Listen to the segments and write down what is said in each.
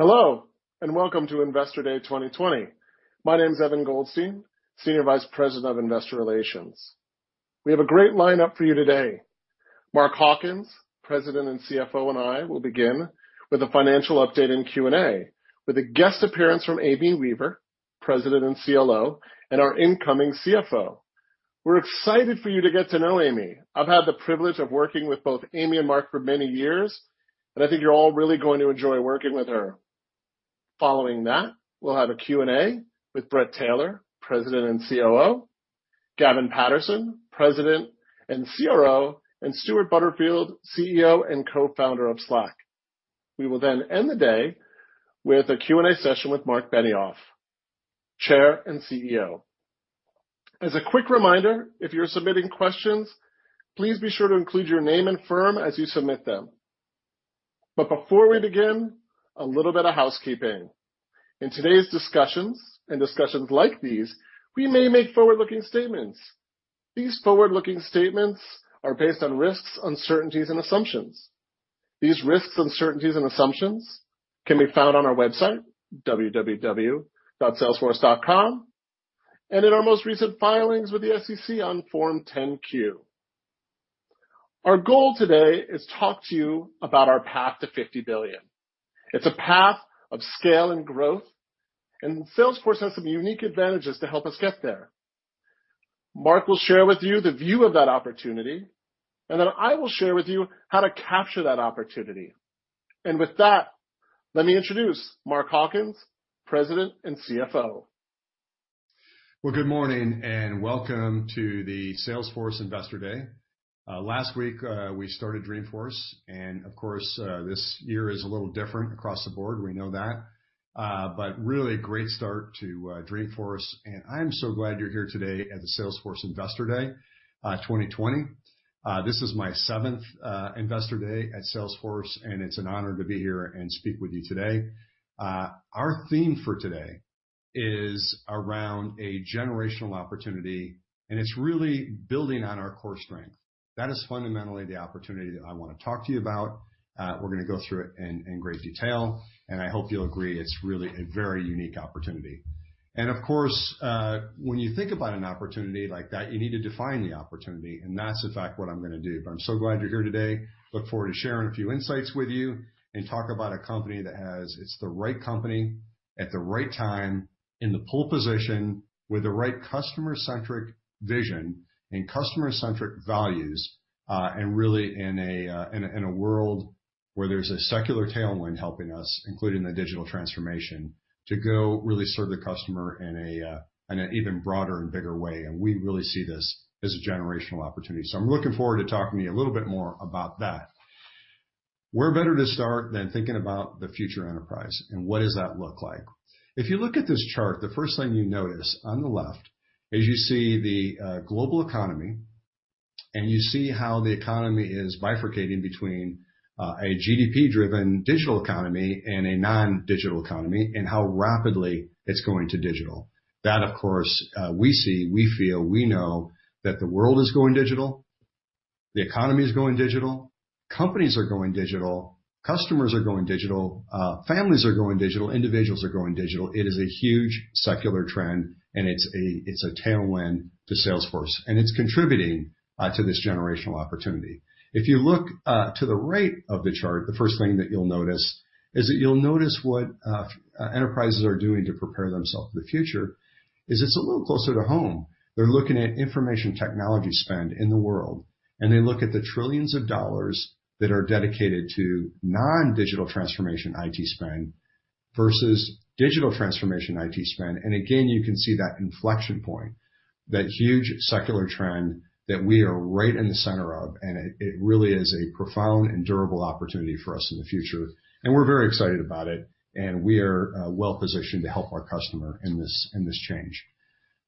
Hello, welcome to Investor Day 2020. My name is Evan Goldstein, Senior Vice President of Investor Relations. We have a great lineup for you today. Mark Hawkins, President and CFO, I will begin with a financial update and Q&A, with a guest appearance from Amy Weaver, President and CLO, and our incoming CFO. We're excited for you to get to know Amy. I've had the privilege of working with both Amy and Mark for many years, I think you're all really going to enjoy working with her. Following that, we'll have a Q&A with Bret Taylor, President and COO, Gavin Patterson, President and CRO, and Stewart Butterfield, CEO and Co-founder of Slack. We will end the day with a Q&A session with Marc Benioff, Chair and CEO. As a quick reminder, if you're submitting questions, please be sure to include your name and firm as you submit them. Before we begin, a little bit of housekeeping. In today's discussions and discussions like these, we may make forward-looking statements. These forward-looking statements are based on risks, uncertainties, and assumptions. These risks, uncertainties, and assumptions can be found on our website www.salesforce.com, and in our most recent filings with the SEC on Form 10-Q. Our goal today is to talk to you about our path to $50 billion. It's a path of scale and growth, and Salesforce has some unique advantages to help us get there. Mark will share with you the view of that opportunity, then I will share with you how to capture that opportunity. With that, let me introduce Mark Hawkins, President and CFO. Well, good morning and welcome to the Salesforce Investor Day. Last week we started Dreamforce. Of course, this year is a little different across the board. We know that. Really great start to Dreamforce. I'm so glad you're here today at the Salesforce Investor Day 2020. This is my seventh Investor Day at Salesforce. It's an honor to be here and speak with you today. Our theme for today is around a generational opportunity. It's really building on our core strength. That is fundamentally the opportunity that I want to talk to you about. We're going to go through it in great detail. I hope you'll agree it's really a very unique opportunity. Of course, when you think about an opportunity like that, you need to define the opportunity. That's in fact what I'm going to do. I'm so glad you're here today. Look forward to sharing a few insights with you and talk about a company. It's the right company at the right time in the pole position with the right customer-centric vision and customer-centric values. Really in a world where there's a secular tailwind helping us, including the digital transformation, to go really serve the customer in an even broader and bigger way. We really see this as a generational opportunity. I'm looking forward to talking to you a little bit more about that. Where better to start than thinking about the future enterprise and what does that look like? If you look at this chart, the first thing you notice on the left is you see the global economy, and you see how the economy is bifurcating between a GDP-driven digital economy and a non-digital economy, and how rapidly it's going to digital. That, of course, we see, we feel, we know that the world is going digital, the economy is going digital, companies are going digital, customers are going digital, families are going digital, individuals are going digital. It is a huge secular trend, and it's a tailwind to Salesforce, and it's contributing to this generational opportunity. If you look to the right of the chart, the first thing that you'll notice is that you'll notice what enterprises are doing to prepare themselves for the future is it's a little closer to home. They're looking at information technology spend in the world, and they look at the trillions of dollars that are dedicated to non-digital transformation IT spend versus digital transformation IT spend. Again, you can see that inflection point, that huge secular trend that we are right in the center of, and it really is a profound and durable opportunity for us in the future, and we're very excited about it, and we are well-positioned to help our customer in this change.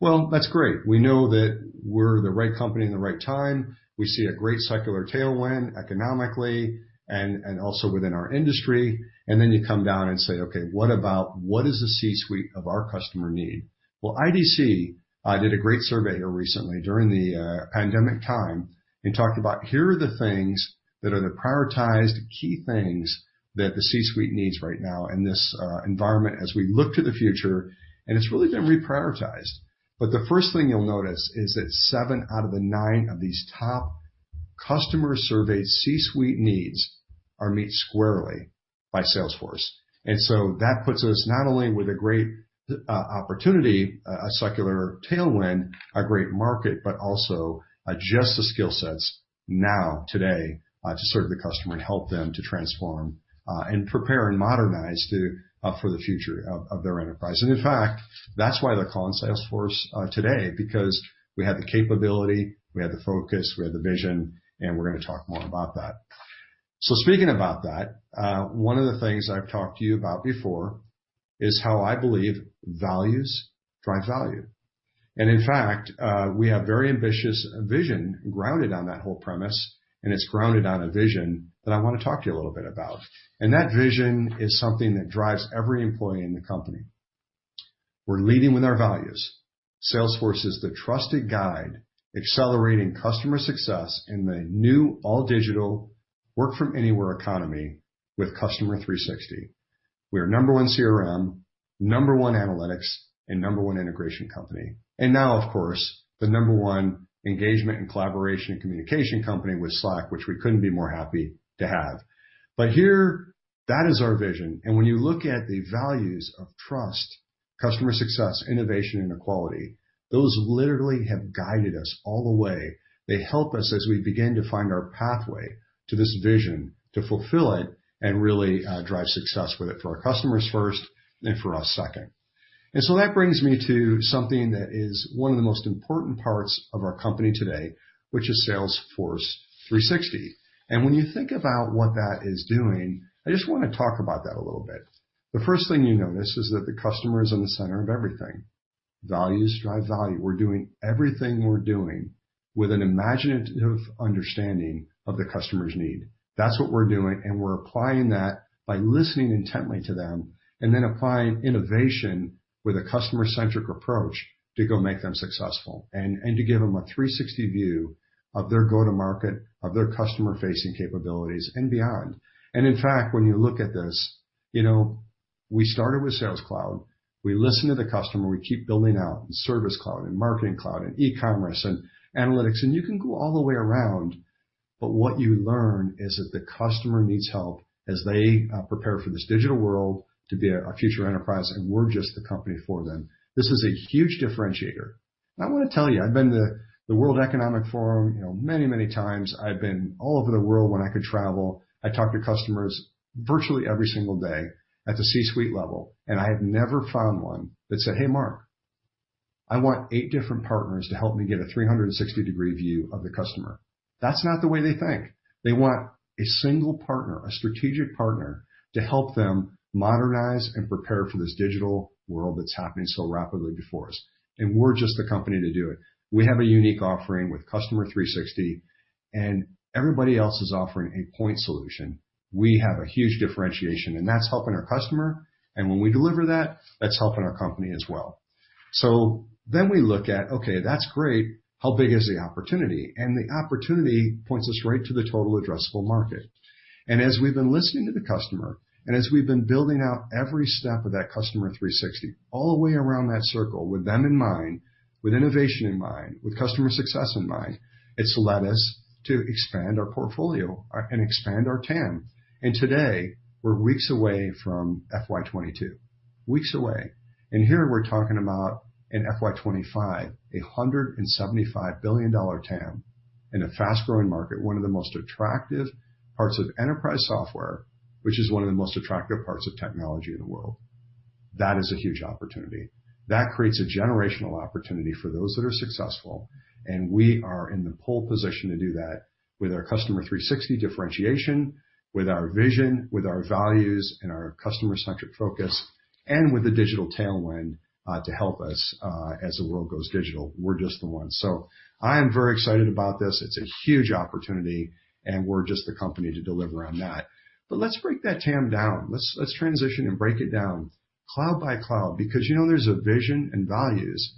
Well, that's great. We know that we're the right company in the right time. We see a great secular tailwind economically and also within our industry. Then you come down and say, okay, what does the C-suite of our customer need? IDC did a great survey here recently during the pandemic time and talked about here are the things that are the prioritized key things that the C-suite needs right now in this environment as we look to the future, and it's really been reprioritized. The first thing you'll notice is that seven out of the nine of these top customer surveyed C-suite needs are met squarely by Salesforce. That puts us not only with a great opportunity, a secular tailwind, a great market, but also just the skill sets now today to serve the customer and help them to transform and prepare and modernize for the future of their enterprise. In fact, that's why they're calling Salesforce today, because we have the capability, we have the focus, we have the vision, and we're going to talk more about that. Speaking about that, one of the things that I've talked to you about before is how I believe values drive value. In fact, we have very ambitious vision grounded on that whole premise, and it's grounded on a vision that I want to talk to you a little bit about. That vision is something that drives every employee in the company. We're leading with our values. Salesforce is the trusted guide, accelerating customer success in the new all-digital work-from-anywhere economy with Customer 360. We are number one CRM, number one analytics, and number 1 integration company. Now, of course, the number one engagement and collaboration and communication company with Slack, which we couldn't be more happy to have. Here, that is our vision. When you look at the values of trust, customer success, innovation, and equality, those literally have guided us all the way. They help us as we begin to find our pathway to this vision, to fulfill it, and really drive success with it for our customers first and for us second. That brings me to something that is one of the most important parts of our company today, which is Salesforce 360. When you think about what that is doing, I just want to talk about that a little bit. The first thing you notice is that the customer is in the center of everything. Values drive value. We're doing everything we're doing with an imaginative understanding of the customer's need. That's what we're doing, and we're applying that by listening intently to them and then applying innovation with a customer-centric approach to go make them successful and to give them a 360 view of their go-to-market, of their customer-facing capabilities and beyond. In fact, when you look at this, we started with Sales Cloud, we listen to the customer, we keep building out Service Cloud and Marketing Cloud and E-commerce and Analytics, and you can go all the way around, but what you learn is that the customer needs help as they prepare for this digital world to be our future enterprise, and we're just the company for them. This is a huge differentiator. I want to tell you, I've been to the World Economic Forum many times. I've been all over the world when I could travel. I talk to customers virtually every single day at the C-suite level, and I have never found one that said, Hey, Mark, I want eight different partners to help me get a 360-degree view of the customer. That's not the way they think. They want a single partner, a strategic partner, to help them modernize and prepare for this digital world that's happening so rapidly before us, and we're just the company to do it. We have a unique offering with Customer 360, and everybody else is offering a point solution. We have a huge differentiation, and that's helping our customer, and when we deliver that's helping our company as well. We look at, okay, that's great. How big is the opportunity? The opportunity points us right to the total addressable market. As we've been listening to the customer, and as we've been building out every step of that Customer 360 all the way around that circle with them in mind, with innovation in mind, with customer success in mind, it's led us to expand our portfolio and expand our TAM. Today, we're weeks away from FY 2022. Weeks away. Here we're talking about an FY 2025, a $175 billion TAM in a fast-growing market, one of the most attractive parts of enterprise software, which is one of the most attractive parts of technology in the world. That is a huge opportunity. That creates a generational opportunity for those that are successful, and we are in the pole position to do that with our Customer 360 differentiation, with our vision, with our values, and our customer-centric focus, and with the digital tailwind to help us as the world goes digital. We're just the ones. I am very excited about this. It's a huge opportunity, and we're just the company to deliver on that. Let's break that TAM down. Let's transition and break it down cloud by cloud, because there's a vision and values,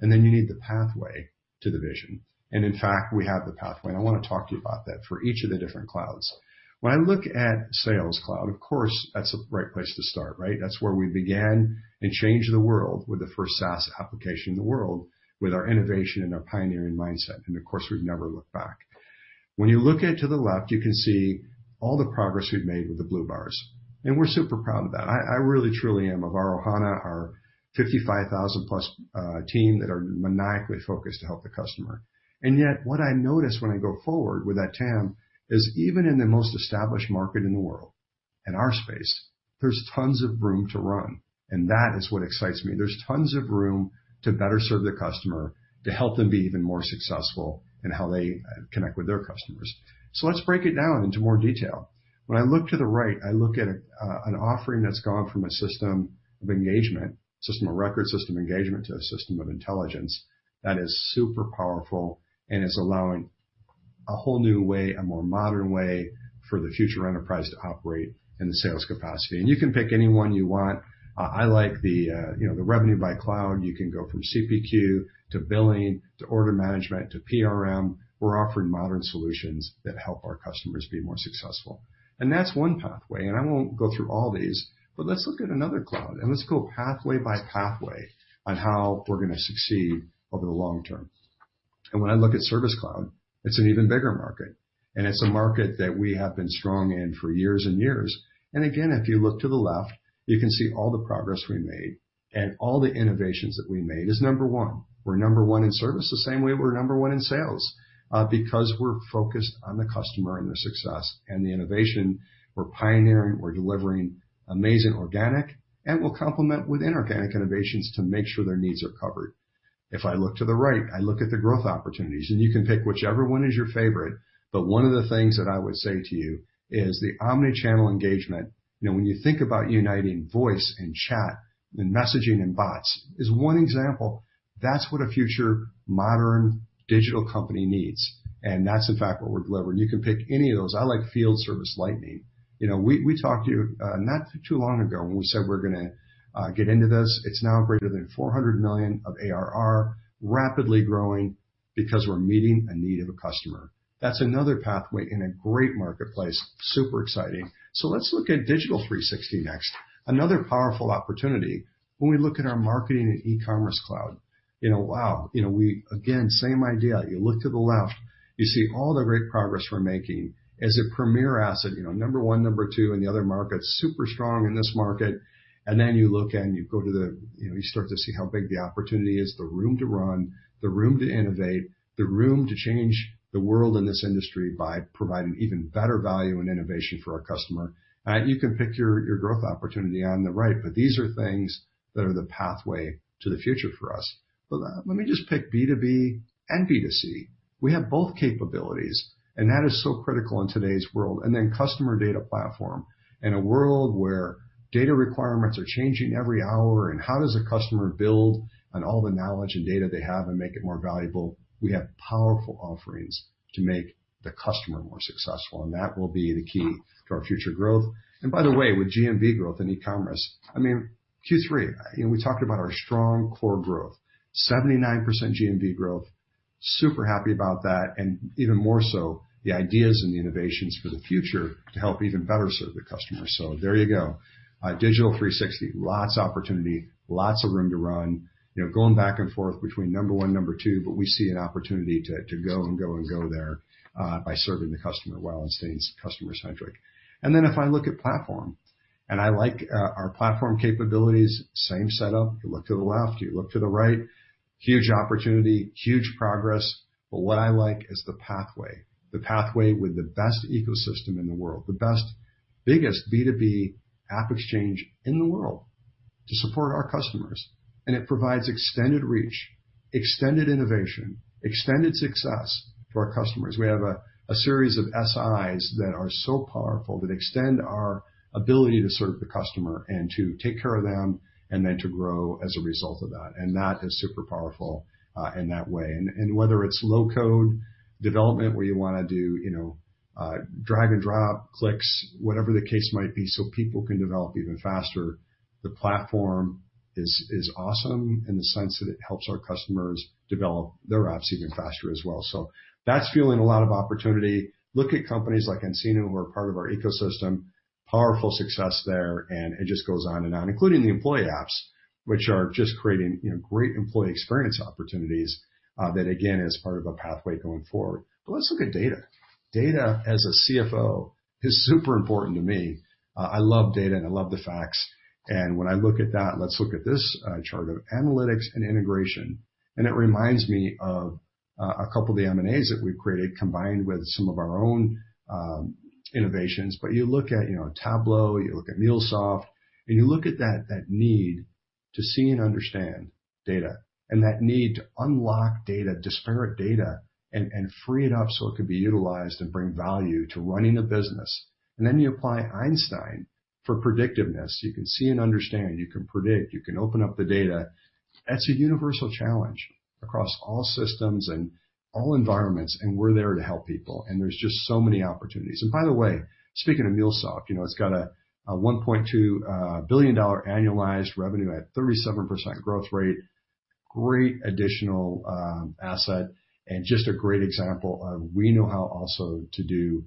and then you need the pathway to the vision. In fact, we have the pathway, and I want to talk to you about that for each of the different clouds. When I look at Sales Cloud, of course, that's the right place to start, right? That's where we began and changed the world with the first SaaS application in the world with our innovation and our pioneering mindset. Of course, we've never looked back. When you look at to the left, you can see all the progress we've made with the blue bars. We're super proud of that. I really, truly am. Of our Ohana, our 55,000 plus team that are maniacally focused to help the customer. Yet, what I notice when I go forward with that TAM is even in the most established market in the world, in our space, there's tons of room to run, and that is what excites me. There's tons of room to better serve the customer, to help them be even more successful in how they connect with their customers. Let's break it down into more detail. When I look to the right, I look at an offering that's gone from a system of engagement, system of record, system of engagement, to a system of intelligence that is super powerful and is allowing a whole new way, a more modern way for the future enterprise to operate in the sales capacity. You can pick any one you want. I like the revenue by cloud. You can go from CPQ to billing, to order management, to PRM. We're offering modern solutions that help our customers be more successful. That's one pathway. I won't go through all these, but let's look at another cloud. Let's go pathway by pathway on how we're going to succeed over the long term. When I look at Service Cloud, it's an even bigger market. It's a market that we have been strong in for years and years. Again, if you look to the left, you can see all the progress we made and all the innovations that we made is number one. We're number one in service the same way we're number one in sales. Because we're focused on the customer and their success and the innovation we're pioneering, we're delivering amazing organic. We'll complement with inorganic innovations to make sure their needs are covered. If I look to the right, I look at the growth opportunities. You can pick whichever one is your favorite. One of the things that I would say to you is the omnichannel engagement. When you think about uniting voice and chat and messaging and bots is one example. That's what a future modern digital company needs, and that's in fact what we're delivering. You can pick any of those. I like Field Service Lightning. We talked to you not too long ago when we said we're going to get into this. It's now greater than $400 million of ARR, rapidly growing because we're meeting a need of a customer. That's another pathway in a great marketplace. Super exciting. Let's look at Digital 360 next. Another powerful opportunity when we look at our Marketing and Commerce Cloud. Wow. Again, same idea. You look to the left, you see all the great progress we're making as a premier asset, number one, number two in the other markets, super strong in this market. You look and you start to see how big the opportunity is, the room to run, the room to innovate, the room to change the world and this industry by providing even better value and innovation for our customer. You can pick your growth opportunity on the right, but these are things that are the pathway to the future for us. Let me just pick B2B and B2C. We have both capabilities, and that is so critical in today's world. Customer data platform. In a world where data requirements are changing every hour, and how does a customer build on all the knowledge and data they have and make it more valuable? We have powerful offerings to make the customer more successful, that will be the key to our future growth. By the way, with GMV growth in e-commerce, Q3, we talked about our strong core growth, 79% GMV growth, super happy about that, and even more so the ideas and the innovations for the future to help even better serve the customer. There you go. Digital 360, lots of opportunity, lots of room to run. Going back and forth between number one, number two, but we see an opportunity to go and go and go there by serving the customer well and staying customer-centric. Then if I look at platform, and I like our platform capabilities, same setup. You look to the left, you look to the right, huge opportunity, huge progress. What I like is the pathway. The pathway with the best ecosystem in the world, the best, biggest B2B AppExchange in the world to support our customers. It provides extended reach, extended innovation, extended success for our customers. We have a series of SIs that are so powerful that extend our ability to serve the customer and to take care of them, and then to grow as a result of that. That is super powerful in that way. Whether it's low-code development where you want to do drag and drop clicks, whatever the case might be, so people can develop even faster. The platform is awesome in the sense that it helps our customers develop their apps even faster as well. That's fueling a lot of opportunity. Look at companies like nCino who are part of our ecosystem, powerful success there, it just goes on and on, including the employee apps, which are just creating great employee experience opportunities, that again, is part of a pathway going forward. Let's look at data. Data as a CFO is super important to me. I love data and I love the facts. When I look at that, let's look at this chart of analytics and integration. It reminds me of a couple of the M&As that we've created, combined with some of our own innovations. You look at Tableau, you look at MuleSoft, you look at that need to see and understand data, that need to unlock data, disparate data, free it up so it can be utilized and bring value to running a business. Then you apply Einstein for predictiveness. You can see and understand, you can predict, you can open up the data. That's a universal challenge across all systems and all environments. We're there to help people. There's just so many opportunities. By the way, speaking of MuleSoft, it's got a $1.2 billion annualized revenue at 37% growth rate. Great additional asset. Just a great example of we know how also to do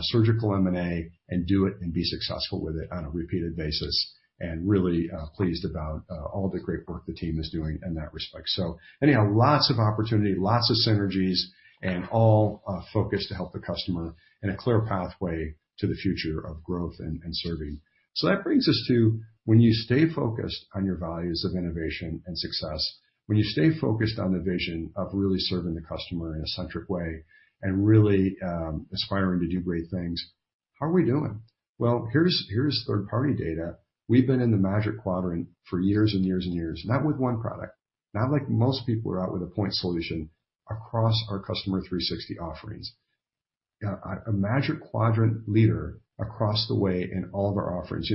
surgical M&A and do it and be successful with it on a repeated basis. Really pleased about all the great work the team is doing in that respect. Anyhow, lots of opportunity, lots of synergies, and all focused to help the customer, and a clear pathway to the future of growth and serving. That brings us to when you stay focused on your values of innovation and success, when you stay focused on the vision of really serving the customer in a centric way and really aspiring to do great things, how are we doing? Well, here's third-party data. We've been in the Magic Quadrant for years and years and years. Not with one product. Not like most people are out with a point solution across our Customer 360 offerings. A Magic Quadrant leader across the way in all of our offerings.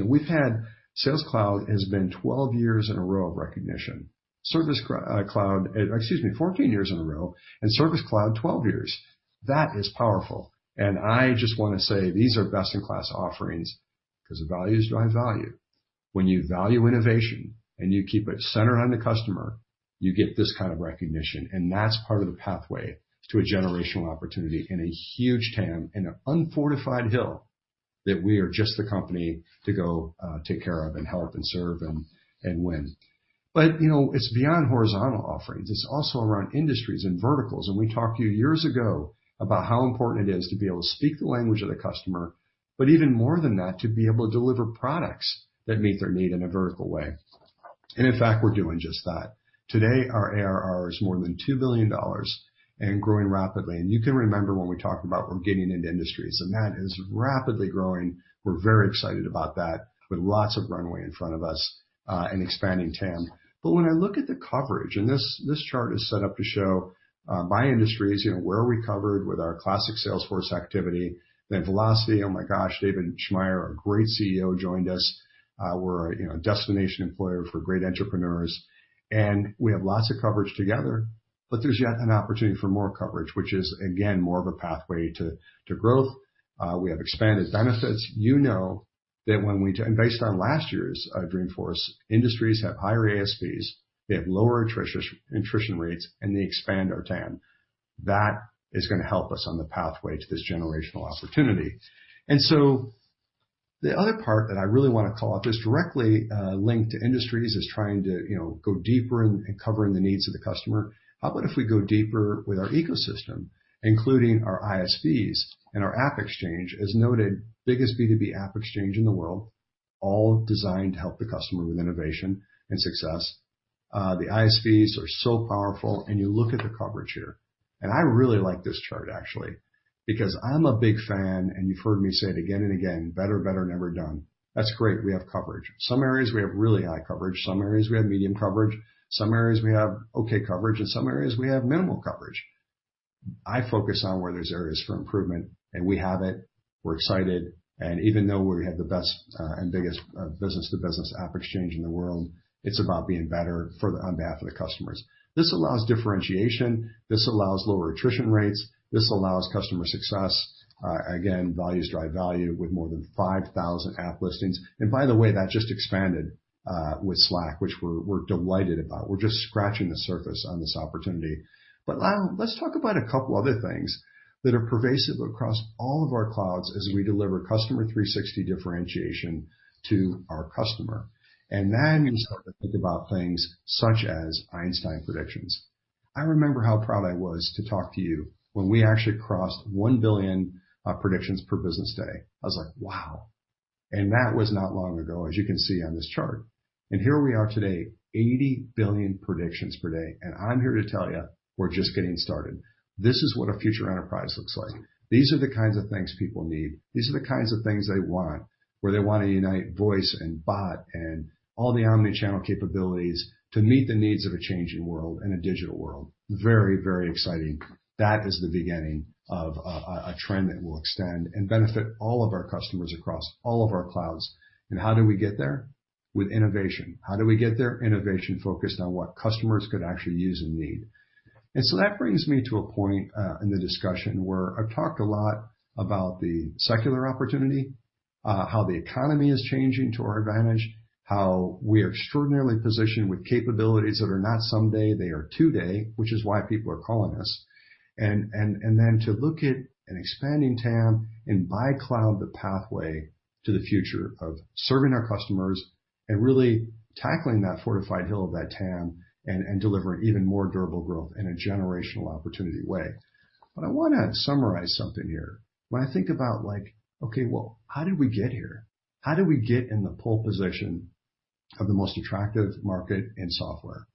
Sales Cloud has been 12 years in a row of recognition. Excuse me, 14 years in a row, and Service Cloud, 12 years. That is powerful. I just want to say these are best-in-class offerings because values drive value. When you value innovation and you keep it centered on the customer, you get this kind of recognition, and that's part of the pathway to a generational opportunity and a huge TAM and an unfortified hill that we are just the company to go take care of and help and serve and win. It's beyond horizontal offerings. It's also around industries and verticals. We talked to you years ago about how important it is to be able to speak the language of the customer, but even more than that, to be able to deliver products that meet their need in a vertical way. In fact, we're doing just that. Today, our ARR is more than $2 billion and growing rapidly. You can remember when we talked about we're getting into industries, and that is rapidly growing. We're very excited about that with lots of runway in front of us and expanding TAM. When I look at the coverage, and this chart is set up to show by industries, where are we covered with our classic Salesforce activity. Vlocity, oh my gosh, David Schmaier, our great CEO, joined us. We're a destination employer for great entrepreneurs, and we have lots of coverage together. There's yet an opportunity for more coverage, which is, again, more of a pathway to growth. We have expanded benefits. You know that based on last year's Dreamforce, industries have higher ASPs, they have lower attrition rates, and they expand our TAM. That is going to help us on the pathway to this generational opportunity. The other part that I really want to call out that's directly linked to industries, is trying to go deeper in covering the needs of the customer. How about if we go deeper with our ecosystem, including our ISVs and our AppExchange, as noted, biggest B2B AppExchange in the world, all designed to help the customer with innovation and success. The ISVs are so powerful, and you look at the coverage here. I really like this chart actually, because I'm a big fan, and you've heard me say it again and again, better, never done. That's great. We have coverage. Some areas we have really high coverage, some areas we have medium coverage, some areas we have okay coverage, and some areas we have minimal coverage. I focus on where there's areas for improvement, and we have it. We're excited, even though we have the best and biggest business-to-business AppExchange in the world, it's about being better on behalf of the customers. This allows differentiation. This allows lower attrition rates. This allows customer success. Again, values drive value with more than 5,000 app listings. By the way, that just expanded with Slack, which we're delighted about. We're just scratching the surface on this opportunity. Let's talk about a couple other things that are pervasive across all of our clouds as we deliver Customer 360 differentiation to our customer. Then you start to think about things such as Einstein predictions. I remember how proud I was to talk to you when we actually crossed 1 billion predictions per business day. I was like, wow. That was not long ago, as you can see on this chart. Here we are today, 80 billion predictions per day. I'm here to tell you, we're just getting started. This is what a future enterprise looks like. These are the kinds of things people need. These are the kinds of things they want, where they want to unite voice and bot and all the omni-channel capabilities to meet the needs of a changing world and a digital world. Very exciting. That is the beginning of a trend that will extend and benefit all of our customers across all of our clouds. How do we get there? With innovation. How do we get there? Innovation focused on what customers could actually use and need. That brings me to a point in the discussion where I've talked a lot about the secular opportunity, how the economy is changing to our advantage, how we are extraordinarily positioned with capabilities that are not someday, they are today, which is why people are calling us. Then to look at an expanding TAM and by cloud the pathway to the future of serving our customers and really tackling that fortified hill of that TAM and delivering even more durable growth in a generational opportunity way. I want to summarize something here. When I think about, okay, well, how did we get here? How did we get in the pole position of the most attractive market in software?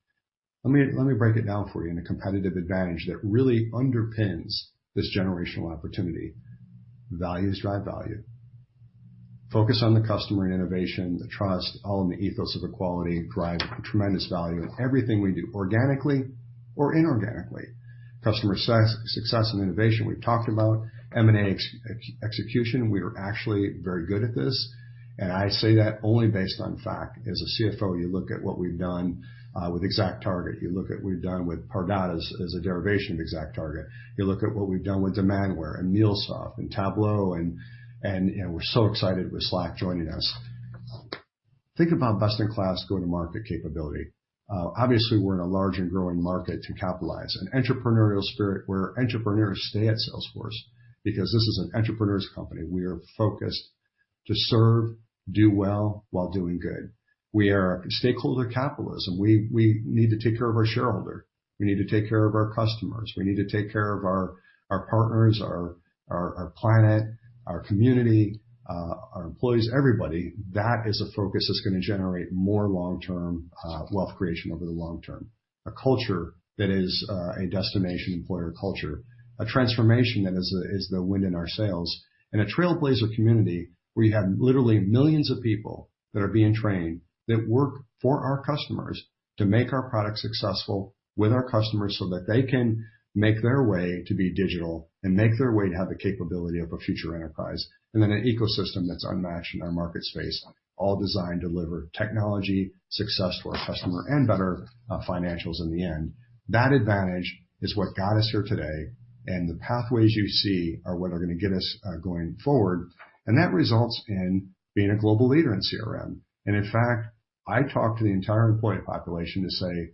Let me break it down for you in a competitive advantage that really underpins this generational opportunity. Values drive value. Focus on the customer and innovation, the trust, all in the ethos of equality drive tremendous value in everything we do organically or inorganically. Customer success and innovation, we've talked about. M&A execution, we are actually very good at this, and I say that only based on fact. As a CFO, you look at what we've done with ExactTarget, you look at what we've done with Pardot as a derivation of ExactTarget. You look at what we've done with Demandware and MuleSoft and Tableau, and we're so excited with Slack joining us. Think about best-in-class go-to-market capability. Obviously, we're in a large and growing market to capitalize. An entrepreneurial spirit where entrepreneurs stay at Salesforce because this is an entrepreneur's company. We are focused to serve, do well while doing good. We are stakeholder capitalism. We need to take care of our shareholder. We need to take care of our customers. We need to take care of our partners, our planet, our community, our employees, everybody. That is a focus that's going to generate more long-term wealth creation over the long term. A culture that is a destination employer culture, a transformation that is the wind in our sails, and a Trailblazer community where you have literally millions of people that are being trained that work for our customers to make our product successful with our customers so that they can make their way to be digital and make their way to have the capability of a future enterprise. An ecosystem that's unmatched in our market space, all designed to deliver technology success for our customer and better financials in the end. That advantage is what got us here today, and the pathways you see are what are going to get us going forward. That results in being a global leader in CRM. In fact, I talk to the entire employee population to say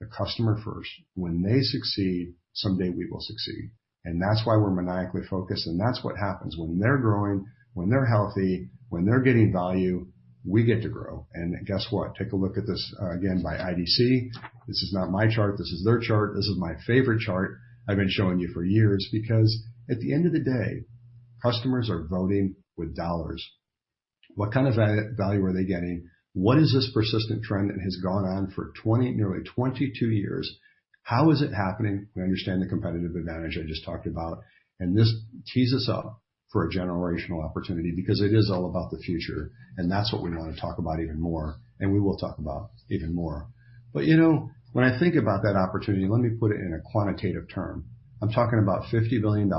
the customer first. When they succeed, someday we will succeed. That's why we're maniacally focused, that's what happens. When they're growing, when they're healthy, when they're getting value, we get to grow. Guess what? Take a look at this again by IDC. This is not my chart. This is their chart. This is my favorite chart I've been showing you for years because at the end of the day, customers are voting with dollars. What kind of value are they getting? What is this persistent trend that has gone on for nearly 22 years? How is it happening? We understand the competitive advantage I just talked about. This tees us up for a generational opportunity because it is all about the future, That's what we want to talk about even more, and we will talk about even more. When I think about that opportunity, let me put it in a quantitative term. I'm talking about $50 billion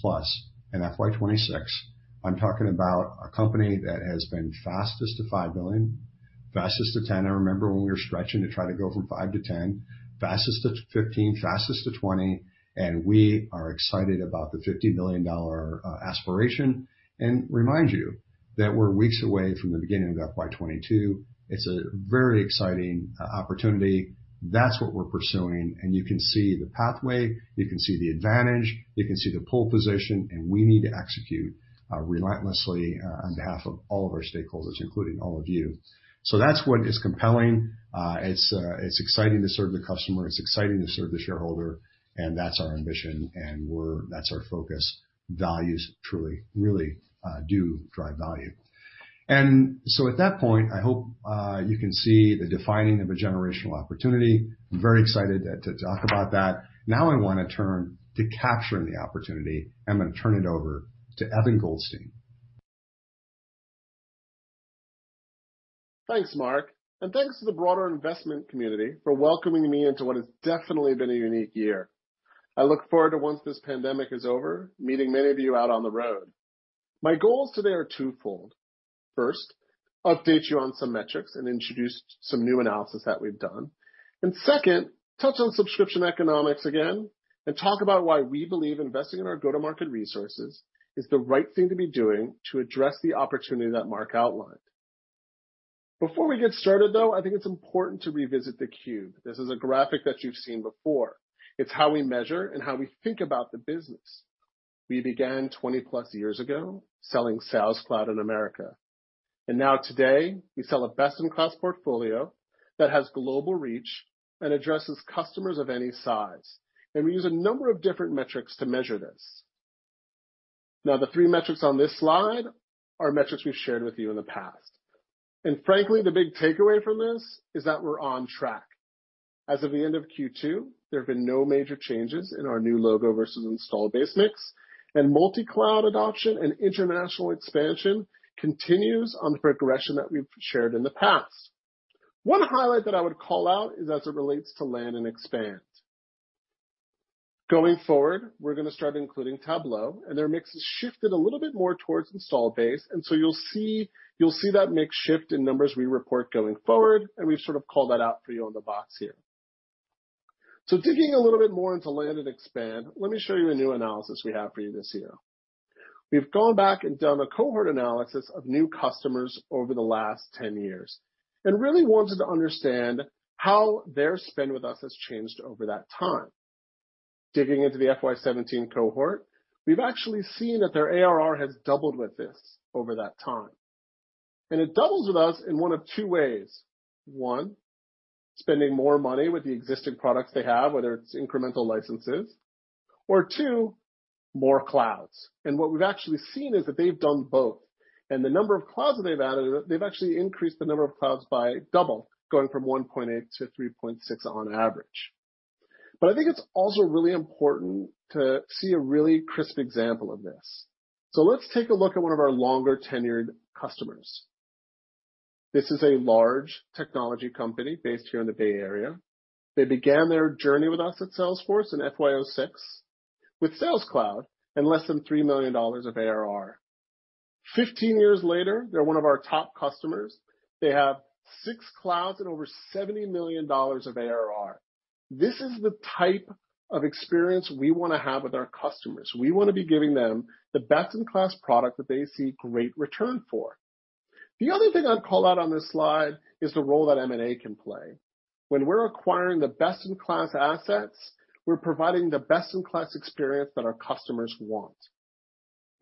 plus in FY 2026. I'm talking about a company that has been fastest to $5 billion, fastest to $10. I remember when we were stretching to try to go from $5 to $10, fastest to $15, fastest to $20, and we are excited about the $50 billion aspiration. Remind you that we're weeks away from the beginning of FY 2022. It's a very exciting opportunity. That's what we're pursuing. You can see the pathway, you can see the advantage, you can see the pole position, and we need to execute relentlessly on behalf of all of our stakeholders, including all of you. That's what is compelling. It's exciting to serve the customer. It's exciting to serve the shareholder, and that's our ambition, and that's our focus. Values truly, really do drive value. At that point, I hope you can see the defining of a generational opportunity. I'm very excited to talk about that. Now I want to turn to capturing the opportunity. I'm going to turn it over to Evan Goldstein. Thanks, Mark. Thanks to the broader investment community for welcoming me into what has definitely been a unique year. I look forward to, once this pandemic is over, meeting many of you out on the road. My goals today are twofold. First, update you on some metrics and introduce some new analysis that we've done. Second, touch on subscription economics again and talk about why we believe investing in our go-to-market resources is the right thing to be doing to address the opportunity that Mark outlined. Before we get started, though, I think it's important to revisit the cube. This is a graphic that you've seen before. It's how we measure and how we think about the business. We began 20-plus years ago selling Sales Cloud in America. Now today, we sell a best-in-class portfolio that has global reach and addresses customers of any size. We use a number of different metrics to measure this. Now, the three metrics on this slide are metrics we've shared with you in the past. Frankly, the big takeaway from this is that we're on track. As of the end of Q2, there have been no major changes in our new logo versus installed base mix, and multi-cloud adoption and international expansion continues on the progression that we've shared in the past. One highlight that I would call out is as it relates to land and expand. Going forward, we're going to start including Tableau, and their mix has shifted a little bit more towards installed base, and so you'll see that mix shift in numbers we report going forward, and we've sort of called that out for you on the box here. Digging a little bit more into land and expand, let me show you a new analysis we have for you this year. We've gone back and done a cohort analysis of new customers over the last 10 years and really wanted to understand how their spend with us has changed over that time. Digging into the FY 2017 cohort, we've actually seen that their ARR has doubled with us over that time. It doubles with us in one of two ways. One, spending more money with the existing products they have, whether it's incremental licenses, or two, more clouds. What we've actually seen is that they've done both. The number of clouds that they've added, they've actually increased the number of clouds by double, going from one point eight to three point six on average. I think it's also really important to see a really crisp example of this. Let's take a look at one of our longer-tenured customers. This is a large technology company based here in the Bay Area. They began their journey with us at Salesforce in FY 2006 with Sales Cloud and less than $3 million of ARR. 15 years later, they're one of our top customers. They have six clouds and over $70 million of ARR. This is the type of experience we want to have with our customers. We want to be giving them the best-in-class product that they see great return for. The other thing I'd call out on this slide is the role that M&A can play. When we're acquiring the best-in-class assets, we're providing the best-in-class experience that our customers want.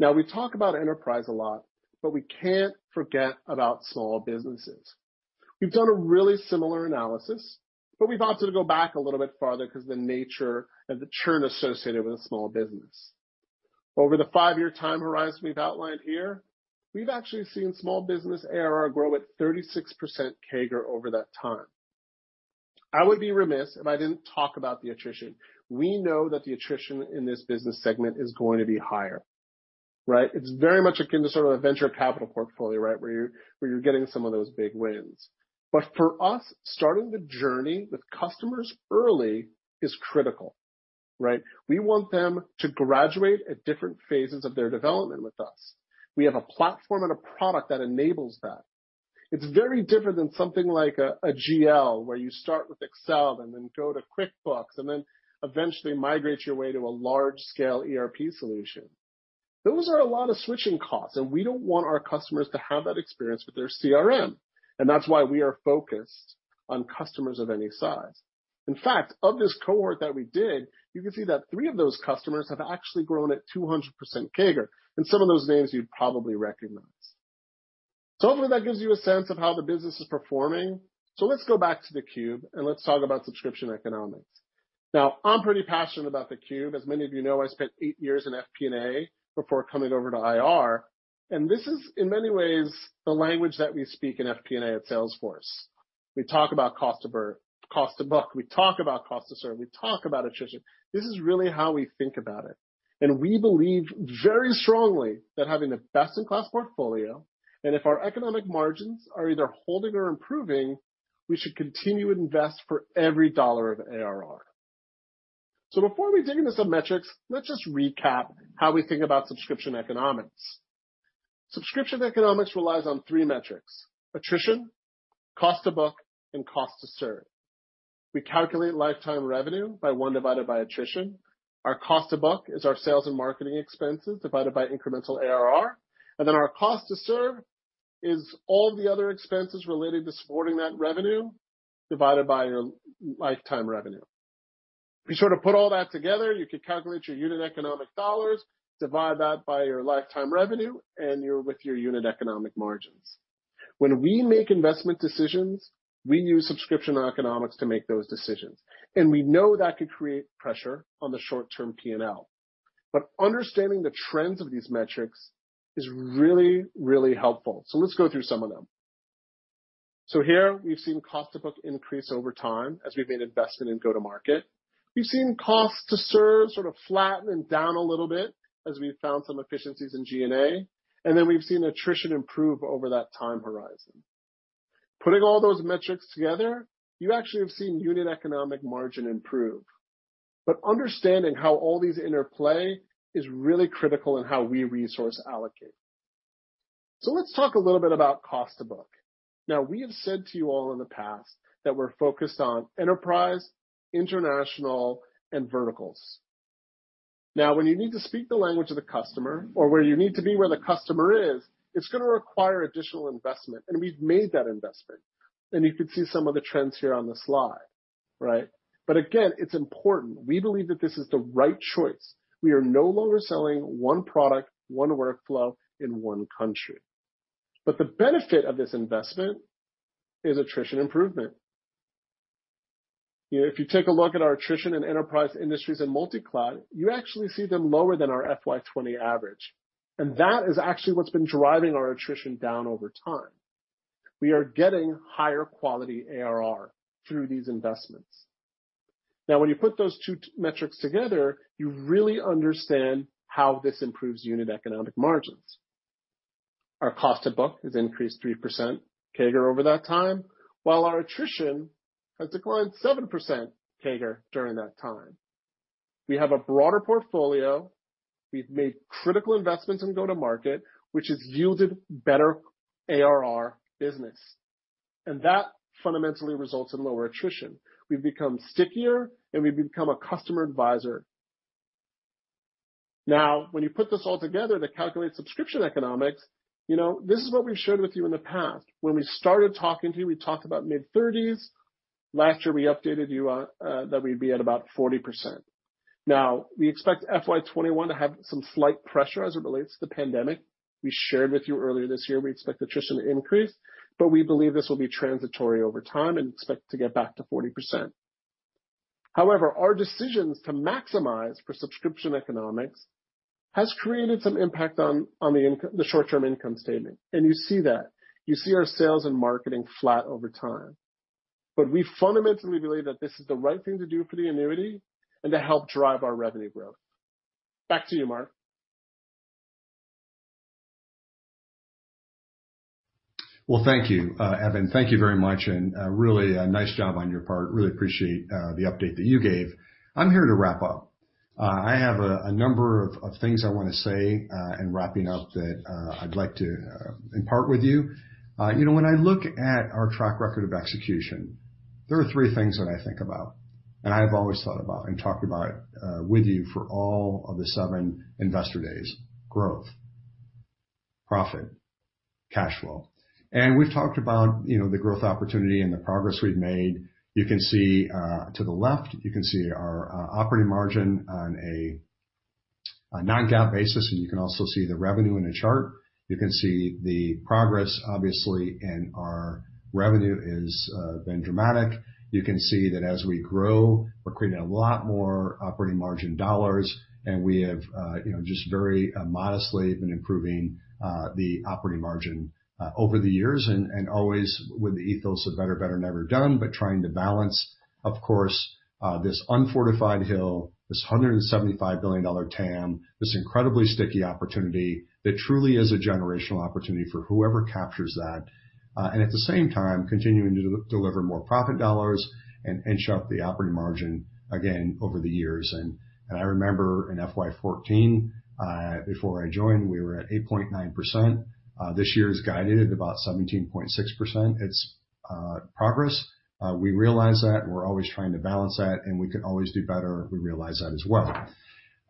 We talk about enterprise a lot, but we can't forget about small businesses. We've done a really similar analysis, we've opted to go back a little bit farther because the nature and the churn associated with a small business. Over the five-year time horizon we've outlined here, we've actually seen small business ARR grow at 36% CAGR over that time. I would be remiss if I didn't talk about the attrition. We know that the attrition in this business segment is going to be higher, right? It's very much akin to sort of a venture capital portfolio, right? Where you're getting some of those big wins. For us, starting the journey with customers early is critical, right? We want them to graduate at different phases of their development with us. We have a platform and a product that enables that. It's very different than something like a GL, where you start with Excel and then go to QuickBooks, and then eventually migrate your way to a large-scale ERP solution. Those are a lot of switching costs, and we don't want our customers to have that experience with their CRM. That's why we are focused on customers of any size. In fact, of this cohort that we did, you can see that three of those customers have actually grown at 200% CAGR, and some of those names you'd probably recognize. Hopefully, that gives you a sense of how the business is performing. Let's go back to the cube, and let's talk about subscription economics. Now, I'm pretty passionate about the cube. As many of you know, I spent eight years in FP&A before coming over to IR, this is, in many ways, the language that we speak in FP&A at Salesforce. We talk about cost to book. We talk about cost to serve. We talk about attrition. This is really how we think about it. We believe very strongly that having the best-in-class portfolio, and if our economic margins are either holding or improving, we should continue to invest for every dollar of ARR. Before we dig into some metrics, let's just recap how we think about subscription economics. Subscription economics relies on three metrics, attrition, cost to book, and cost to serve. We calculate lifetime revenue by one divided by attrition. Our cost to book is our sales and marketing expenses divided by incremental ARR. Our cost to serve is all the other expenses related to supporting that revenue divided by your lifetime revenue. If you sort of put all that together, you could calculate your unit economic dollars, divide that by your lifetime revenue, and you're with your unit economic margins. When we make investment decisions, we use subscription economics to make those decisions, and we know that could create pressure on the short-term P&L. Understanding the trends of these metrics is really, really helpful. Let's go through some of them. Here we've seen cost to book increase over time as we've made investment in go-to-market. We've seen cost to serve sort of flatten and down a little bit as we've found some efficiencies in G&A, and then we've seen attrition improve over that time horizon. Putting all those metrics together, you actually have seen unit economic margin improve. Understanding how all these interplay is really critical in how we resource allocate. Let's talk a little bit about cost to book. We have said to you all in the past that we're focused on enterprise, international, and verticals. When you need to speak the language of the customer or where you need to be where the customer is, it's going to require additional investment, and we've made that investment. You can see some of the trends here on the slide. Again, it's important. We believe that this is the right choice. We are no longer selling one product, one workflow in one country. The benefit of this investment is attrition improvement. If you take a look at our attrition in enterprise, industries, and multi-cloud, you actually see them lower than our FY 2020 average. That is actually what's been driving our attrition down over time. We are getting higher quality ARR through these investments. When you put those two metrics together, you really understand how this improves unit economic margins. Our cost to book has increased 3% CAGR over that time, while our attrition has declined 7% CAGR during that time. We have a broader portfolio. We've made critical investments in go-to-market, which has yielded better ARR business, and that fundamentally results in lower attrition. We've become stickier, and we've become a customer advisor. When you put this all together to calculate subscription economics, this is what we've shared with you in the past. When we started talking to you, we talked about mid-30s%. Last year, we updated you that we'd be at about 40%. We expect FY 2021 to have some slight pressure as it relates to the pandemic. We shared with you earlier this year, we expect attrition to increase, but we believe this will be transitory over time and expect to get back to 40%. However, our decisions to maximize for subscription economics has created some impact on the short-term income statement. You see that. You see our sales and marketing flat over time. We fundamentally believe that this is the right thing to do for the annuity and to help drive our revenue growth. Back to you, Mark. Well, thank you, Evan. Thank you very much. Really nice job on your part. Really appreciate the update that you gave. I'm here to wrap up. I have a number of things I want to say in wrapping up that I'd like to impart with you. When I look at our track record of execution, there are three things that I think about. I have always thought about and talked about with you for all of the seven investor days. Growth, profit, cash flow. We've talked about the growth opportunity and the progress we've made. You can see to the left, you can see our operating margin on a non-GAAP basis. You can also see the revenue in a chart. You can see the progress, obviously, in our revenue has been dramatic. You can see that as we grow, we're creating a lot more operating margin dollars, and we have just very modestly been improving the operating margin over the years and always with the ethos of better, never done, but trying to balance, of course, this unfortified hill, this $175 billion TAM, this incredibly sticky opportunity that truly is a generational opportunity for whoever captures that. At the same time, continuing to deliver more profit dollars and inch up the operating margin again over the years. I remember in FY 2014, before I joined, we were at 8.9%. This year is guided at about 17.6%. It's progress. We realize that, and we're always trying to balance that, and we could always do better. We realize that as well.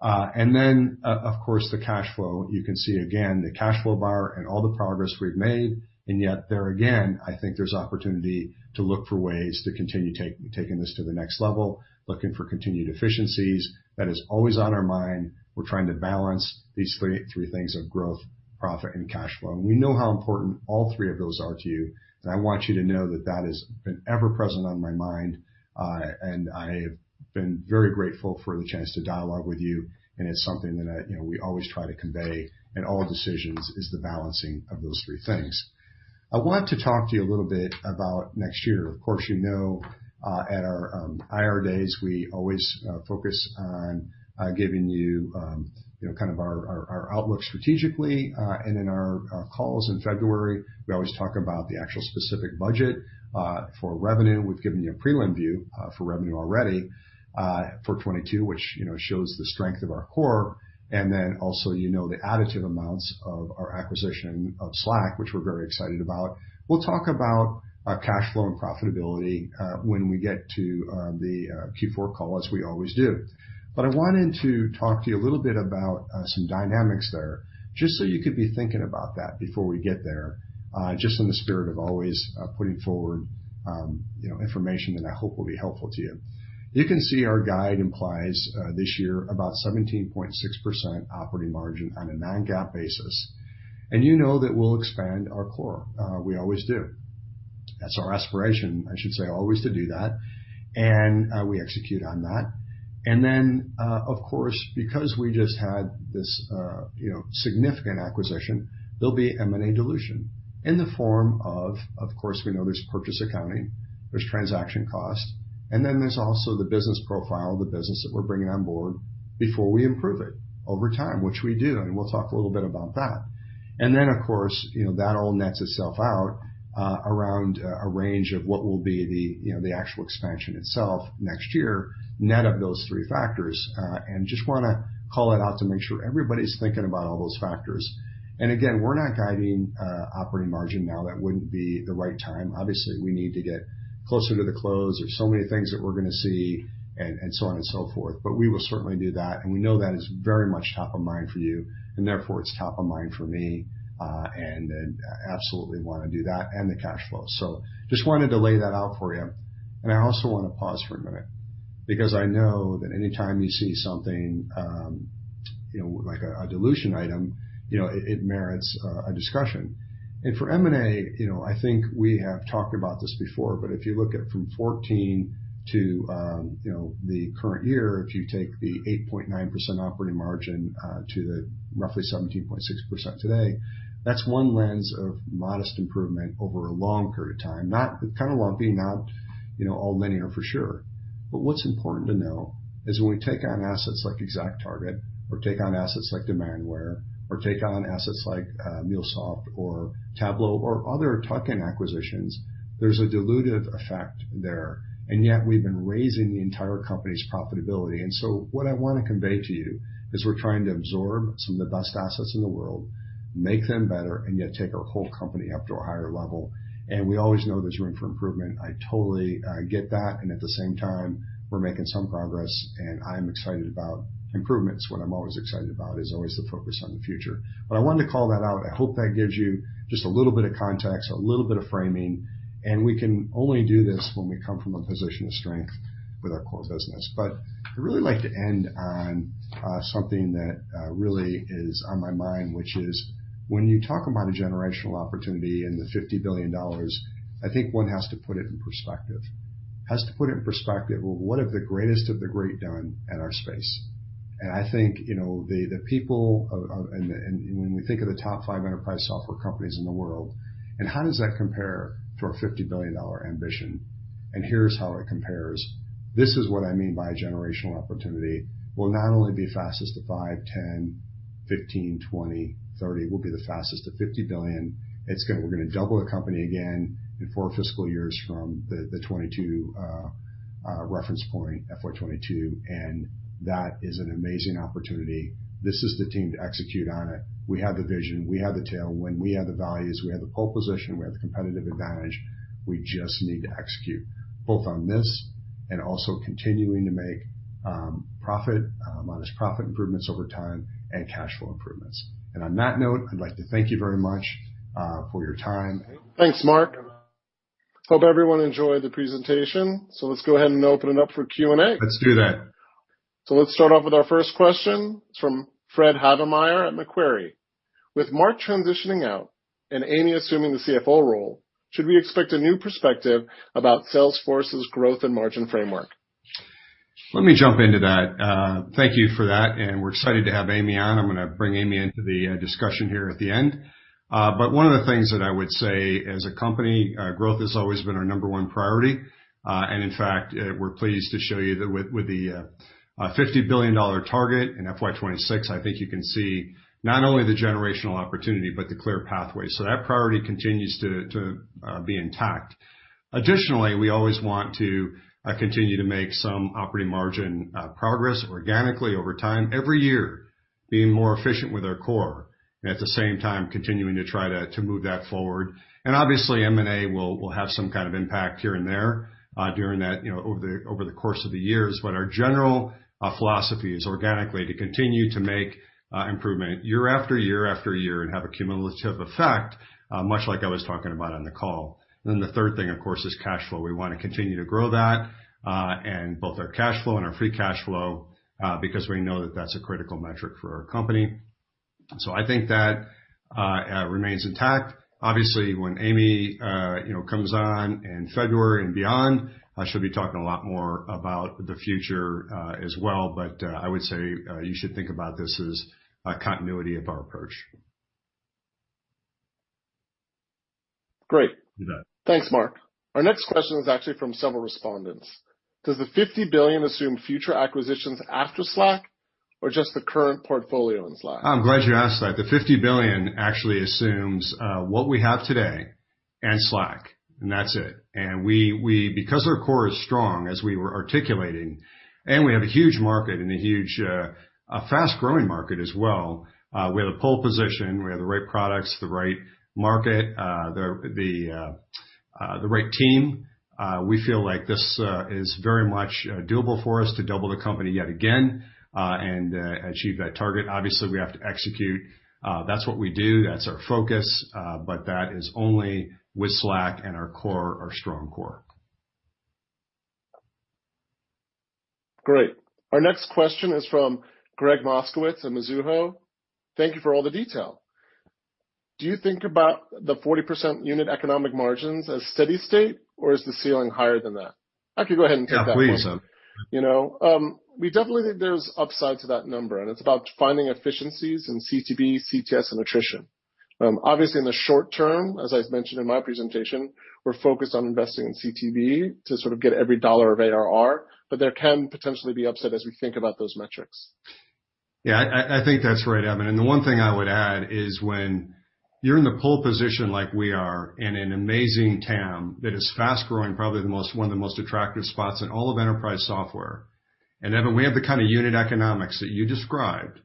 Then, of course, the cash flow. You can see again the cash flow bar and all the progress we've made. Yet there again, I think there's opportunity to look for ways to continue taking this to the next level, looking for continued efficiencies. That is always on our mind. We're trying to balance these three things of growth, profit, and cash flow. We know how important all three of those are to you, and I want you to know that that has been ever present on my mind. I have been very grateful for the chance to dialogue with you, and it's something that we always try to convey in all decisions is the balancing of those three things. I want to talk to you a little bit about next year. Of course, you know at our IR days, we always focus on giving you our outlook strategically. In our calls in February, we always talk about the actual specific budget for revenue. We've given you a prelim view for revenue already for 2022, then also you know the additive amounts of our acquisition of Slack, which we're very excited about. We'll talk about cash flow and profitability when we get to the Q4 call, as we always do. I wanted to talk to you a little bit about some dynamics there, just so you could be thinking about that before we get there, just in the spirit of always putting forward information that I hope will be helpful to you. You can see our guide implies this year about 17.6% operating margin on a non-GAAP basis. You know that we'll expand our core. We always do. That's our aspiration, I should say, always to do that. We execute on that. Of course, because we just had this significant acquisition, there'll be M&A dilution in the form of course, we know there's purchase accounting, there's transaction cost, and then there's also the business profile of the business that we're bringing on board before we improve it over time, which we do. We'll talk a little bit about that. Of course, that all nets itself out around a range of what will be the actual expansion itself next year, net of those three factors. Just want to call that out to make sure everybody's thinking about all those factors. Again, we're not guiding operating margin now. That wouldn't be the right time. We need to get closer to the close. There's so many things that we're going to see, and so on and so forth. We will certainly do that, and we know that is very much top of mind for you, and therefore it's top of mind for me. Absolutely want to do that, and the cash flow. Just wanted to lay that out for you. I also want to pause for a minute because I know that anytime you see something like a dilution item, it merits a discussion. For M&A, I think we have talked about this before, but if you look at from 2014 to the current year, if you take the 8.9% operating margin to the roughly 17.6% today, that's one lens of modest improvement over a long period of time. Kind of lumpy, not all linear, for sure. What's important to know is when we take on assets like ExactTarget, or take on assets like Demandware, or take on assets like MuleSoft or Tableau or other tuck-in acquisitions, there's a dilutive effect there. Yet we've been raising the entire company's profitability. What I want to convey to you is we're trying to absorb some of the best assets in the world, make them better, and yet take our whole company up to a higher level. We always know there's room for improvement. I totally get that. At the same time, we're making some progress, and I'm excited about improvements. What I'm always excited about is always the focus on the future. I wanted to call that out. I hope that gives you just a little bit of context, a little bit of framing, and we can only do this when we come from a position of strength with our core business. I'd really like to end on something that really is on my mind, which is when you talk about a generational opportunity and the $50 billion, I think one has to put it in perspective. Has to put it in perspective, well, what have the greatest of the great done at our space? I think, the people, when we think of the top five enterprise software companies in the world, and how does that compare to our $50 billion ambition? Here's how it compares. This is what I mean by a generational opportunity. We'll not only be fastest to $5, $10, $15, $20, $30, we'll be the fastest to $50 billion. We're going to double the company again in four fiscal years from the reference point FY 2022. That is an amazing opportunity. This is the team to execute on it. We have the vision. We have the tailwind. We have the values. We have the pole position. We have the competitive advantage. We just need to execute, both on this and also continuing to make modest profit improvements over time and cash flow improvements. On that note, I'd like to thank you very much for your time. Thanks, Mark. Hope everyone enjoyed the presentation. Let's go ahead and open it up for Q&A. Let's do that. Let's start off with our first question from Fred Havemeyer at Macquarie. With Mark transitioning out and Amy assuming the CFO role, should we expect a new perspective about Salesforce's growth and margin framework? Let me jump into that. Thank you for that. We're excited to have Amy on. I'm going to bring Amy into the discussion here at the end. One of the things that I would say as a company, growth has always been our number one priority. In fact, we're pleased to show you with the $50 billion target in FY 2026, I think you can see not only the generational opportunity but the clear pathway. That priority continues to be intact. Additionally, we always want to continue to make some operating margin progress organically over time, every year being more efficient with our core, and at the same time continuing to try to move that forward. Obviously, M&A will have some kind of impact here and there over the course of the years. Our general philosophy is organically to continue to make improvement year-after-year-after year and have a cumulative effect, much like I was talking about on the call. Then the third thing, of course, is cash flow. We want to continue to grow that, and both our cash flow and our free cash flow, because we know that that's a critical metric for our company. I think that remains intact. Obviously, when Amy comes on in February and beyond, she'll be talking a lot more about the future as well. I would say you should think about this as a continuity of our approach. Great. You bet. Thanks, Mark. Our next question is actually from several respondents. Does the $50 billion assume future acquisitions after Slack or just the current portfolio in Slack? I'm glad you asked that. The $50 billion actually assumes what we have today and Slack, and that's it. Because our core is strong, as we were articulating, and we have a huge market and a huge fast-growing market as well, we have a pole position. We have the right products, the right market, the right team. We feel like this is very much doable for us to double the company yet again, and achieve that target. Obviously, we have to execute. That's what we do. That's our focus. That is only with Slack and our core, our strong core. Great. Our next question is from Gregg Moskowitz at Mizuho. Thank you for all the detail. Do you think about the 40% unit economic margins as steady state, or is the ceiling higher than that? I could go ahead and take that one. Yeah, please. We definitely think there's upside to that number, and it's about finding efficiencies in CTB, CTS, and attrition. Obviously, in the short term, as I've mentioned in my presentation, we're focused on investing in CTB to sort of get every dollar of ARR, but there can potentially be upside as we think about those metrics. Yeah, I think that's right, Evan. The one thing I would add is when you're in the pole position like we are, in an amazing TAM that is fast-growing, probably one of the most attractive spots in all of enterprise software. Evan, we have the kind of unit economics that you described.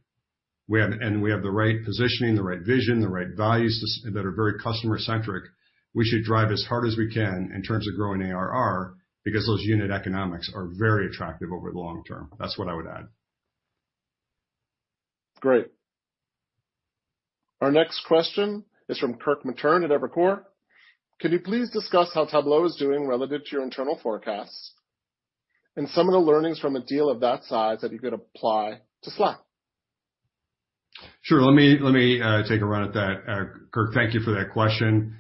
We have the right positioning, the right vision, the right values that are very customer-centric. We should drive as hard as we can in terms of growing ARR, because those unit economics are very attractive over the long term. That's what I would add. Great. Our next question is from Kirk Materne at Evercore. Could you please discuss how Tableau is doing relative to your internal forecasts? Some of the learnings from a deal of that size that you could apply to Slack. Sure. Let me take a run at that. Kirk, thank you for that question.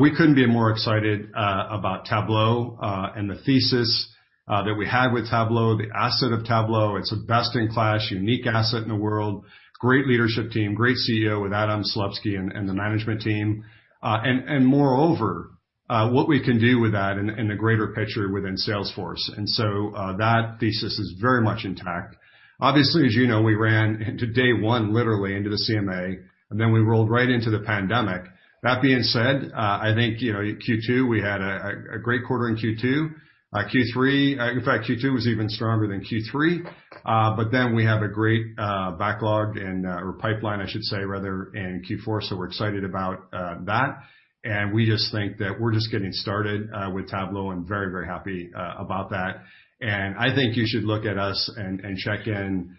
We couldn't be more excited about Tableau and the thesis that we had with Tableau, the asset of Tableau. It's a best-in-class, unique asset in the world. Great leadership team, great CEO with Adam Selipsky and the management team. Moreover, what we can do with that in the greater picture within Salesforce. That thesis is very much intact. Obviously, as you know, we ran into day one, literally into the CMA, we rolled right into the pandemic. That being said, I think Q2, we had a great quarter in Q2. Q3, in fact, Q2 was even stronger than Q3. We have a great backlog or pipeline, I should say, rather, in Q4. We're excited about that. We just think that we're just getting started with Tableau and very happy about that. I think you should look at us and check in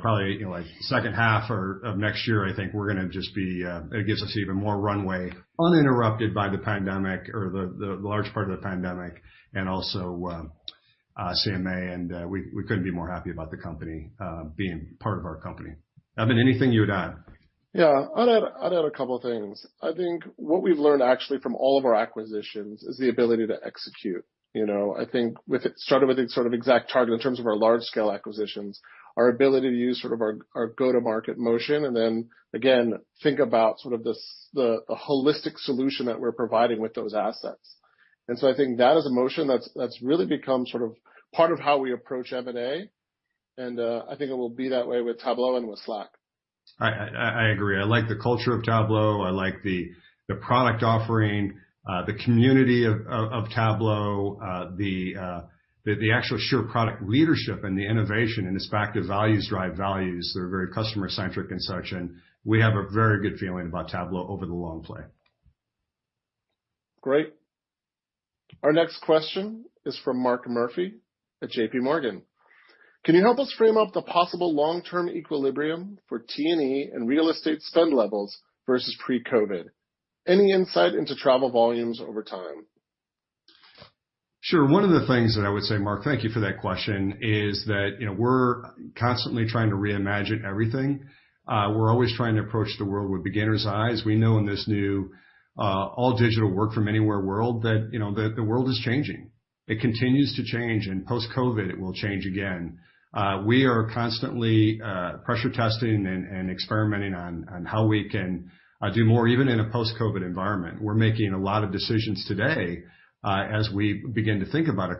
probably second half of next year. It gives us even more runway uninterrupted by the pandemic or the large part of the pandemic and also CMA. We couldn't be more happy about the company being part of our company. Evan, anything you would add? Yeah. I'd add a couple of things. I think what we've learned actually from all of our acquisitions is the ability to execute. I think with it started with the sort of ExactTarget in terms of our large-scale acquisitions, our ability to use sort of our go-to-market motion, and then again, think about the holistic solution that we're providing with those assets. I think that is a motion that's really become sort of part of how we approach M&A, and I think it will be that way with Tableau and with Slack. I agree. I like the culture of Tableau. I like the product offering, the community of Tableau, the actual sheer product leadership and the innovation, and this fact is values drive values that are very customer-centric and such, and we have a very good feeling about Tableau over the long play. Great. Our next question is from Mark Murphy at JPMorgan. Can you help us frame up the possible long-term equilibrium for T&E and real estate spend levels versus pre-COVID? Any insight into travel volumes over time? Sure. One of the things that I would say, Mark, thank you for that question, is that we're constantly trying to reimagine everything. We're always trying to approach the world with beginner's eyes. We know in this new all-digital work from anywhere world that the world is changing. It continues to change, and post-COVID, it will change again. We are constantly pressure testing and experimenting on how we can do more, even in a post-COVID environment. We're making a lot of decisions today as we begin to think about a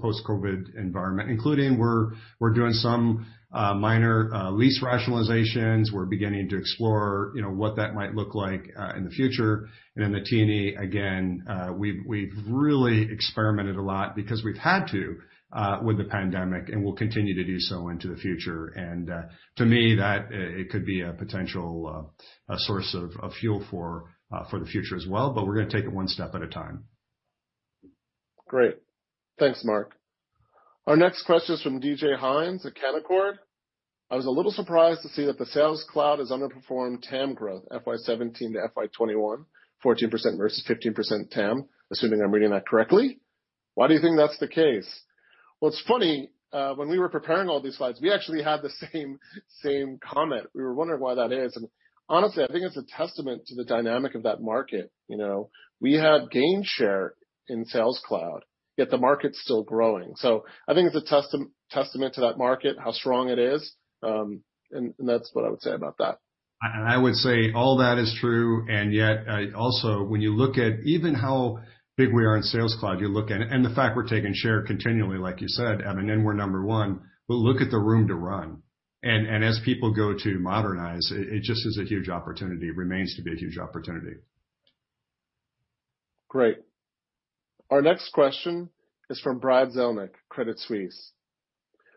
post-COVID environment, including we're doing some minor lease rationalizations. We're beginning to explore what that might look like in the future. In the T&E, again, we've really experimented a lot because we've had to with the pandemic, and we'll continue to do so into the future. To me, it could be a potential source of fuel for the future as well, but we're going to take it one step at a time. Great. Thanks, Mark. Our next question is from DJ Hynes at Canaccord. I was a little surprised to see that the Sales Cloud has underperformed TAM growth, FY 2017 to FY 2021, 14% versus 15% TAM, assuming I'm reading that correctly. Why do you think that's the case? Well, it's funny. When we were preparing all these slides, we actually had the same comment. We were wondering why that is. Honestly, I think it's a testament to the dynamic of that market. We have gained share in Sales Cloud, yet the market's still growing. I think it's a testament to that market, how strong it is, and that's what I would say about that. I would say all that is true, and yet also when you look at even how big we are in Sales Cloud, you look and the fact we're taking share continually, like you said, Evan, and we're number one, but look at the room to run. As people go to modernize, it just is a huge opportunity. It remains to be a huge opportunity. Great. Our next question is from Brad Zelnick, Credit Suisse.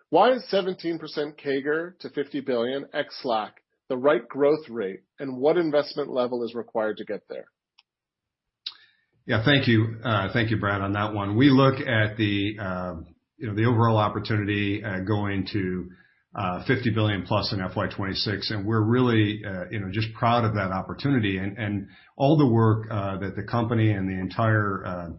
Why is 17% CAGR to $50 billion ex-Slack the right growth rate? What investment level is required to get there? Yeah. Thank you. Thank you, Brad, on that one. We look at the overall opportunity going to $50 billion+ in FY 2026, and we're really just proud of that opportunity, and all the work that the company and the entire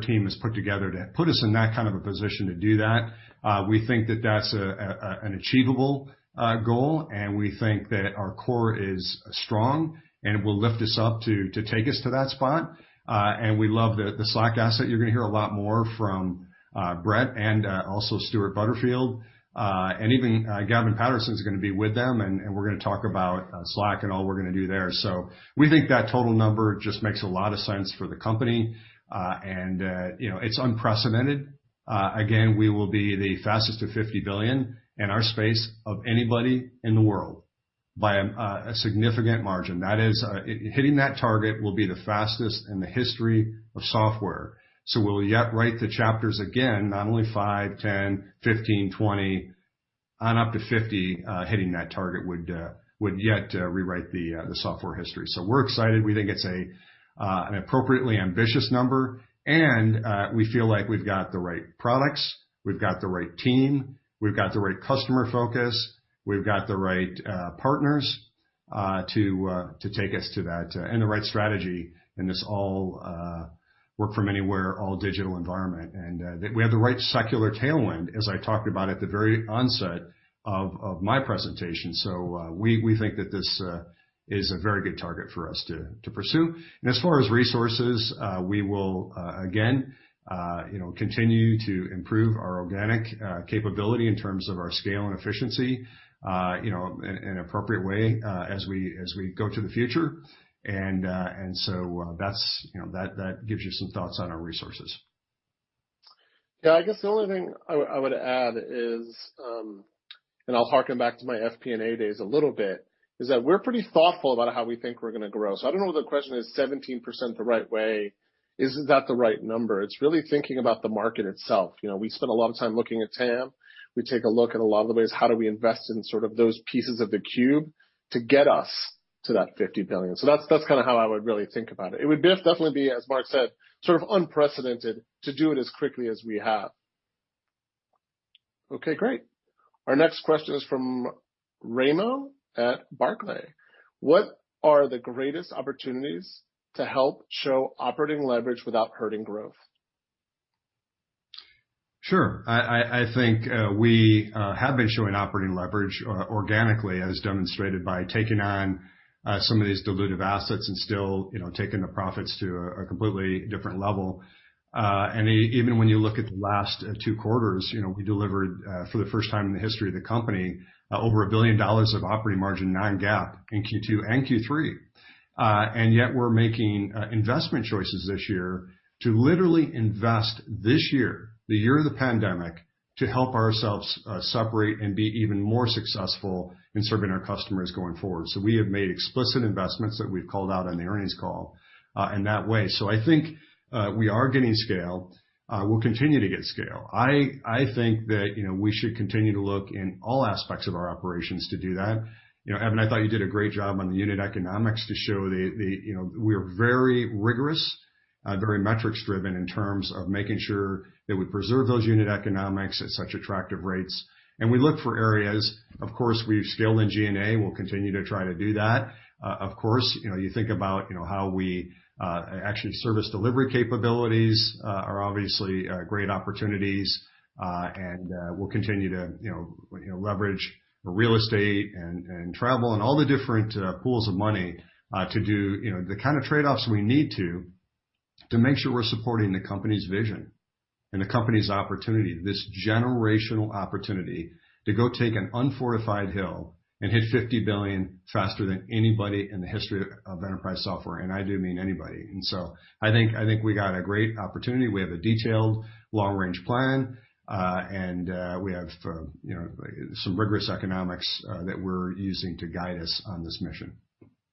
team has put together to put us in that kind of a position to do that. We think that that's an achievable goal, and we think that our core is strong, and it will lift us up to take us to that spot. We love the Slack asset. You're going to hear a lot more from Bret and also Stewart Butterfield. Even Gavin Patterson is going to be with them, and we're going to talk about Slack and all we're going to do there. We think that total number just makes a lot of sense for the company. It's unprecedented. We will be the fastest to $50 billion in our space of anybody in the world by a significant margin. Hitting that target will be the fastest in the history of software. We'll yet write the chapters again, not only five, 10, 15, 20, on up to 50. Hitting that target would yet rewrite the software history. We're excited. We think it's an appropriately ambitious number, and we feel like we've got the right products, we've got the right team, we've got the right customer focus, we've got the right partners to take us to that, and the right strategy in this all work from anywhere, all digital environment. That we have the right secular tailwind, as I talked about at the very onset of my presentation. We think that this is a very good target for us to pursue. As far as resources, we will, again continue to improve our organic capability in terms of our scale and efficiency in an appropriate way as we go to the future. That gives you some thoughts on our resources. I guess the only thing I would add is, I'll harken back to my FP&A days a little bit, is that we're pretty thoughtful about how we think we're going to grow. I don't know if the question is 17% the right way. Isn't that the right number? It's really thinking about the market itself. We spent a lot of time looking at TAM. We take a look at a lot of the ways, how do we invest in sort of those pieces of the cube to get us to that $50 billion. That's how I would really think about it. It would definitely be, as Mark said, sort of unprecedented to do it as quickly as we have. Great. Our next question is from Raimo at Barclays. What are the greatest opportunities to help show operating leverage without hurting growth? Sure. I think we have been showing operating leverage organically, as demonstrated by taking on some of these dilutive assets and still taking the profits to a completely different level. Even when you look at the last two quarters, we delivered, for the first time in the history of the company, over $1 billion of operating margin, non-GAAP in Q2 and Q3. Yet we're making investment choices this year to literally invest this year, the year of the pandemic, to help ourselves separate and be even more successful in serving our customers going forward. We have made explicit investments that we've called out on the earnings call in that way. I think we are getting scale. We'll continue to get scale. I think that we should continue to look in all aspects of our operations to do that. Evan, I thought you did a great job on the unit economics to show that we are very rigorous, very metrics-driven in terms of making sure that we preserve those unit economics at such attractive rates. We look for areas. Of course, we've scaled in G&A. We'll continue to try to do that. Of course, you think about how we actually service delivery capabilities are obviously great opportunities. We'll continue to leverage real estate and travel and all the different pools of money to do the kind of trade-offs we need to make sure we're supporting the company's vision and the company's opportunity. This generational opportunity to go take an unfortified hill and hit $50 billion faster than anybody in the history of enterprise software, and I do mean anybody. I think we got a great opportunity. We have a detailed long-range plan, and we have some rigorous economics that we're using to guide us on this mission.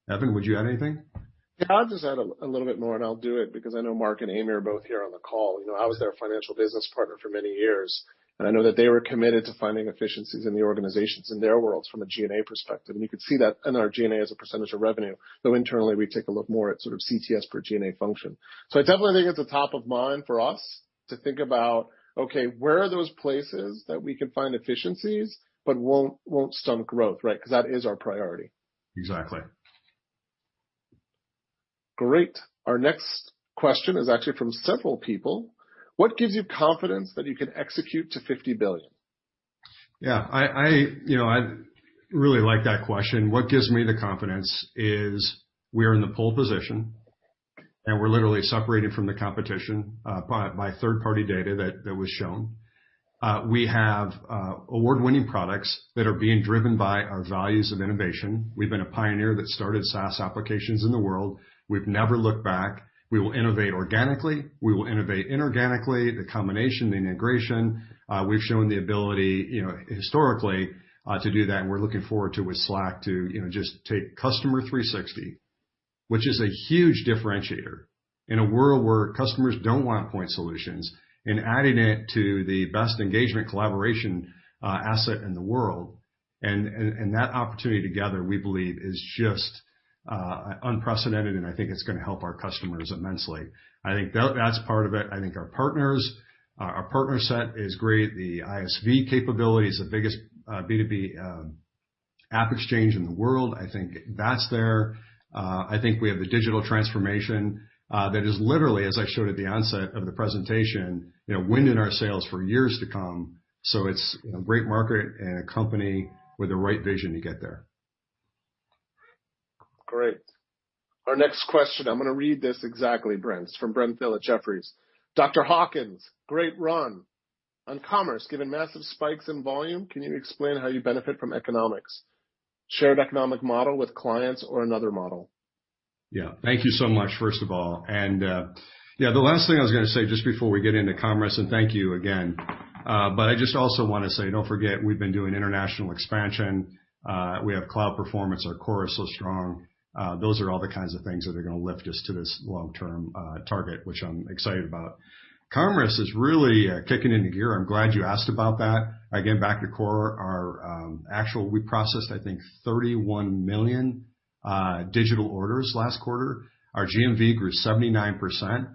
Evan, would you add anything? Yeah, I will just add a little bit more. I will do it because I know Marc and Amy are both here on the call. I was their financial business partner for many years. I know that they were committed to finding efficiencies in the organizations in their worlds from a G&A perspective. You could see that in our G&A as a % of revenue, though internally, we take a look more at sort of CTS per G&A function. I definitely think it is a top of mind for us to think about, okay, where are those places that we can find efficiencies but won't stunt growth, right? Because that is our priority. Exactly. Great. Our next question is actually from several people. What gives you confidence that you can execute to $50 billion? Yeah. I really like that question. What gives me the confidence is we're in the pole position. We're literally separated from the competition by third-party data that was shown. We have award-winning products that are being driven by our values of innovation. We've been a pioneer that started SaaS applications in the world. We've never looked back. We will innovate organically, we will innovate inorganically, the combination, the integration. We've shown the ability historically to do that, and we're looking forward to with Slack to just take Customer 360, which is a huge differentiator in a world where customers don't want point solutions, and adding it to the best engagement collaboration asset in the world. That opportunity together, we believe is just unprecedented, and I think it's going to help our customers immensely. I think that's part of it. I think our partners set is great. The ISV capability is the biggest B2B AppExchange in the world. I think that's there. I think we have the digital transformation, that is literally, as I showed at the onset of the presentation, wind in our sails for years to come. It's a great market and a company with the right vision to get there. Great. Our next question, I am going to read this exactly, Brent. It is from Brent Thill at Jefferies. Dr. Hawkins, great run. On commerce, given massive spikes in volume, can you explain how you benefit from economics? Shared economic model with clients or another model? Yeah. Thank you so much, first of all. Yeah, the last thing I was going to say just before we get into Commerce, and thank you again. I just also want to say, don't forget, we've been doing international expansion. We have cloud performance. Our core is so strong. Those are all the kinds of things that are going to lift us to this long-term target, which I'm excited about. Commerce is really kicking into gear. I'm glad you asked about that. Again, back to core, our actual, we processed, I think, 31 million digital orders last quarter. Our GMV grew 79%.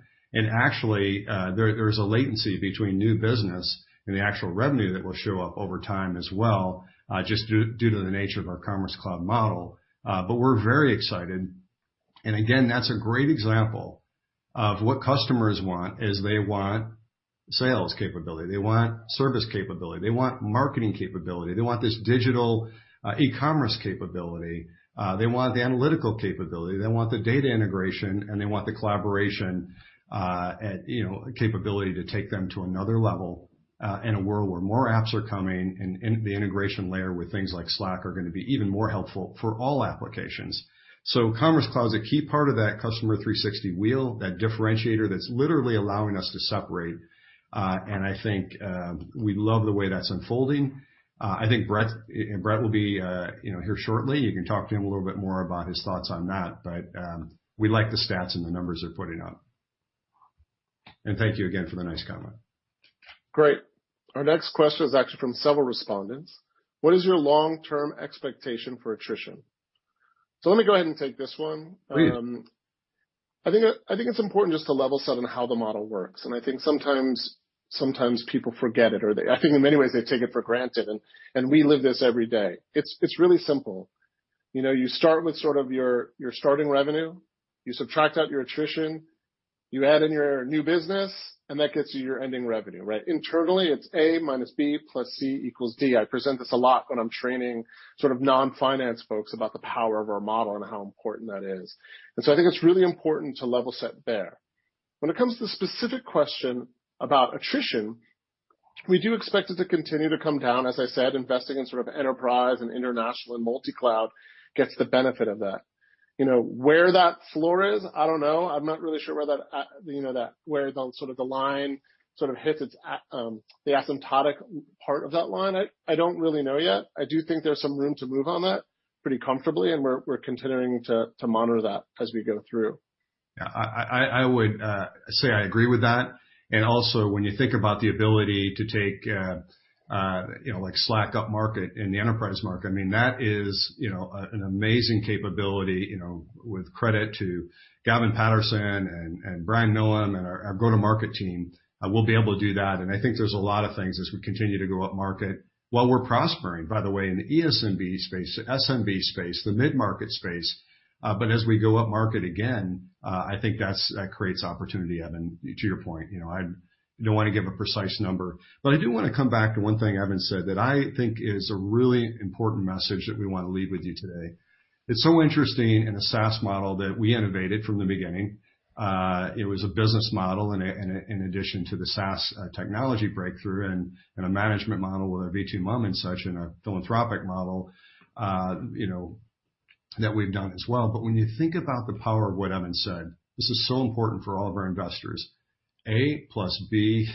Actually, there is a latency between new business and the actual revenue that will show up over time as well, just due to the nature of our Commerce Cloud model. We're very excited. Again, that's a great example of what customers want, is they want sales capability, they want service capability, they want marketing capability, they want this digital e-commerce capability, they want the analytical capability, they want the data integration, and they want the collaboration capability to take them to another level, in a world where more apps are coming and the integration layer with things like Slack are going to be even more helpful for all applications. Commerce Cloud is a key part of that Customer 360 wheel, that differentiator that's literally allowing us to separate. I think we love the way that's unfolding. I think Bret will be here shortly. You can talk to him a little bit more about his thoughts on that. We like the stats and the numbers they're putting up. Thank you again for the nice comment. Great. Our next question is actually from several respondents. What is your long-term expectation for attrition? Let me go ahead and take this one. Please. I think it's important just to level set on how the model works, and I think sometimes people forget it or I think in many ways they take it for granted, and we live this every day. It's really simple. You start with sort of your starting revenue, you subtract out your attrition, you add in your new business, and that gets you your ending revenue, right? Internally, it's A minus B plus C equals D. I present this a lot when I'm training sort of non-finance folks about the power of our model and how important that is. I think it's really important to level set there. When it comes to the specific question about attrition, we do expect it to continue to come down. As I said, investing in sort of enterprise and international and multi-cloud gets the benefit of that. Where that floor is, I don't know. I'm not really sure where the line sort of hits, the asymptotic part of that line. I don't really know yet. I do think there's some room to move on that pretty comfortably, and we're continuing to monitor that as we go through. Yeah. I would say I agree with that. When you think about the ability to take Slack up market in the enterprise market, I mean, that is an amazing capability, with credit to Gavin Patterson and Brian Millham and our go-to-market team, we'll be able to do that. I think there's a lot of things as we continue to go up market, while we're prospering, by the way, in the ESMB space, the SMB space, the mid-market space. As we go up market again, I think that creates opportunity, Evan, to your point. I don't want to give a precise number, but I do want to come back to one thing Evan said that I think is a really important message that we want to leave with you today. It's so interesting in a SaaS model that we innovated from the beginning. It was a business model in addition to the SaaS technology breakthrough and a management model with our V2MOM and such, and our philanthropic model that we've done as well. When you think about the power of what Evan said, this is so important for all of our investors. A plus B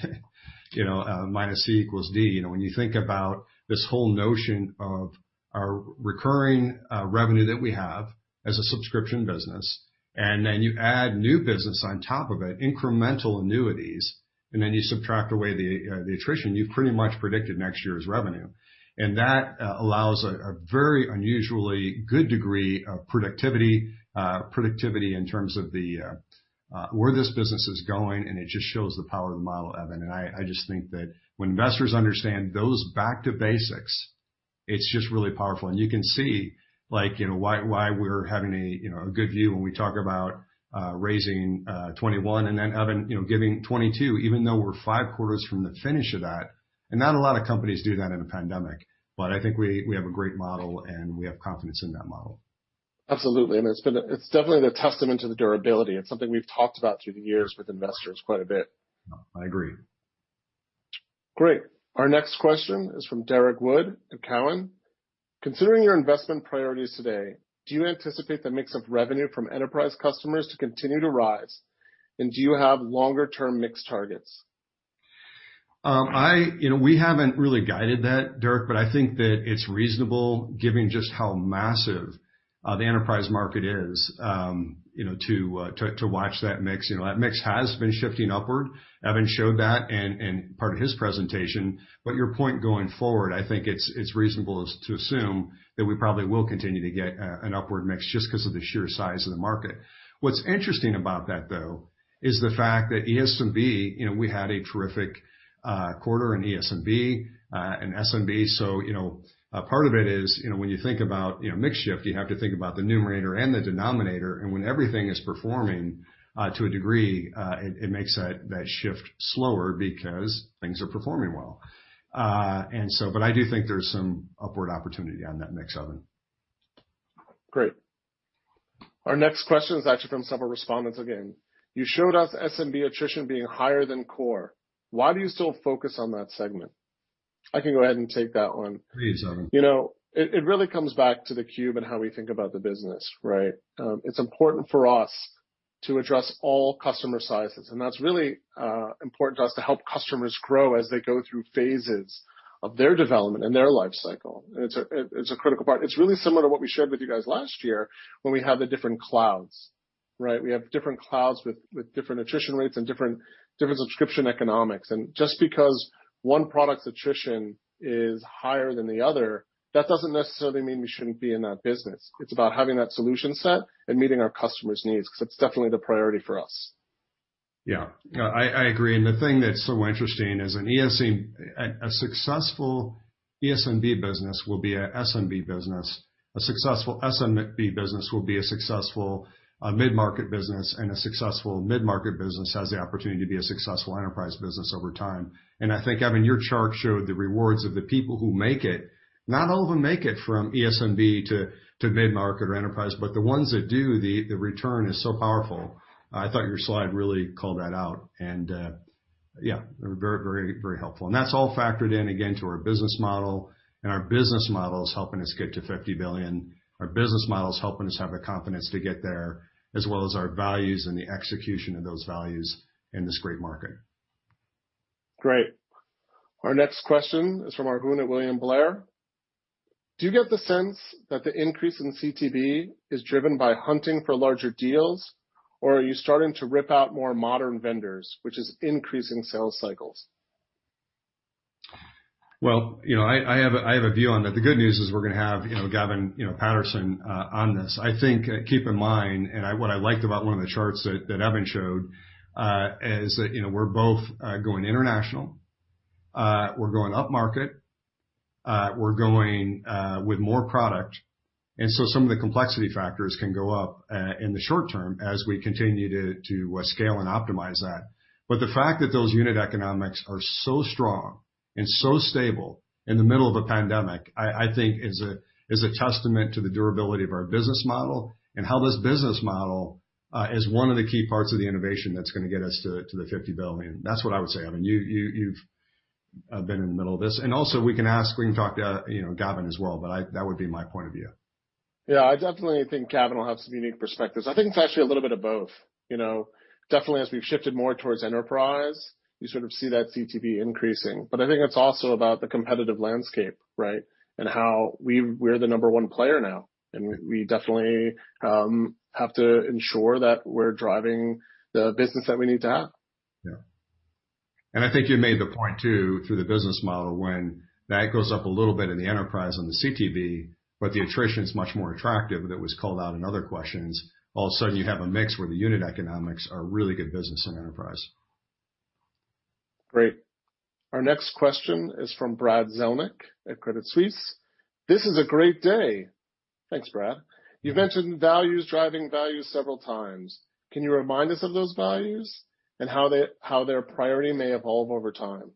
minus C equals D. When you think about this whole notion of our recurring revenue that we have as a subscription business, and then you add new business on top of it, incremental annuities, and then you subtract away the attrition, you've pretty much predicted next year's revenue. That allows a very unusually good degree of productivity, in terms of where this business is going, and it just shows the power of the model, Evan. I just think that when investors understand those back to basics, it's just really powerful. You can see why we're having a good view when we talk about raising 21, and then Evan giving 22, even though we're five quarters from the finish of that. Not a lot of companies do that in a pandemic, but I think we have a great model, and we have confidence in that model. Absolutely. It's definitely the testament to the durability. It's something we've talked about through the years with investors quite a bit. I agree. Great. Our next question is from Derrick Wood at Cowen. Considering your investment priorities today, do you anticipate the mix of revenue from enterprise customers to continue to rise? Do you have longer-term mix targets? We haven't really guided that, Derrick, I think that it's reasonable given just how massive the enterprise market is to watch that mix. That mix has been shifting upward. Evan showed that in part of his presentation. Your point going forward, I think it's reasonable to assume that we probably will continue to get an upward mix just because of the sheer size of the market. What's interesting about that, though, is the fact that ESMB, we had a terrific quarter in ESMB, in SMB. Part of it is, when you think about mix shift, you have to think about the numerator and the denominator. When everything is performing to a degree it makes that shift slower because things are performing well. I do think there's some upward opportunity on that mix, Evan. Great. Our next question is actually from several respondents again. You showed us SMB attrition being higher than core. Why do you still focus on that segment? I can go ahead and take that one. Please, Evan. It really comes back to the cube and how we think about the business, right. It's important for us to address all customer sizes, and that's really important to us to help customers grow as they go through phases of their development and their life cycle. It's a critical part. It's really similar to what we shared with you guys last year when we had the different clouds, right. We have different clouds with different attrition rates and different subscription economics. Just because one product's attrition is higher than the other, that doesn't necessarily mean we shouldn't be in that business. It's about having that solution set and meeting our customers' needs because that's definitely the priority for us. Yeah. I agree. The thing that's so interesting is a successful ESMB business will be a SMB business. A successful SMB business will be a successful mid-market business, and a successful mid-market business has the opportunity to be a successful enterprise business over time. I think, Evan, your chart showed the rewards of the people who make it. Not all of them make it from ESMB to mid-market or enterprise, but the ones that do, the return is so powerful. I thought your slide really called that out. Yeah, very helpful. That's all factored in, again, to our business model. Our business model is helping us get to $50 billion. Our business model is helping us have the confidence to get there, as well as our values and the execution of those values in this great market. Great. Our next question is from Arjun at William Blair. Do you get the sense that the increase in CTB is driven by hunting for larger deals, or are you starting to rip out more modern vendors, which is increasing sales cycles? Well, I have a view on that. The good news is we're going to have Gavin Patterson on this. I think keep in mind, and what I liked about one of the charts that Evan showed is we're both going international, we're going upmarket, we're going with more product. Some of the complexity factors can go up in the short term as we continue to scale and optimize that. The fact that those unit economics are so strong and so stable in the middle of a pandemic, I think is a testament to the durability of our business model and how this business model is one of the key parts of the innovation that's going to get us to the $50 billion. That's what I would say. Evan, you've been in the middle of this. Also we can talk to Gavin as well. That would be my point of view. Yeah. I definitely think Gavin will have some unique perspectives. I think it's actually a little bit of both. Definitely as we've shifted more towards enterprise, you sort of see that CTB increasing. I think it's also about the competitive landscape, right? How we're the number one player now, and we definitely have to ensure that we're driving the business that we need to have. Yeah. I think you made the point, too, through the business model when that goes up a little bit in the enterprise on the CTB, but the attrition is much more attractive, that was called out in other questions. All of a sudden you have a mix where the unit economics are really good business and enterprise. Great. Our next question is from Brad Zelnick at Credit Suisse. This is a great day. Thanks, Brad. You've mentioned values driving values several times. Can you remind us of those values and how their priority may evolve over time?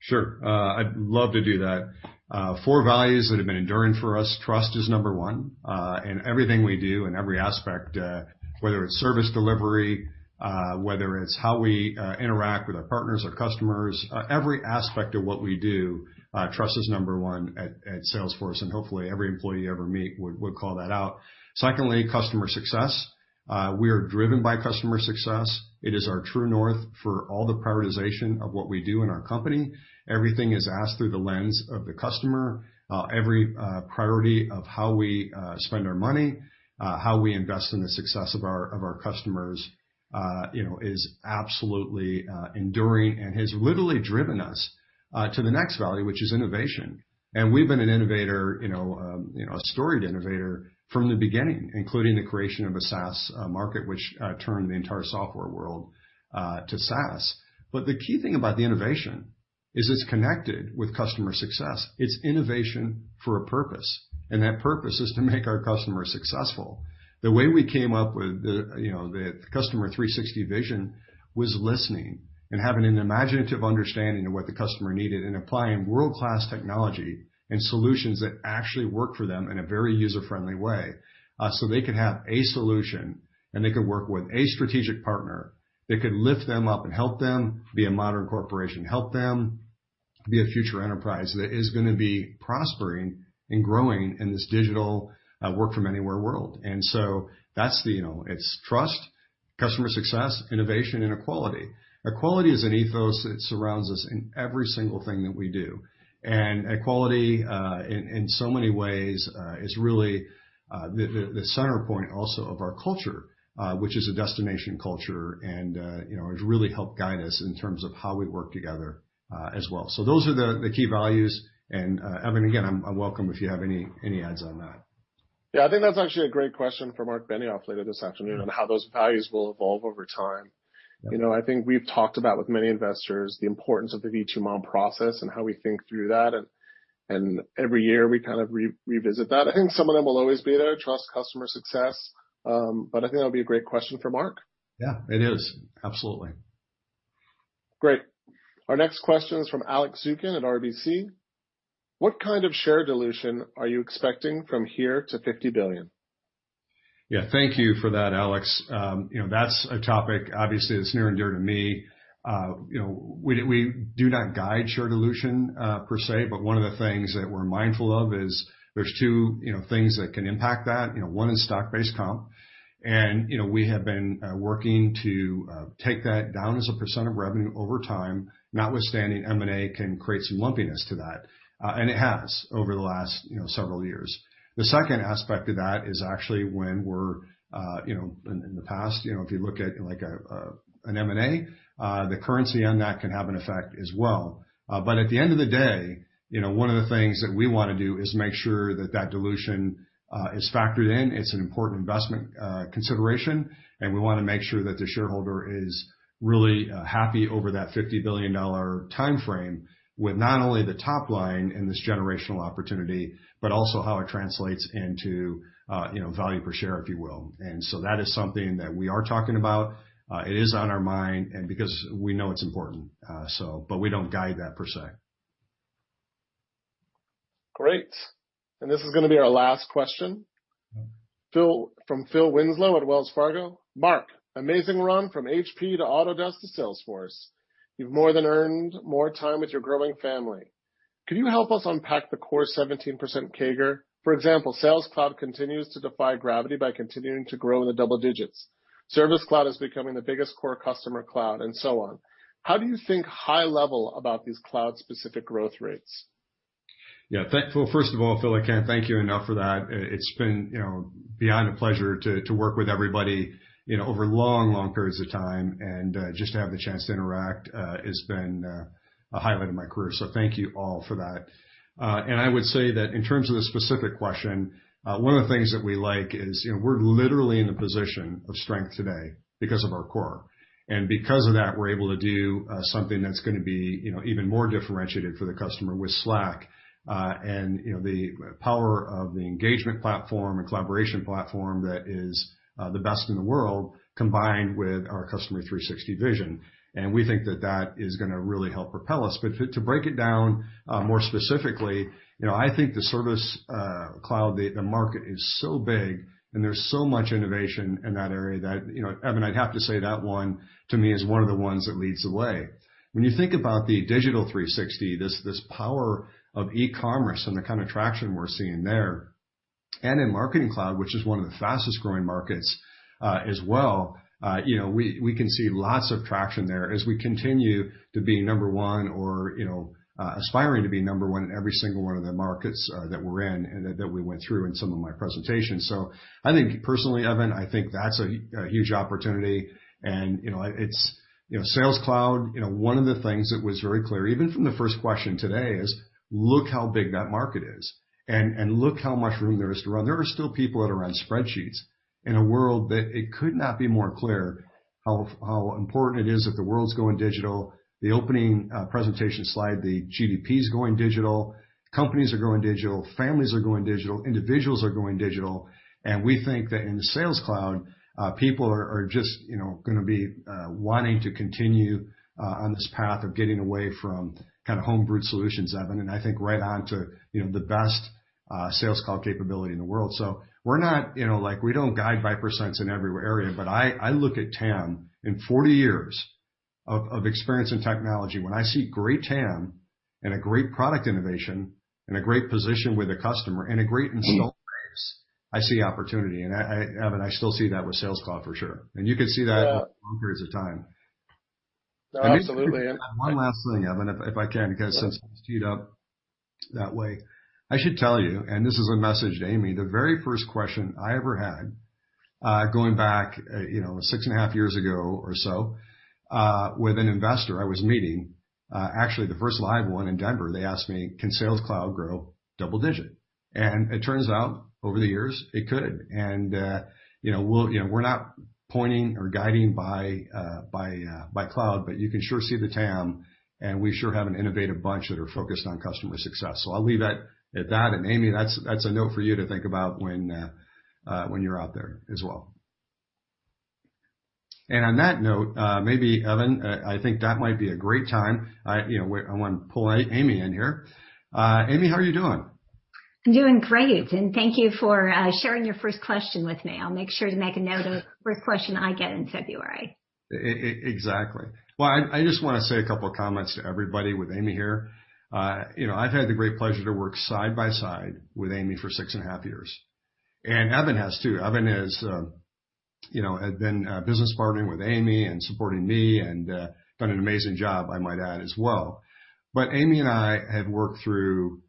Sure. I'd love to do that. Four values that have been enduring for us. Trust is number one. In everything we do, in every aspect, whether it's service delivery, whether it's how we interact with our partners, our customers, every aspect of what we do, trust is number one at Salesforce, and hopefully every employee you ever meet would call that out. Secondly, customer success. We are driven by customer success. It is our true north for all the prioritization of what we do in our company. Everything is asked through the lens of the customer. Every priority of how we spend our money, how we invest in the success of our customers is absolutely enduring and has literally driven us to the next value, which is innovation. We've been an innovator, a storied innovator from the beginning, including the creation of a SaaS market, which turned the entire software world to SaaS. The key thing about the innovation is it's connected with customer success. It's innovation for a purpose, and that purpose is to make our customers successful. The way we came up with the Customer 360 vision was listening and having an imaginative understanding of what the customer needed, and applying world-class technology and solutions that actually work for them in a very user-friendly way. They could have a solution, and they could work with a strategic partner that could lift them up and help them be a modern corporation, help them be a future enterprise that is going to be prospering and growing in this digital work from anywhere world. It's trust, customer success, innovation, and equality. Equality is an ethos that surrounds us in every single thing that we do. Equality, in so many ways, is really the center point also of our culture, which is a destination culture and has really helped guide us in terms of how we work together as well. Those are the key values. Evan, again, I welcome if you have any ads on that. Yeah. I think that's actually a great question for Marc Benioff later this afternoon on how those values will evolve over time. Yeah. I think we've talked about with many investors the importance of the V2MOM process and how we think through that, and every year we kind of revisit that. I think some of them will always be there, trust, customer success. I think that'll be a great question for Marc. Yeah, it is. Absolutely. Great. Our next question is from Alex Zukin at RBC. What kind of share dilution are you expecting from here to $50 billion? Thank you for that, Alex. That's a topic, obviously, that's near and dear to me. We do not guide share dilution per se, one of the things that we're mindful of is there's two things that can impact that. One is stock-based comp, we have been working to take that down as a percent of revenue over time, notwithstanding M&A can create some lumpiness to that. It has over the last several years. The second aspect of that is actually when we're, in the past, if you look at an M&A, the currency on that can have an effect as well. At the end of the day, one of the things that we want to do is make sure that that dilution is factored in. It's an important investment consideration, and we want to make sure that the shareholder is really happy over that $50 billion timeframe with not only the top line in this generational opportunity, but also how it translates into value per share, if you will. That is something that we are talking about. It is on our mind, because we know it's important. We don't guide that per se. Great. This is going to be our last question. Yeah. From Philip Winslow at Wells Fargo. Marc, amazing run from HP to Autodesk to Salesforce. You've more than earned more time with your growing family. Could you help us unpack the core 17% CAGR? For example, Sales Cloud continues to defy gravity by continuing to grow in the double digits. Service Cloud is becoming the biggest core customer cloud, and so on. How do you think high level about these cloud-specific growth rates? First of all, Philip, I can't thank you enough for that. It's been beyond a pleasure to work with everybody over long periods of time, and just to have the chance to interact has been a highlight of my career. Thank you all for that. I would say that in terms of the specific question, one of the things that we like is we're literally in a position of strength today because of our core. Because of that, we're able to do something that's going to be even more differentiated for the customer with Slack. The power of the engagement platform and collaboration platform that is the best in the world, combined with our Customer 360 vision. We think that that is going to really help propel us. To break it down more specifically, I think the Service Cloud, the market is so big, and there's so much innovation in that area that, Evan, I'd have to say that one, to me, is one of the ones that leads the way. When you think about the Digital 360, this power of e-commerce and the kind of traction we're seeing there, and in Marketing Cloud, which is one of the fastest-growing markets as well, we can see lots of traction there as we continue to be number one or aspiring to be number one in every single one of the markets that we're in and that we went through in some of my presentations. I think personally, Evan, I think that's a huge opportunity. Sales Cloud, one of the things that was very clear, even from the first question today, is look how big that market is and look how much room there is to run. There are still people that are on spreadsheets in a world that it could not be more clear how important it is that the world's going digital. The opening presentation slide, the GDP's going digital, companies are going digital, families are going digital, individuals are going digital. We think that in the Sales Cloud, people are just going to be wanting to continue on this path of getting away from kind of home-brewed solutions, Evan, and I think right on to the best Sales Cloud capability in the world. We don't guide by percent in every area, I look at TAM, and 40 years of experience in technology, when I see great TAM and a great product innovation and a great position with a customer and a great install base, I see opportunity. Evan, I still see that with Sales Cloud, for sure. Yeah over long periods of time. No, absolutely. One last thing, Evan, if I can, because since it's teed up that way. I should tell you, and this is a message to Amy, the very first question I ever had, going back six and a half years ago or so, with an investor I was meeting, actually the first live one in Denver. They asked me, Can Sales Cloud grow double digit? It turns out, over the years, it could. We're not pointing or guiding by cloud, but you can sure see the TAM, and we sure have an innovative bunch that are focused on customer success. I'll leave at that. Amy, that's a note for you to think about when you're out there as well. On that note, maybe Evan, I think that might be a great time. I want to pull Amy in here. Amy, how are you doing? I'm doing great, and thank you for sharing your first question with me. I'll make sure to make a note of every question I get in February. Exactly. Well, I just want to say a couple of comments to everybody with Amy here. I've had the great pleasure to work side by side with Amy for six and a half years. Evan has, too. Evan has been business partnering with Amy and supporting me and done an amazing job, I might add, as well. Amy and I have worked through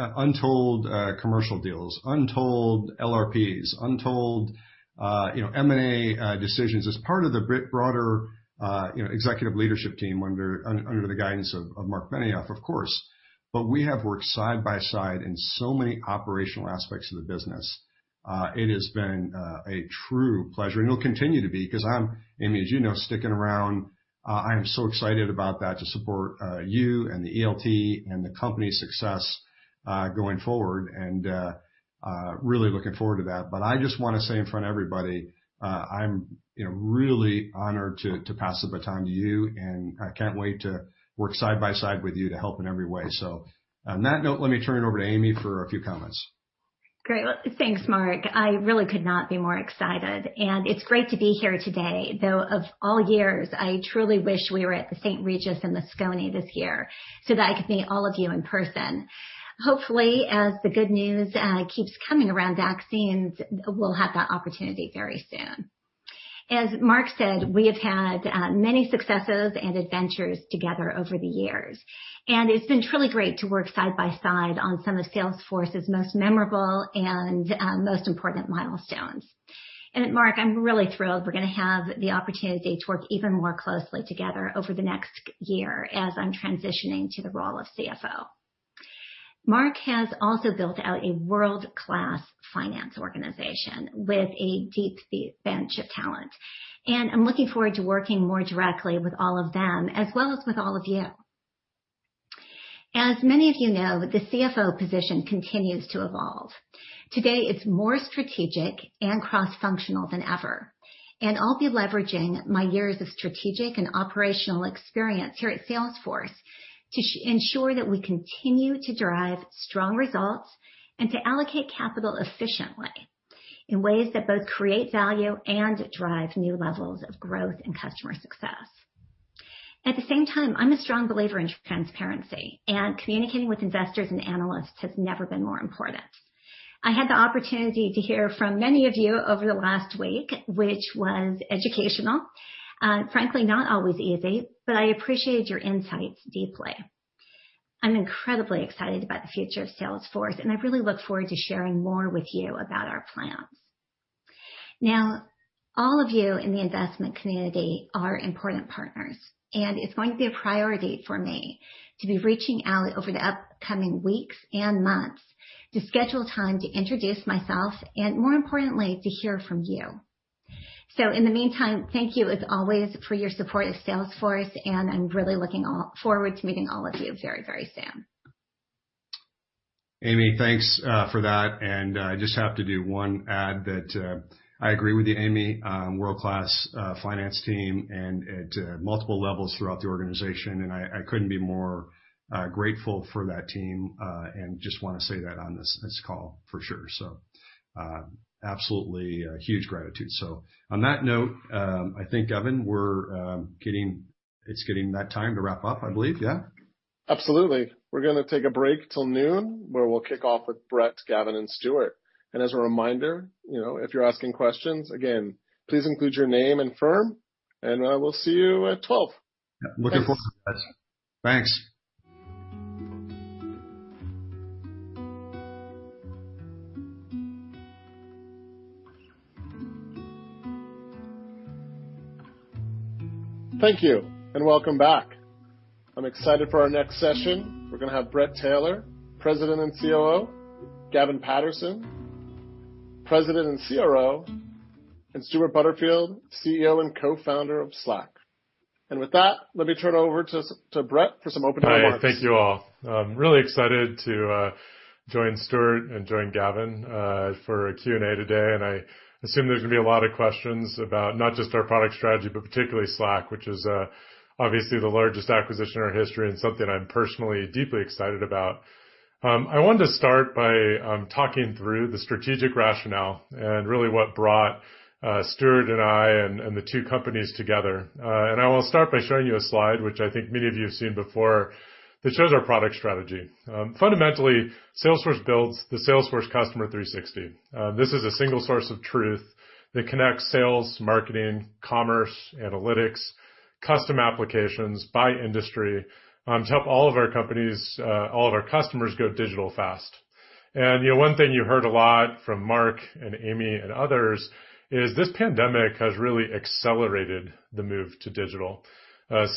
untold commercial deals, untold LRPs, untold M&A decisions as part of the broader executive leadership team under the guidance of Marc Benioff, of course. We have worked side by side in so many operational aspects of the business. It has been a true pleasure, and it'll continue to be because I'm, Amy, as you know, sticking around. I am so excited about that to support you and the ELT and the company's success going forward and really looking forward to that. I just want to say in front of everybody, I'm really honored to pass the baton to you, and I can't wait to work side by side with you to help in every way. On that note, let me turn it over to Amy for a few comments. Great. Well, thanks, Mark. I really could not be more excited. It's great to be here today, though of all years, I truly wish we were at the St. Regis in Moscone this year so that I could meet all of you in person. Hopefully, as the good news keeps coming around vaccines, we'll have that opportunity very soon. As Marc said, we have had many successes and adventures together over the years, and it's been truly great to work side by side on some of Salesforce's most memorable and most important milestones. Marc, I'm really thrilled we're going to have the opportunity to work even more closely together over the next year as I'm transitioning to the role of CFO. Mark has also built out a world-class finance organization with a deep bench of talent, and I'm looking forward to working more directly with all of them as well as with all of you. As many of you know, the CFO position continues to evolve. Today, it's more strategic and cross-functional than ever, and I'll be leveraging my years of strategic and operational experience here at Salesforce to ensure that we continue to drive strong results and to allocate capital efficiently in ways that both create value and drive new levels of growth and customer success. At the same time, I'm a strong believer in transparency, and communicating with investors and analysts has never been more important. I had the opportunity to hear from many of you over the last week, which was educational, frankly, not always easy, but I appreciate your insights deeply. I'm incredibly excited about the future of Salesforce, and I really look forward to sharing more with you about our plans. Now, all of you in the investment community are important partners, and it's going to be a priority for me to be reaching out over the upcoming weeks and months to schedule time to introduce myself and more importantly, to hear from you. In the meantime, thank you as always, for your support of Salesforce, and I'm really looking forward to meeting all of you very, very soon. Amy, thanks for that. I just have to do one add that I agree with you, Amy, world-class finance team and at multiple levels throughout the organization. I couldn't be more grateful for that team. Just want to say that on this call for sure. Absolutely a huge gratitude. On that note, I think, Evan, it's getting that time to wrap up, I believe. Yeah? Absolutely. We're going to take a break till 12:00 P.M., where we'll kick off with Bret, Gavin, and Stewart. As a reminder, if you're asking questions, again, please include your name and firm, and we'll see you at 12:00 P.M. Looking forward to that. Thanks. Thank you, and welcome back. I'm excited for our next session. We're going to have Bret Taylor, President and COO, Gavin Patterson, President and CRO, and Stewart Butterfield, CEO and Co-founder of Slack. With that, let me turn it over to Bret for some opening remarks. Hi. Thank you all. I'm really excited to join Stewart and join Gavin for a Q&A today, and I assume there's going to be a lot of questions about not just our product strategy, but particularly Slack, which is obviously the largest acquisition in our history and something I'm personally deeply excited about. I wanted to start by talking through the strategic rationale and really what brought Stewart and I, and the two companies together. I will start by showing you a slide, which I think many of you have seen before, that shows our product strategy. Fundamentally, Salesforce builds the Salesforce Customer 360. This is a single source of truth that connects sales, marketing, commerce, analytics, custom applications by industry, to help all of our companies, all of our customers go digital fast. One thing you heard a lot from Mark and Amy and others is this pandemic has really accelerated the move to digital.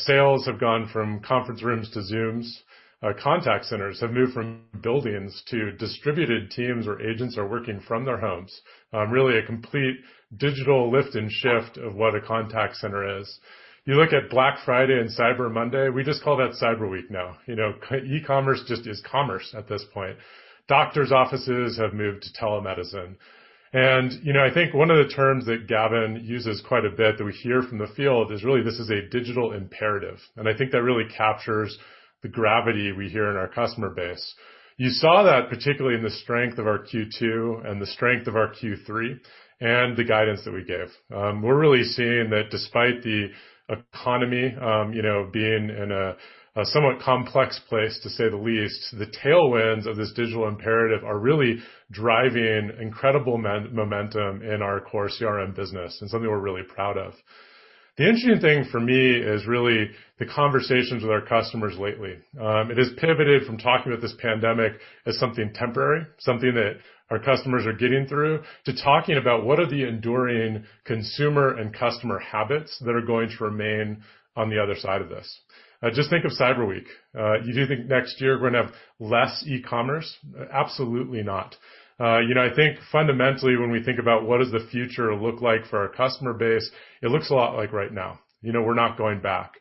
Sales have gone from conference rooms to Zoom. Contact centers have moved from buildings to distributed teams where agents are working from their homes. Really a complete digital lift and shift of what a contact center is. You look at Black Friday and Cyber Monday, we just call that Cyber Week now. E-commerce just is commerce at this point. Doctors' offices have moved to telemedicine. I think one of the terms that Gavin uses quite a bit that we hear from the field is really this is a digital imperative, I think that really captures the gravity we hear in our customer base. You saw that particularly in the strength of our Q2 and the strength of our Q3 and the guidance that we gave. We're really seeing that despite the economy being in a somewhat complex place, to say the least, the tailwinds of this digital imperative are really driving incredible momentum in our core CRM business and something we're really proud of. The interesting thing for me is really the conversations with our customers lately. It has pivoted from talking about this pandemic as something temporary, something that our customers are getting through, to talking about what are the enduring consumer and customer habits that are going to remain on the other side of this. Just think of Cyber Week. You do think next year we're going to have less e-commerce? Absolutely not. I think fundamentally when we think about what does the future look like for our customer base, it looks a lot like right now. We're not going back.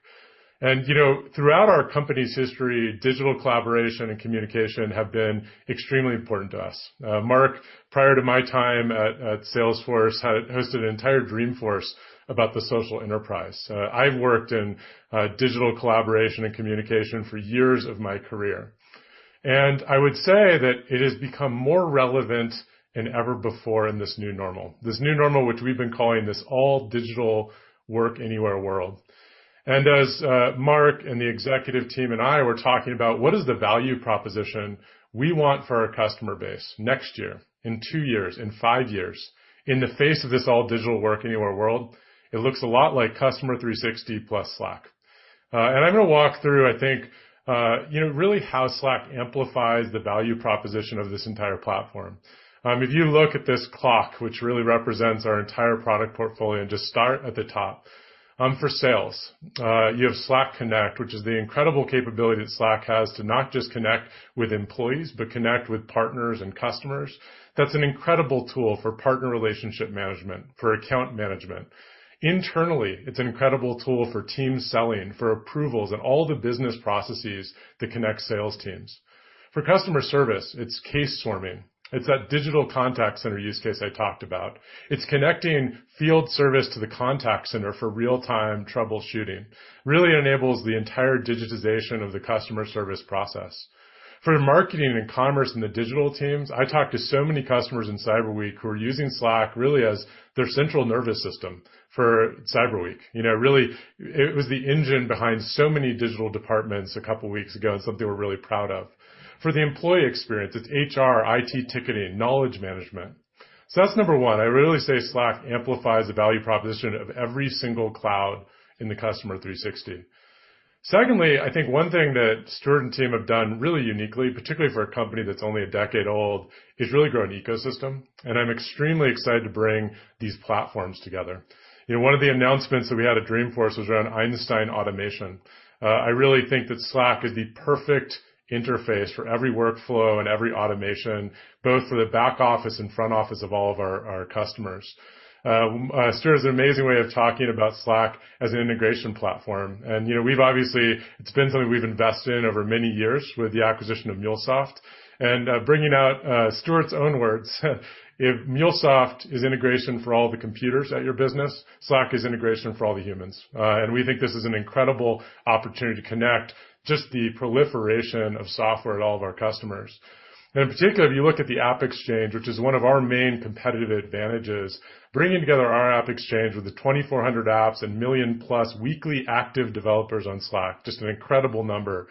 Throughout our company's history, digital collaboration and communication have been extremely important to us. Mark, prior to my time at Salesforce, hosted an entire Dreamforce about the social enterprise. I've worked in digital collaboration and communication for years of my career. I would say that it has become more relevant than ever before in this new normal, which we've been calling this all-digital work anywhere world. As Marc and the executive team and I were talking about what is the value proposition we want for our customer base next year, in two years, in five years, in the face of this all-digital work anywhere world, it looks a lot like Customer 360 plus Slack. I'm going to walk through, I think, really how Slack amplifies the value proposition of this entire platform. If you look at this clock, which really represents our entire product portfolio, and just start at the top. For sales, you have Slack Connect, which is the incredible capability that Slack has to not just connect with employees, but connect with partners and customers. That's an incredible tool for partner relationship management, for account management. Internally, it's an incredible tool for team selling, for approvals, and all the business processes that connect sales teams. For customer service, it's case swarming. It's that digital contact center use case I talked about. It's connecting Field Service to the contact center for real-time troubleshooting. Really enables the entire digitization of the customer service process. For the marketing and commerce and the digital teams, I talked to so many customers in Cyber Week who are using Slack really as their central nervous system for Cyber Week. Really, it was the engine behind so many digital departments a couple of weeks ago and something we're really proud of. For the employee experience, it's HR, IT ticketing, knowledge management. That's number one. I really say Slack amplifies the value proposition of every single cloud in the Customer 360. Secondly, I think one thing that Stewart and team have done really uniquely, particularly for a company that's only a decade old, is really grow an ecosystem, and I'm extremely excited to bring these platforms together. One of the announcements that we had at Dreamforce was around Einstein Automate. I really think that Slack is the perfect interface for every workflow and every automation, both for the back office and front office of all of our customers. Stewart has an amazing way of talking about Slack as an integration platform. Obviously, it's been something we've invested in over many years with the acquisition of MuleSoft and bringing out Stewart's own words, if MuleSoft is integration for all the computers at your business, Slack is integration for all the humans. We think this is an incredible opportunity to connect just the proliferation of software at all of our customers. In particular, if you look at the AppExchange, which is one of our main competitive advantages, bringing together our AppExchange with the 2,400 apps and million plus weekly active developers on Slack, just an incredible number.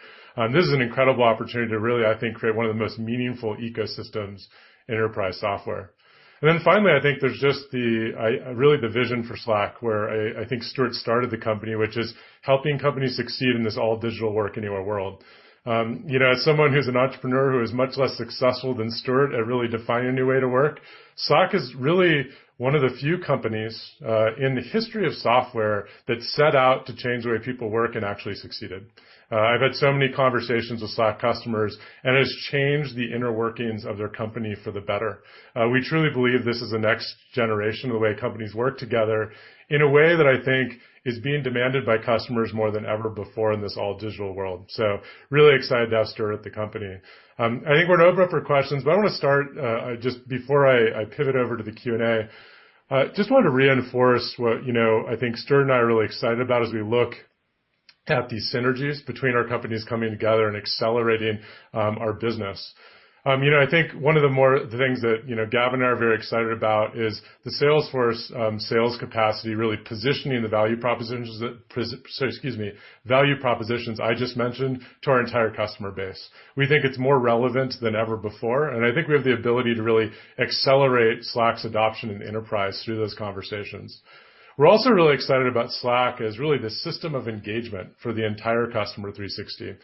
This is an incredible opportunity to really, I think, create one of the most meaningful ecosystems enterprise software. Then finally, I think there's just really the vision for Slack, where I think Stewart started the company, which is helping companies succeed in this all-digital work anywhere world. As someone who's an entrepreneur who is much less successful than Stewart at really defining a new way to work, Slack is really one of the few companies, in the history of software that set out to change the way people work and actually succeeded. I've had so many conversations with Slack customers, and it has changed the inner workings of their company for the better. We truly believe this is the next generation of the way companies work together in a way that I think is being demanded by customers more than ever before in this all-digital world. Really excited to have Stewart at the company. I think we're going to open up for questions, but I want to start, just before I pivot over to the Q&A, just wanted to reinforce what I think Stewart and I are really excited about as we look at these synergies between our companies coming together and accelerating our business. I think one of the things that Gavin and I are very excited about is the Salesforce sales capacity, really positioning the value propositions I just mentioned to our entire customer base. We think it's more relevant than ever before, and I think we have the ability to really accelerate Slack's adoption in enterprise through those conversations. We're also really excited about Slack as really the system of engagement for the entire Customer 360.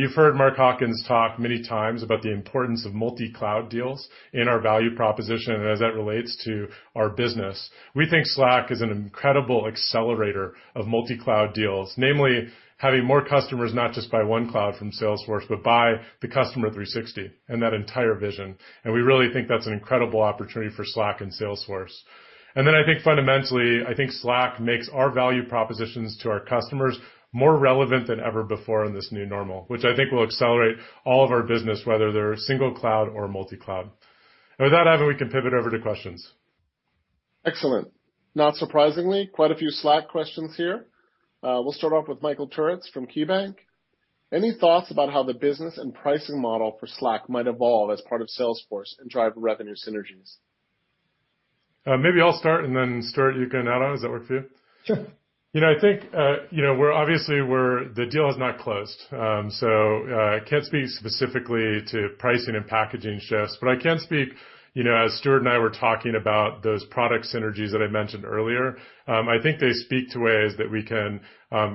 You've heard Mark Hawkins talk many times about the importance of multi-cloud deals in our value proposition and as that relates to our business. We think Slack is an incredible accelerator of multi-cloud deals, namely having more customers not just buy one cloud from Salesforce, but buy the Customer 360 and that entire vision. We really think that's an incredible opportunity for Slack and Salesforce. Then I think fundamentally, I think Slack makes our value propositions to our customers more relevant than ever before in this new normal, which I think will accelerate all of our business, whether they're single cloud or multi-cloud. With that, Evan, we can pivot over to questions. Excellent. Not surprisingly, quite a few Slack questions here. We'll start off with Michael Turits from KeyBanc. Any thoughts about how the business and pricing model for Slack might evolve as part of Salesforce and drive revenue synergies? Maybe I'll start, and then Stewart, you can add on. Does that work for you? Sure. Obviously, the deal is not closed. I can't speak specifically to pricing and packaging, but I can speak, as Stewart and I were talking about those product synergies that I mentioned earlier. I think they speak to ways that we can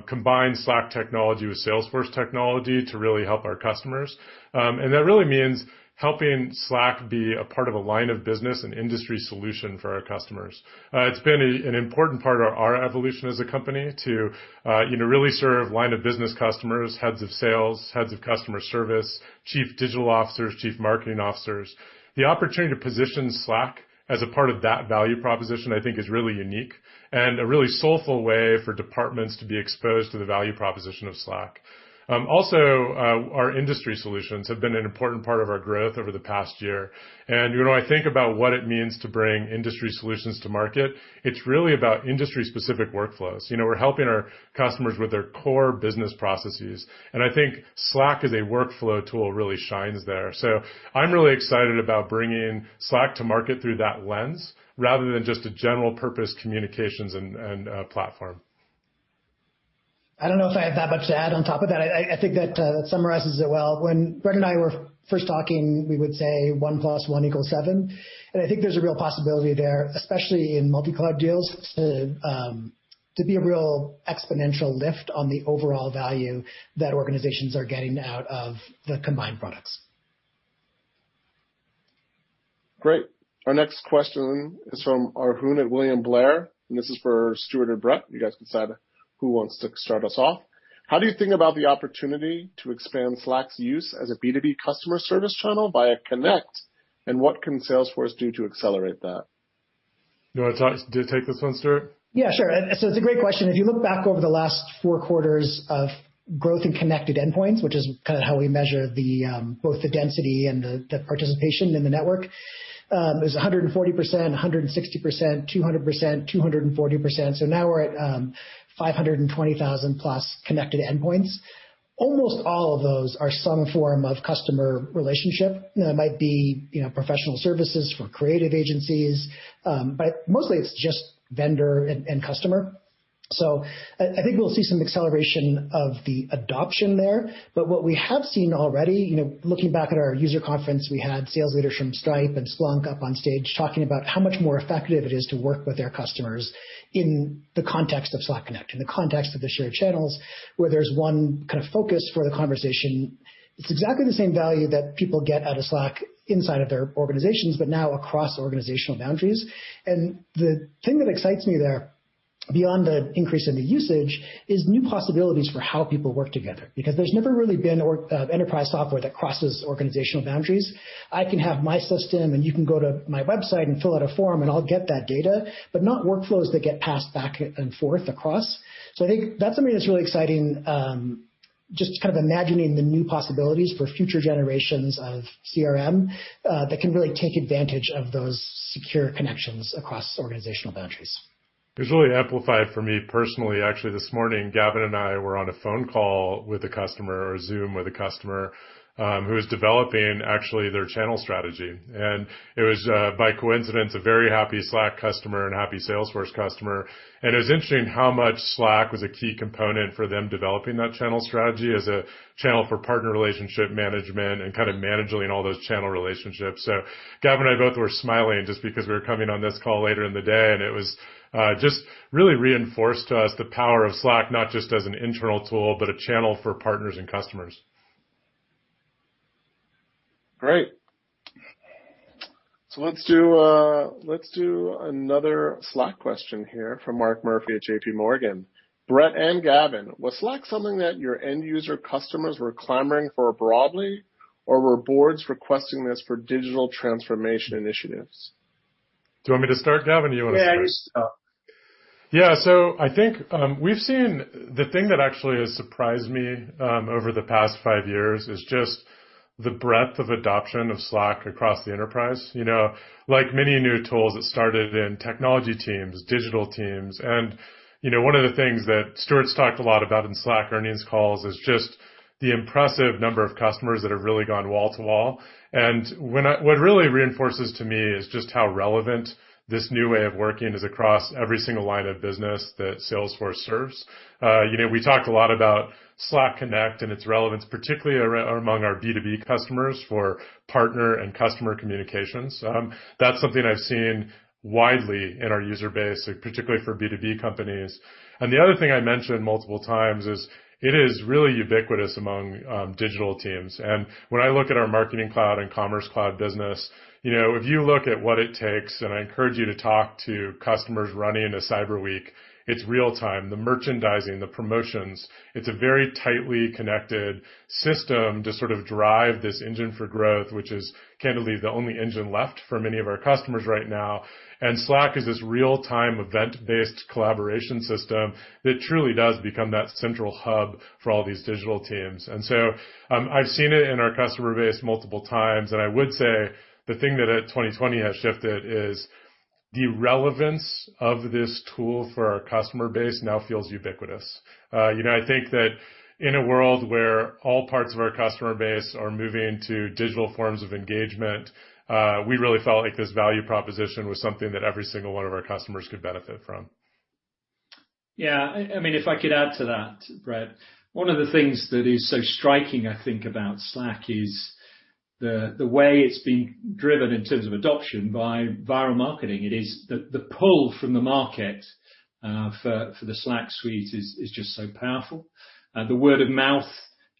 combine Slack technology with Salesforce technology to really help our customers. That really means helping Slack be a part of a line of business and industry solution for our customers. It's been an important part of our evolution as a company to really serve line-of-business customers, heads of sales, heads of customer service, chief digital officers, chief marketing officers. The opportunity to position Slack as a part of that value proposition, I think is really unique, and a really soulful way for departments to be exposed to the value proposition of Slack. Also, our industry solutions have been an important part of our growth over the past year. When I think about what it means to bring industry solutions to market, it's really about industry-specific workflows. We're helping our customers with their core business processes. I think Slack as a workflow tool really shines there. I'm really excited about bringing Slack to market through that lens rather than just a general purpose communications and platform. I don't know if I have that much to add on top of that. I think that summarizes it well. When Bret and I were first talking, we would say one plus one equals seven. I think there's a real possibility there, especially in multi-cloud deals, to be a real exponential lift on the overall value that organizations are getting out of the combined products. Great. Our next question is from Arjun at William Blair, and this is for Stewart or Bret. You guys can decide who wants to start us off. How do you think about the opportunity to expand Slack's use as a B2B customer service channel via Connect, and what can Salesforce do to accelerate that? You want to take this one, Stewart? Yeah, sure. It's a great question. If you look back over the last four quarters of growth in connected endpoints, which is kind of how we measure both the density and the participation in the network, it was 140%, 160%, 200%, 240%. Now we're at 520,000+ connected endpoints. Almost all of those are some form of customer relationship. It might be professional services for creative agencies, mostly it's just vendor and customer. I think we'll see some acceleration of the adoption there. What we have seen already, looking back at our user conference, we had sales leaders from Stripe and Splunk up on stage talking about how much more effective it is to work with their customers in the context of Slack Connect, in the context of the shared channels, where there's one kind of focus for the conversation. It's exactly the same value that people get out of Slack inside of their organizations, but now across organizational boundaries. The thing that excites me there, beyond the increase in the usage, is new possibilities for how people work together. There's never really been enterprise software that crosses organizational boundaries. I can have my system, and you can go to my website and fill out a form, and I'll get that data, but not workflows that get passed back and forth across. I think that's something that's really exciting, just kind of imagining the new possibilities for future generations of CRM that can really take advantage of those secure connections across organizational boundaries. It was really amplified for me personally. Actually, this morning, Gavin and I were on a phone call with a customer, or a Zoom with a customer, who was developing, actually, their channel strategy. It was by coincidence, a very happy Slack customer and happy Salesforce customer. It was interesting how much Slack was a key component for them developing that channel strategy as a channel for partner relationship management and kind of managing all those channel relationships. Gavin and I both were smiling just because we were coming on this call later in the day, and it just really reinforced to us the power of Slack, not just as an internal tool, but a channel for partners and customers. Great. Let's do another Slack question here from Mark Murphy at JPMorgan. Bret and Gavin, was Slack something that your end user customers were clamoring for broadly, or were boards requesting this for digital transformation initiatives? Do you want me to start, Gavin, or do you want to start? Yeah, you start. Yeah. The thing that actually has surprised me over the past five years is just the breadth of adoption of Slack across the enterprise. Like many new tools, it started in technology teams, digital teams. One of the things that Stewart's talked a lot about in Slack earnings calls is just the impressive number of customers that have really gone wall to wall. What really reinforces to me is just how relevant this new way of working is across every single line of business that Salesforce serves. We talked a lot about Slack Connect and its relevance, particularly among our B2B customers for partner and customer communications. That's something I've seen widely in our user base, particularly for B2B companies. The other thing I mentioned multiple times is, it is really ubiquitous among digital teams. When I look at our Marketing Cloud and Commerce Cloud business, if you look at what it takes, and I encourage you to talk to customers running a Cyber Week, it's real-time, the merchandising, the promotions. It's a very tightly connected system to sort of drive this engine for growth, which is candidly the only engine left for many of our customers right now. Slack is this real-time event-based collaboration system that truly does become that central hub for all these digital teams. I've seen it in our customer base multiple times, and I would say the thing that 2020 has shifted is the relevance of this tool for our customer base now feels ubiquitous. I think that in a world where all parts of our customer base are moving to digital forms of engagement, we really felt like this value proposition was something that every single one of our customers could benefit from. Yeah. If I could add to that, Bret, one of the things that is so striking, I think, about Slack is the way it's being driven in terms of adoption by viral marketing. It is the pull from the market, for the Slack suite is just so powerful. The word of mouth,